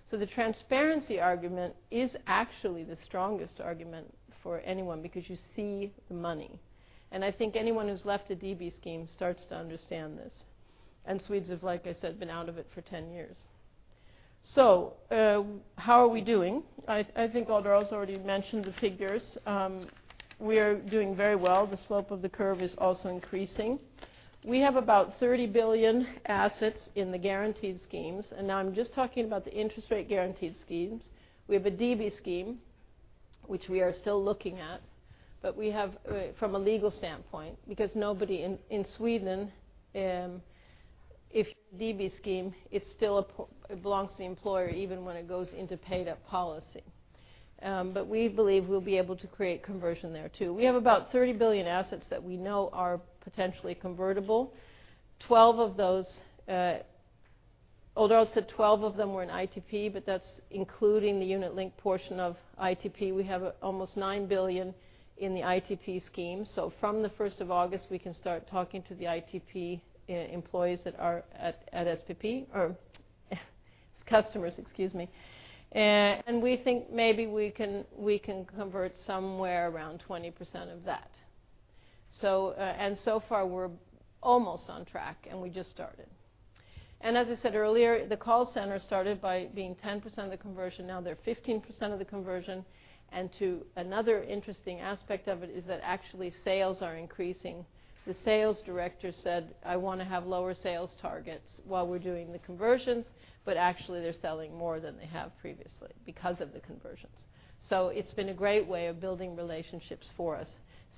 So the transparency argument is actually the strongest argument for anyone because you see the money, and I think anyone who's left a DB scheme starts to understand this. Swedes have, like I said, been out of it for 10 years. So, how are we doing? I think Odd Arild's already mentioned the figures. We are doing very well. The slope of the curve is also increasing. We have about 30 billion assets in the guaranteed schemes, and now I'm just talking about the interest rate guaranteed schemes. We have a DB scheme, which we are still looking at, but we have from a legal standpoint, because nobody in Sweden, if DB scheme, it's still a policy. It belongs to the employer, even when it goes into paid-up policy. But we believe we'll be able to create conversion there, too. We have about 30 billion assets that we know are potentially convertible. 12 of those, Alderal said 12 of them were in ITP, but that's including the unit-linked portion of ITP. We have almost 9 billion in the ITP scheme. So from the first of August, we can start talking to the ITP employees that are at SPP, or customers, excuse me. And we think maybe we can, we can convert somewhere around 20% of that. So, and so far, we're almost on track, and we just started. And as I said earlier, the call center started by being 10% of the conversion, now they're 15% of the conversion. And to another interesting aspect of it is that actually, sales are increasing. The sales director said, "I wanna have lower sales targets while we're doing the conversions," but actually, they're selling more than they have previously because of the conversions. So it's been a great way of building relationships for us.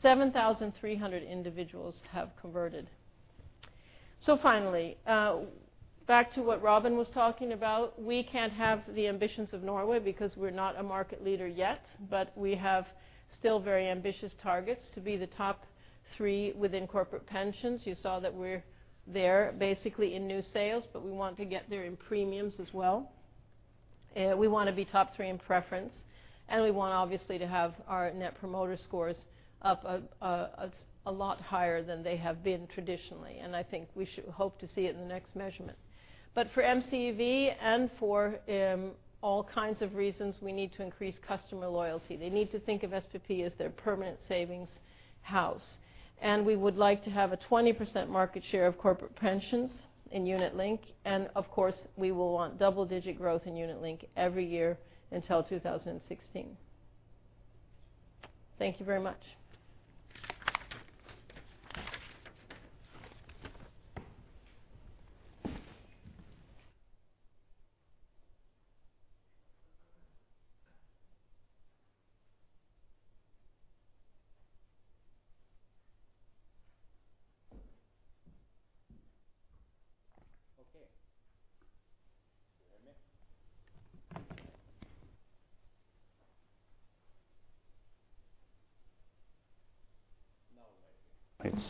7,300 individuals have converted. So finally, back to what Robin was talking about, we can't have the ambitions of Norway because we're not a market leader yet, but we have still very ambitious targets to be the top three within corporate pensions. You saw that we're there basically in new sales, but we want to get there in premiums as well. We wanna be top three in preference, and we want, obviously, to have our net promoter scores up a lot higher than they have been traditionally, and I think we should hope to see it in the next measurement. But for MCEV and for all kinds of reasons, we need to increase customer loyalty. They need to think of SPP as their permanent savings house, and we would like to have a 20% market share of corporate pensions in unit-linked, and of course, we will want double-digit growth in unit-linked every year until 2016. Thank you very much.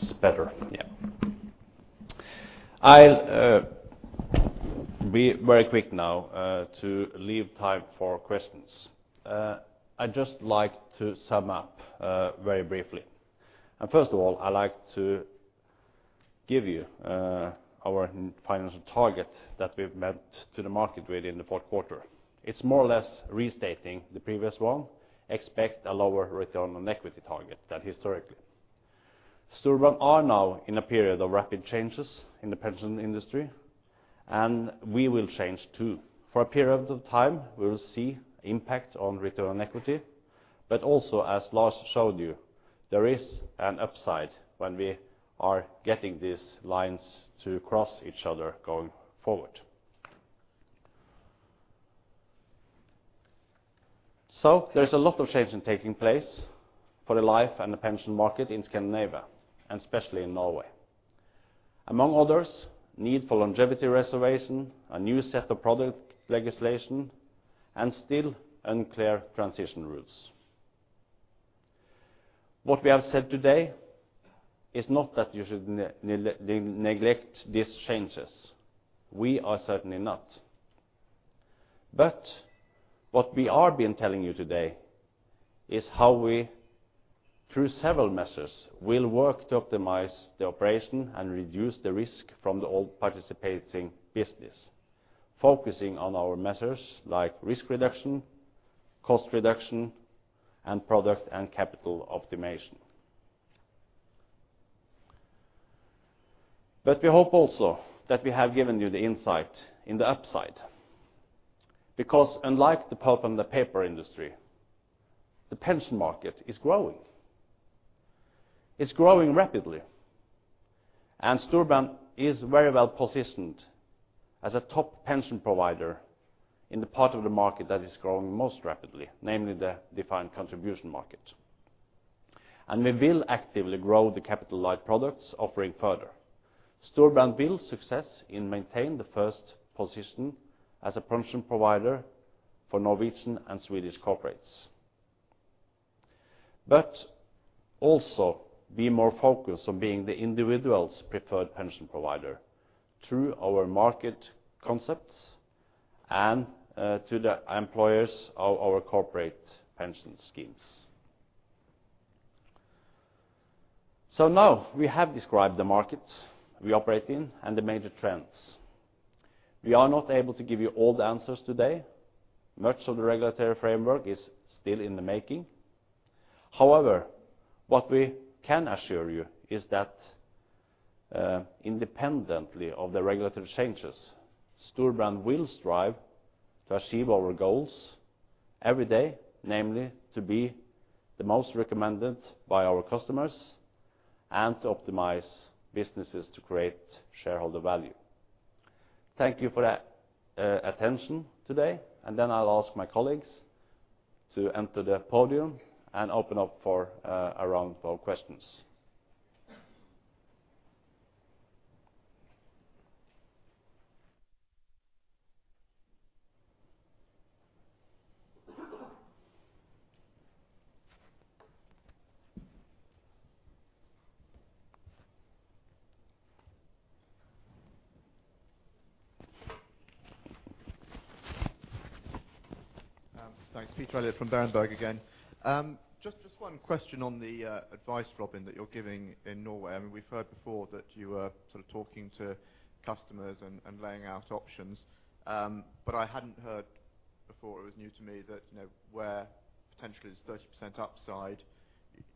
Okay. Can you hear me? It's better, yeah. I'll be very quick now to leave time for questions. I'd just like to sum up very briefly. And first of all, I'd like to give you our financial target that we've met to the market within the fourth quarter. It's more or less restating the previous one. Expect a lower return on equity target than historically. Storebrand are now in a period of rapid changes in the pension industry, and we will change, too. For a period of time, we will see impact on return on equity, but also, as Lars showed you, there is an upside when we are getting these lines to cross each other going forward. So there's a lot of change taking place for the life and the pension market in Scandinavia, and especially in Norway. Among others, need for longevity reservation, a new set of product legislation, and still unclear transition rules. What we have said today is not that you should neglect these changes. We are certainly not. But what we are been telling you today is how we, through several measures, will work to optimize the operation and reduce the risk from the old participating business, focusing on our measures like risk reduction, cost reduction, and product and capital optimization. But we hope also that we have given you the insight in the upside, because unlike the pulp and the paper industry, the pension market is growing. It's growing rapidly, and Storebrand is very well positioned as a top pension provider in the part of the market that is growing most rapidly, namely the defined contribution market. And we will actively grow the capital light products offering further. Storebrand will succeed in maintaining the first position as a pension provider for Norwegian and Swedish corporates. But also be more focused on being the individual's preferred pension provider through our market concepts and to the employers of our corporate pension schemes. So now we have described the market we operate in and the major trends. We are not able to give you all the answers today. Much of the regulatory framework is still in the making. However, what we can assure you is that, independently of the regulatory changes, Storebrand will strive to achieve our goals every day, namely, to be the most recommended by our customers and to optimize businesses to create shareholder value. Thank you for that attention today, and then I'll ask my colleagues to enter the podium and open up for a round of questions. Thanks. Peter Eliot from Berenberg again. Just, just one question on the advice, Robin, that you're giving in Norway. I mean, we've heard before that you are sort of talking to customers and laying out options. But I hadn't heard before, it was new to me, that, you know, where potentially there's 30% upside,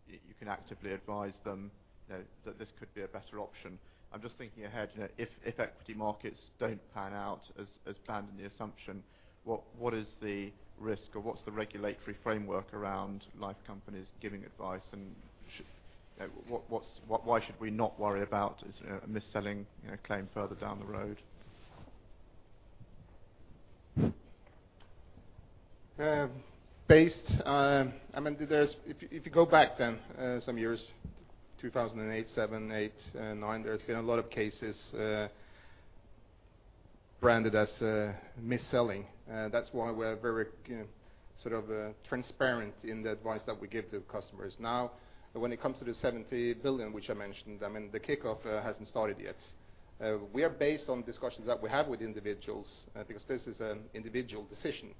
you can actively advise them, you know, that this could be a better option. I'm just thinking ahead, you know, if equity markets don't pan out as planned in the assumption, what is the risk or what's the regulatory framework around life companies giving advice? And you know, what is-- why should we not worry about a mis-selling claim further down the road? I mean, there's, if you go back then, some years, 2008, 2007, 2008, and 2009, there's been a lot of cases branded as mis-selling. That's why we're very, you know, sort of, transparent in the advice that we give to customers. Now, when it comes to the 70 billion, which I mentioned, I mean, the kickoff hasn't started yet. We are based on discussions that we have with individuals, because this is an individual decision.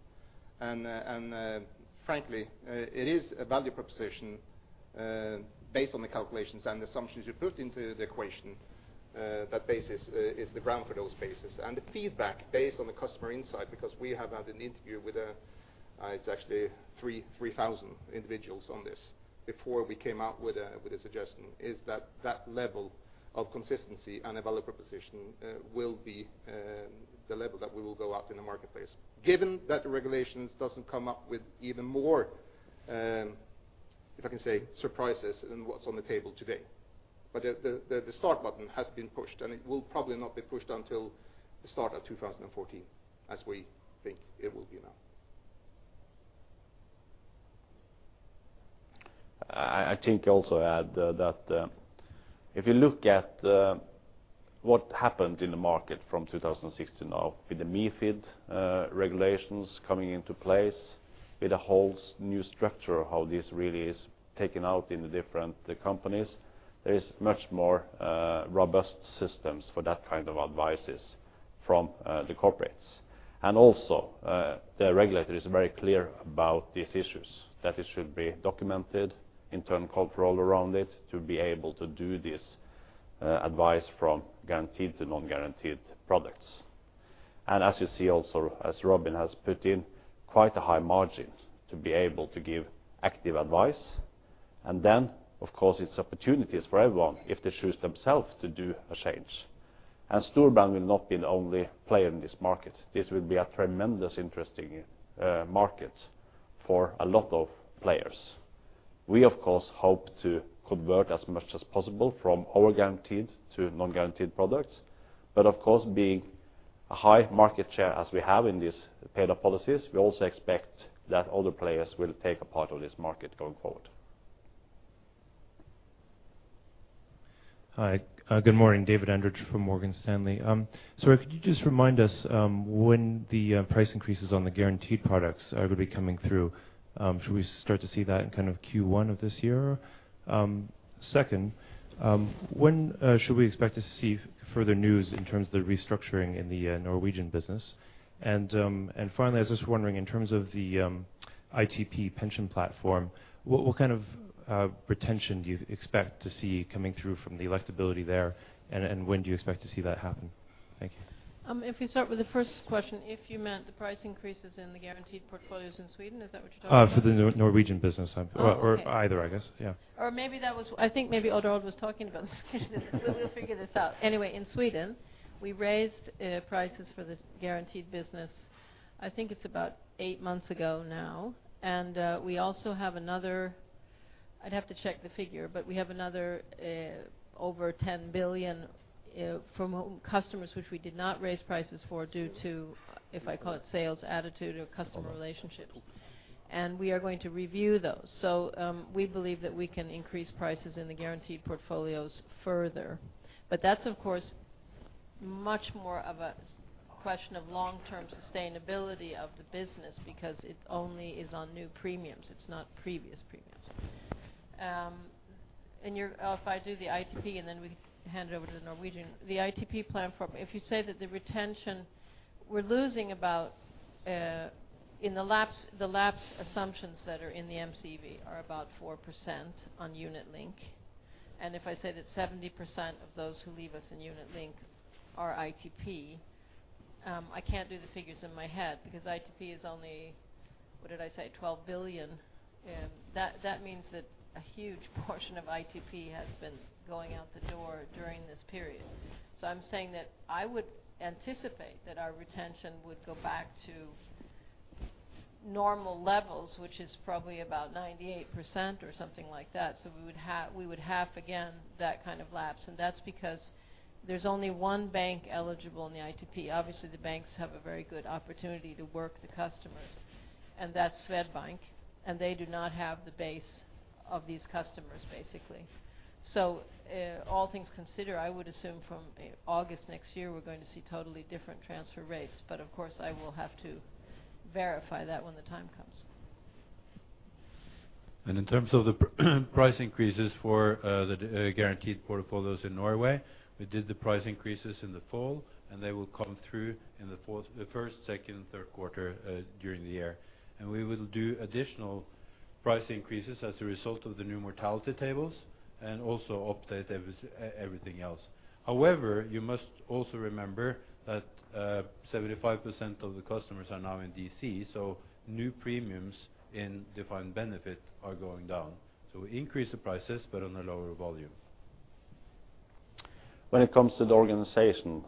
Frankly, it is a value proposition based on the calculations and assumptions you put into the equation, that basis is the ground for those bases. And the feedback, based on the customer insight, because we have had an interview with, it's actually 3,000 individuals on this before we came out with a suggestion, is that that level of consistency and a value proposition will be the level that we will go out in the marketplace, given that the regulations doesn't come up with even more, if I can say, surprises than what's on the table today. But the start button has been pushed, and it will probably not be pushed until the start of 2014, as we think it will be now. I think also add that, if you look at what happened in the market from 2006 to now, with the MiFID regulations coming into place, with a whole new structure of how this really is taken out in the different companies, there is much more robust systems for that kind of advice from the corporates. And also, the regulator is very clear about these issues, that it should be documented, internal control around it, to be able to do this advice from guaranteed to non-guaranteed products. And as you see also, as Robin has put in, quite a high margin to be able to give active advice. And then, of course, it's opportunities for everyone if they choose themselves to do a change. And Storebrand will not be the only player in this market. This will be a tremendous interesting market for a lot of players. We, of course, hope to convert as much as possible from our guaranteed to non-guaranteed products, but of course, being a high market share as we have in these paid-up policies, we also expect that other players will take a part of this market going forward. Hi, good morning, David Andrich from Morgan Stanley. Sorry, could you just remind us when the price increases on the guaranteed products are going to be coming through? Should we start to see that in kind of Q1 of this year? Second, when should we expect to see further news in terms of the restructuring in the Norwegian business? And finally, I was just wondering, in terms of the ITP pension platform, what kind of retention do you expect to see coming through from the electability there? And when do you expect to see that happen? Thank you. If we start with the first question, if you meant the price increases in the guaranteed portfolios in Sweden, is that what you're talking about? For the Norwegian business, Oh, okay. Or either, I guess. Yeah. Or maybe that was... I think maybe Odd Arild was talking about this. We'll figure this out. Anyway, in Sweden, we raised prices for the guaranteed business. I think it's about eight months ago now, and we also have another... I'd have to check the figure, but we have another over 10 billion from customers, which we did not raise prices for, due to, if I call it, sales attitude or customer relationships. And we are going to review those. So, we believe that we can increase prices in the guaranteed portfolios further. But that's, of course, much more of a question of long-term sustainability of the business, because it only is on new premiums. It's not previous premiums. And your... If I do the ITP, and then we hand it over to the Norwegian. The ITP platform, if you say that the retention, we're losing about, in the lapse, the lapse assumptions that are in the MCEV are about 4% on Unit Linked. And if I said that 70% of those who leave us in Unit Linked are ITP, I can't do the figures in my head, because ITP is only, what did I say? 12 billion. And that, that means that a huge portion of ITP has been going out the door during this period. So I'm saying that I would anticipate that our retention would go back to normal levels, which is probably about 98% or something like that. So we would halve again that kind of lapse, and that's because there's only one bank eligible in the ITP. Obviously, the banks have a very good opportunity to work the customers, and that's Swedbank, and they do not have the base of these customers, basically. So, all things considered, I would assume from August next year, we're going to see totally different transfer rates. But of course, I will have to verify that when the time comes. In terms of the price increases for the guaranteed portfolios in Norway, we did the price increases in the fall, and they will come through in the first, second, and third quarter during the year. And we will do additional price increases as a result of the new mortality tables and also update everything else. However, you must also remember that 75% of the customers are now in DC, so new premiums in defined benefit are going down. So we increase the prices, but on a lower volume. When it comes to the organization,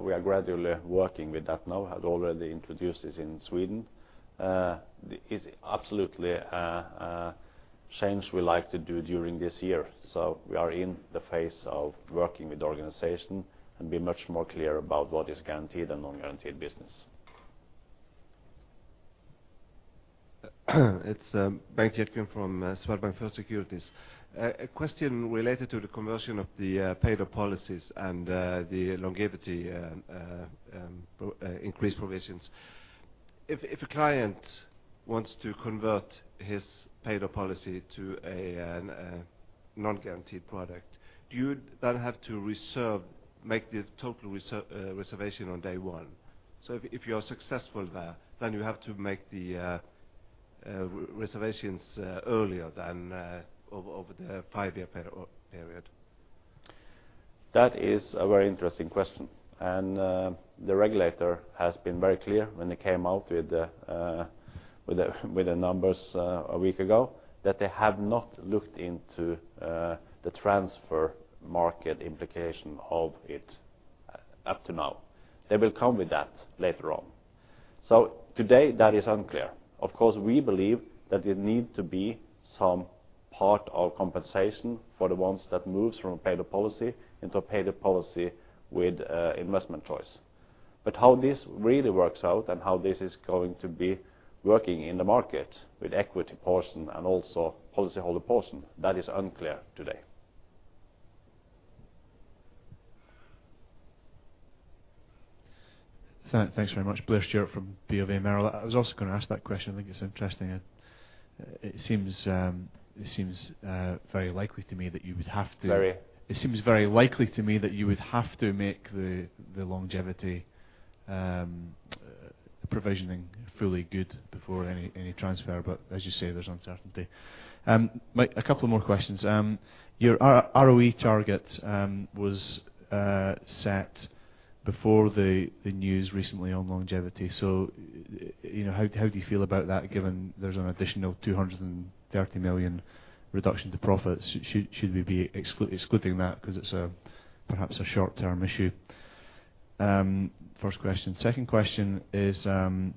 we are gradually working with that now, had already introduced this in Sweden. It's absolutely change we like to do during this year, so we are in the phase of working with the organization and be much more clear about what is guaranteed and non-guaranteed business. It's Bengt Kirkøen from Swedbank First Securities. A question related to the conversion of the paid-up policies and the longevity increased provisions. If a client wants to convert his paid-up policy to a non-guaranteed product, do you then have to reserve, make the total reservation on day one? So if you are successful there, then you have to make the reservations earlier than over the five-year period. That is a very interesting question. The regulator has been very clear when they came out with the numbers a week ago, that they have not looked into the transfer market implication of it up to now. They will come with that later on. Today, that is unclear. Of course, we believe that there need to be some part or compensation for the ones that moves from a paid-up policy into a paid-up policy with a investment choice. How this really works out and how this is going to be working in the market with equity portion and also policyholder portion, that is unclear today. Thanks, thanks very much. Blair Stewart from Bank of America Merrill Lynch. I was also going to ask that question. I think it's interesting, and it seems very likely to me that you would have to- Very- It seems very likely to me that you would have to make the, the longevity, the provisioning fully good before any, any transfer, but as you say, there's uncertainty. Mike, a couple of more questions. Your ROE target was set before the news recently on longevity. So, you know, how do you feel about that, given there's an additional 230 million reduction to profits? Should we be excluding that because it's perhaps a short-term issue? First question. Second question is on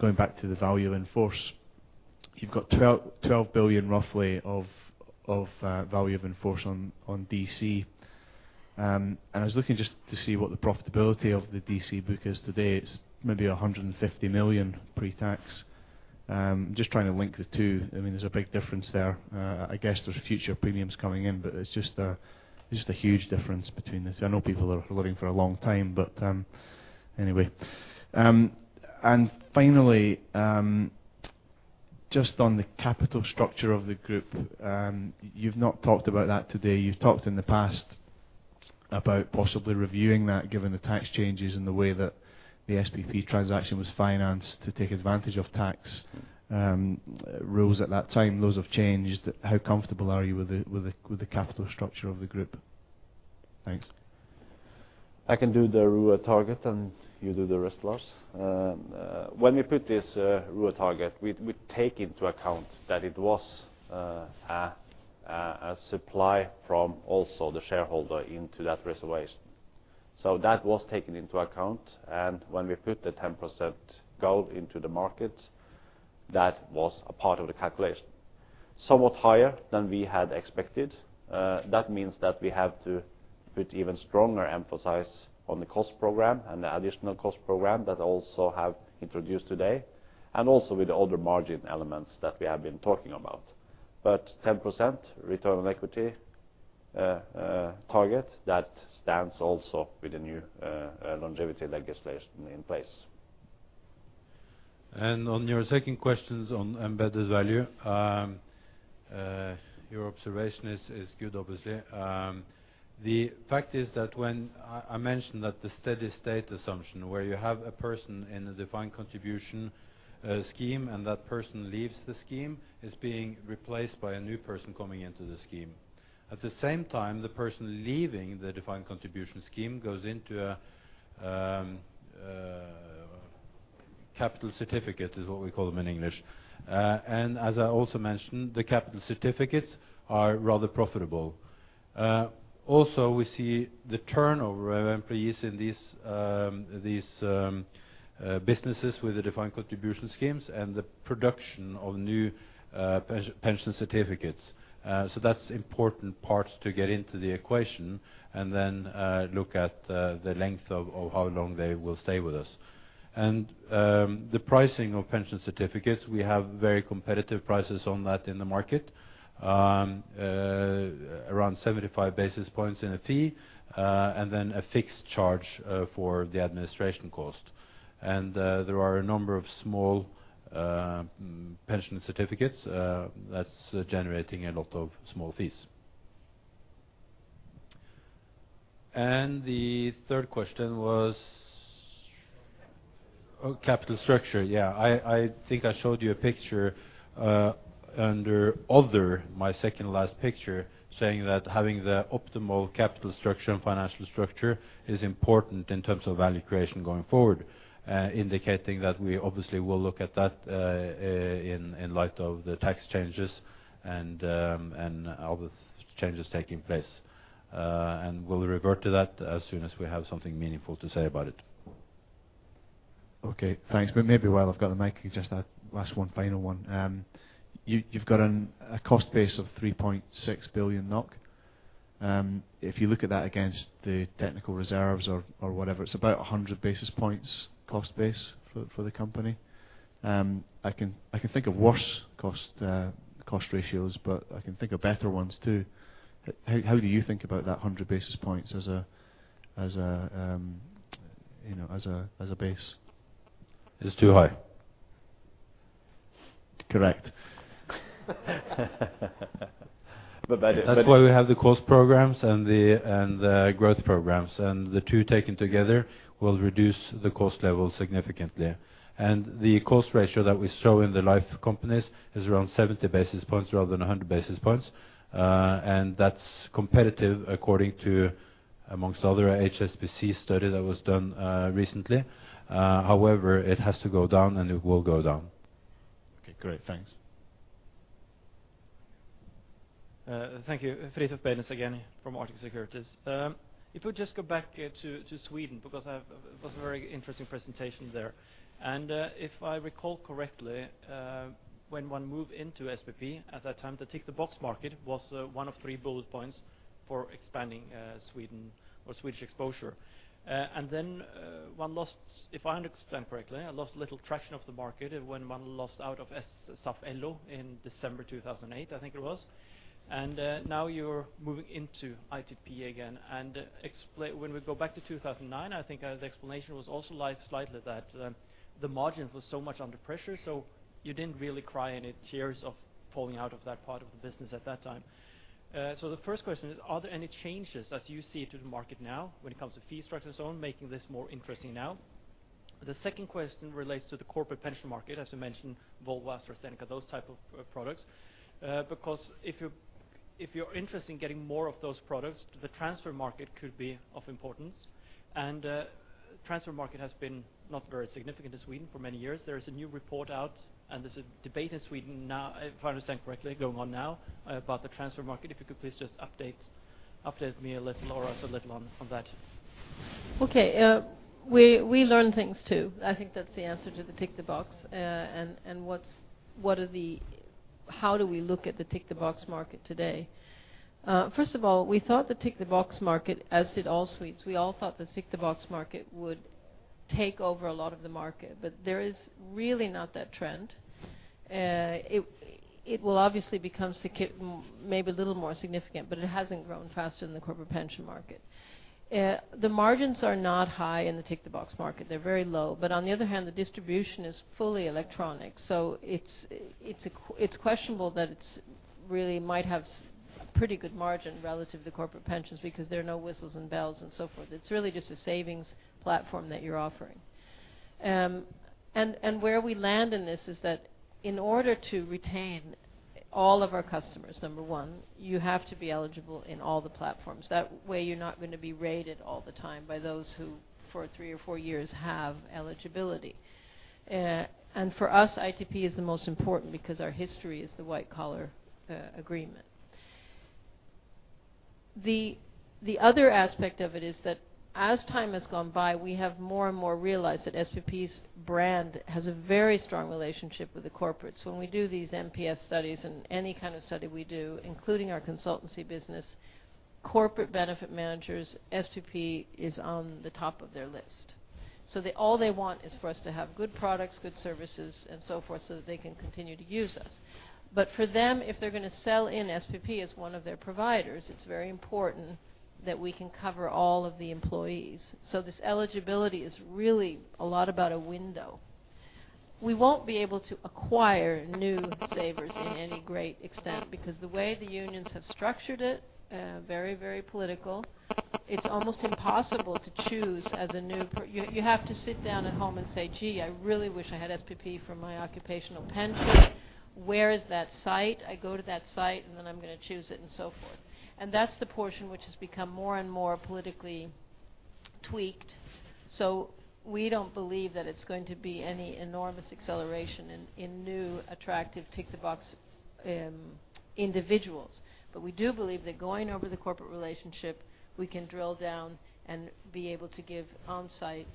going back to the value in force. You've got 12 billion, roughly, of value in force on DC. And I was looking just to see what the profitability of the DC book is today. It's maybe 150 million pre-tax. Just trying to link the two. I mean, there's a big difference there. I guess there's future premiums coming in, but it's just a huge difference between this. I know people are living for a long time, but, anyway. And finally, just on the capital structure of the group, you've not talked about that today. You've talked in the past about possibly reviewing that, given the tax changes and the way that the SPP transaction was financed to take advantage of tax rules at that time. Those have changed. How comfortable are you with the capital structure of the group? Thanks. I can do the ROE target, and you do the rest, Lars. When we put this ROE target, we take into account that it was a supply from also the shareholder into that reservation. So that was taken into account, and when we put the 10% goal into the market, that was a part of the calculation. Somewhat higher than we had expected. That means that we have to put even stronger emphasis on the cost program and the additional cost program that also have introduced today, and also with the other margin elements that we have been talking about. But 10% return on equity target, that stands also with the new longevity legislation in place. On your second questions on Embedded Value, your observation is good, obviously. The fact is that when I mentioned that the steady state assumption, where you have a person in a defined contribution scheme, and that person leaves the scheme, is being replaced by a new person coming into the scheme. At the same time, the person leaving the defined contribution scheme goes into a pension certificate, is what we call them in English. And as I also mentioned, the pension certificates are rather profitable. Also, we see the turnover of employees in these businesses with the defined contribution schemes and the production of new pension certificates. So that's important parts to get into the equation and then look at the length of how long they will stay with us. And the pricing of pension certificates, we have very competitive prices on that in the market, around 75 basis points in a fee, and then a fixed charge for the administration cost. And there are a number of small pension certificates that's generating a lot of small fees. And the third question was... Capital structure. Oh, capital structure. Yeah. I, I think I showed you a picture, under other, my second last picture, saying that having the optimal capital structure and financial structure is important in terms of value creation going forward, indicating that we obviously will look at that, in, in light of the tax changes and, and other changes taking place. And we'll revert to that as soon as we have something meaningful to say about it. Okay, thanks. But maybe while I've got the mic, just a last one, final one. You've got a cost base of 3.6 billion NOK. If you look at that against the technical reserves or whatever, it's about 100 basis points cost base for the company. I can think of worse cost ratios, but I can think of better ones, too. How do you think about that 100 basis points as a, you know, as a base? It's too high. Correct. But by the- That's why we have the cost programs and the growth programs, and the two taken together will reduce the cost level significantly. And the cost ratio that we show in the life companies is around 70 basis points rather than 100 basis points. And that's competitive according to, amongst other, HSBC study that was done, recently. However, it has to go down, and it will go down. Okay, great. Thanks. Thank you. Fridtjof Berents again from Arctic Securities. If we just go back to Sweden, because I've... It was a very interesting presentation there. If I recall correctly, when one moved into SPP, at that time, the tick the box market was one of three bullet points for expanding Sweden or Swedish exposure. Then one lost, if I understand correctly, lost a little traction of the market when one lost out of SPP in December 2008, I think it was. Now you're moving into ITP again. Explain—when we go back to 2009, I think the explanation was also slightly that the margins were so much under pressure, so you didn't really cry any tears of falling out of that part of the business at that time. So the first question is, are there any changes, as you see, to the market now, when it comes to fee structure and so on, making this more interesting now? The second question relates to the corporate pension market, as you mentioned, Volvo, AstraZeneca, those type of products. Because if you, if you're interested in getting more of those products, the transfer market could be of importance. Transfer market has been not very significant in Sweden for many years. There is a new report out, and there's a debate in Sweden now, if I understand correctly, going on now, about the transfer market. If you could please just update, update me a little or us a little on, on that. Okay, we learn things, too. I think that's the answer to the tick-the-box, and what's the- How do we look at the tick-the-box market today? First of all, we thought the tick-the-box market, as did all Swedes, we all thought the tick-the-box market would take over a lot of the market, but there is really not that trend. It will obviously become signi- maybe a little more significant, but it hasn't grown faster than the corporate pension market. The margins are not high in the tick-the-box market. They're very low. But on the other hand, the distribution is fully electronic, so it's a que- it's questionable that it's really might have s- a pretty good margin relative to corporate pensions because there are no whistles and bells and so forth. It's really just a savings platform that you're offering. And where we land in this is that in order to retain all of our customers, number one, you have to be eligible in all the platforms. That way, you're not gonna be raided all the time by those who, for three or four years, have eligibility. And for us, ITP is the most important because our history is the white-collar agreement. The other aspect of it is that as time has gone by, we have more and more realized that SPP's brand has a very strong relationship with the corporates. When we do these NPS studies and any kind of study we do, including our consultancy business, corporate benefit managers, SPP is on the top of their list. So they, all they want is for us to have good products, good services, and so forth, so that they can continue to use us. But for them, if they're gonna sell in SPP as one of their providers, it's very important that we can cover all of the employees. So this eligibility is really a lot about a window. We won't be able to acquire new savers in any great extent because the way the unions have structured it, very, very political, it's almost impossible to choose as a new... You have to sit down at home and say, "Gee, I really wish I had SPP for my occupational pension. Where is that site? I go to that site, and then I'm gonna choose it," and so forth. And that's the portion which has become more and more politically tweaked, so we don't believe that it's going to be any enormous acceleration in new, attractive tick-the-box individuals. But we do believe that going over the corporate relationship, we can drill down and be able to give on-site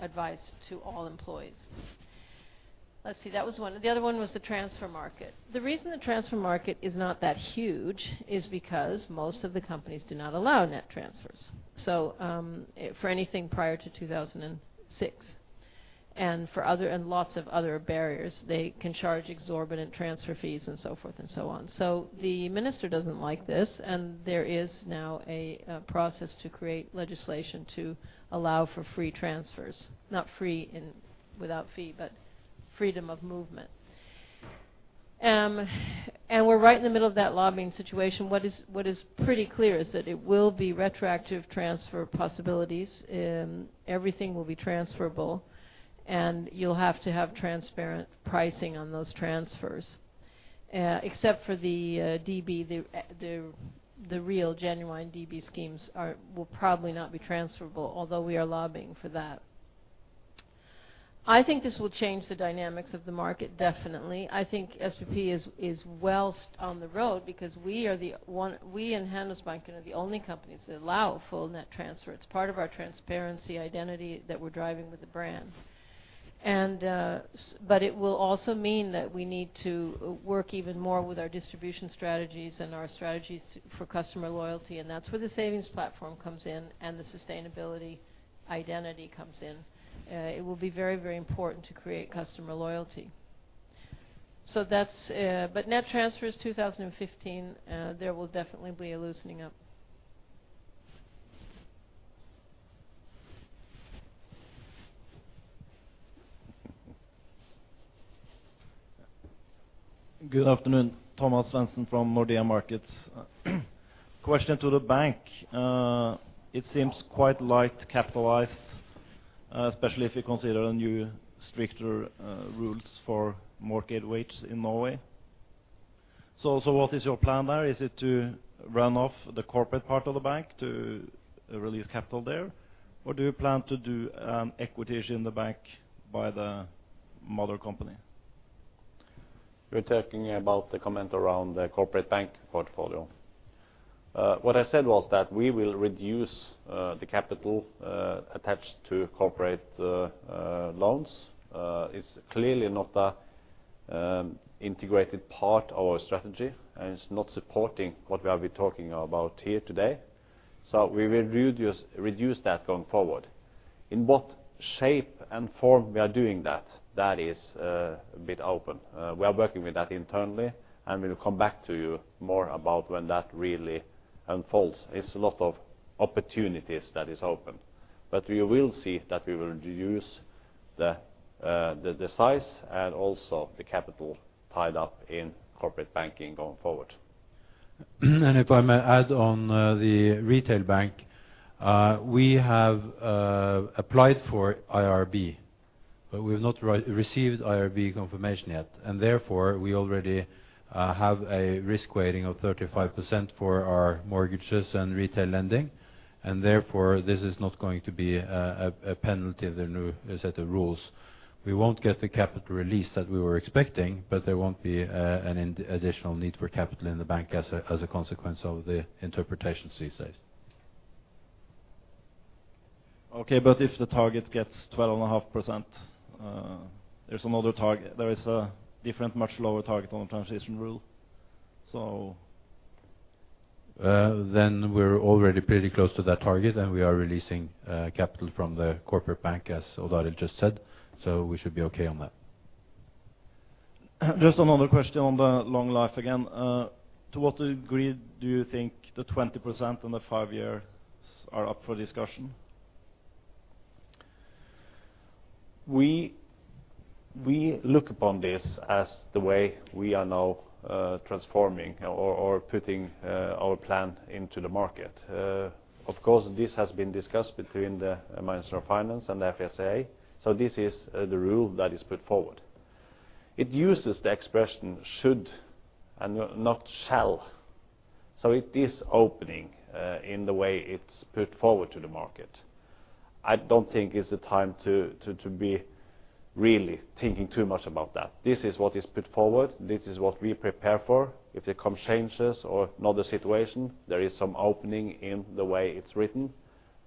advice to all employees. Let's see. That was one. The other one was the transfer market. The reason the transfer market is not that huge is because most of the companies do not allow net transfers, so for anything prior to 2006, and for other—and lots of other barriers. They can charge exorbitant transfer fees and so forth and so on. So the minister doesn't like this, and there is now a process to create legislation to allow for free transfers, not free in without fee, but freedom of movement. And we're right in the middle of that lobbying situation. What is, what is pretty clear is that it will be retroactive transfer possibilities, everything will be transferable, and you'll have to have transparent pricing on those transfers. Except for the DB, the real, genuine DB schemes will probably not be transferable, although we are lobbying for that. I think this will change the dynamics of the market, definitely. I think SPP is well on the road because we are the one—we and Handelsbanken are the only companies that allow full net transfer. It's part of our transparency identity that we're driving with the brand. But it will also mean that we need to work even more with our distribution strategies and our strategies for customer loyalty, and that's where the savings platform comes in and the sustainability identity comes in. It will be very, very important to create customer loyalty. So that's... But net transfers 2015, there will definitely be a loosening up. Good afternoon, Thomas Svendsen from Nordea Markets. Question to the bank. It seems quite light capitalized, especially if you consider the new stricter rules for market weights in Norway. So what is your plan there? Is it to run off the corporate part of the bank to release capital there, or do you plan to do equities in the bank by the mother company? You're talking about the comment around the corporate bank portfolio. What I said was that we will reduce the capital attached to corporate loans. It's clearly not an integrated part of our strategy, and it's not supporting what we have been talking about here today, so we will reduce, reduce that going forward. In what shape and form we are doing that, that is a bit open. We are working with that internally, and we will come back to you more about when that really unfolds. It's a lot of opportunities that is open, but you will see that we will reduce the size and also the capital tied up in corporate banking going forward. And if I may add on, the retail bank, we have applied for IRB, but we have not received IRB confirmation yet. And therefore, we already have a risk weighting of 35% for our mortgages and retail lending, and therefore, this is not going to be a penalty of the new set of rules. We won't get the capital release that we were expecting, but there won't be an additional need for capital in the bank as a consequence of the interpretations these days. Okay, but if the target gets 12.5%, there's another target. There is a different, much lower target on the transition rule, so- Then we're already pretty close to that target, and we are releasing capital from the corporate bank, as Odd Arild just said, so we should be okay on that. Just another question on the long life again. To what degree do you think the 20% on the 5 years are up for discussion? We look upon this as the way we are now transforming or putting our plan into the market. Of course, this has been discussed between the Minister of Finance and the FSA, so this is the rule that is put forward. It uses the expression should and not shall, so it is opening in the way it's put forward to the market. I don't think it's the time to be really thinking too much about that. This is what is put forward. This is what we prepare for. If there come changes or another situation, there is some opening in the way it's written.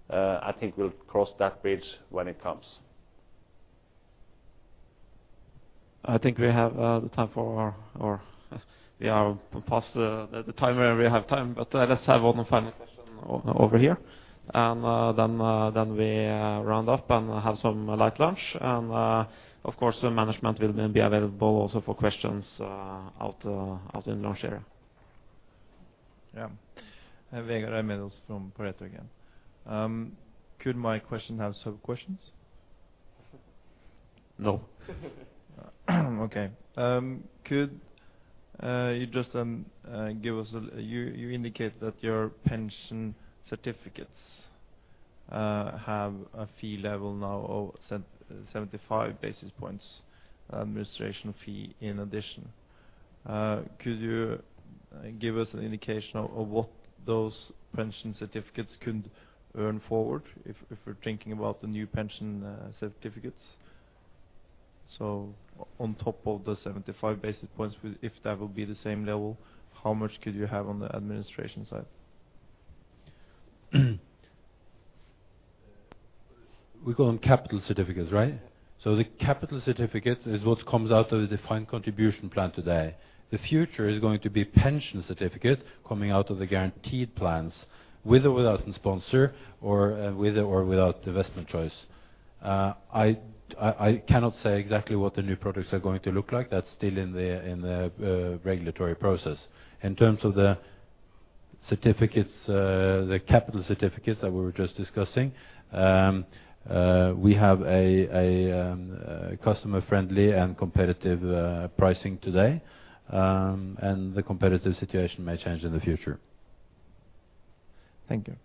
I think we'll cross that bridge when it comes. I think we have the time for our... We are past the timer, we have time, but let's have one final question over here, and then we round up and have some light lunch. And of course, the management will then be available also for questions out in the lunch area. Yeah. I'm Vegard Toverud from Pareto again. Could my question have sub-questions? No. Okay. Could you just give us a... You indicate that your pension certificates have a fee level now of 75 basis points, administration fee in addition. Could you give us an indication of what those pension certificates could earn forward if we're thinking about the new pension certificates? So on top of the 75 basis points, if that will be the same level, how much could you have on the administration side? We go on capital certificates, right? So the capital certificates is what comes out of the defined contribution plan today. The future is going to be pension certificate coming out of the guaranteed plans, with or without a sponsor, or with or without investment choice. I cannot say exactly what the new products are going to look like. That's still in the regulatory process. In terms of the certificates, the capital certificates that we were just discussing, we have a customer-friendly and competitive pricing today, and the competitive situation may change in the future. Thank you.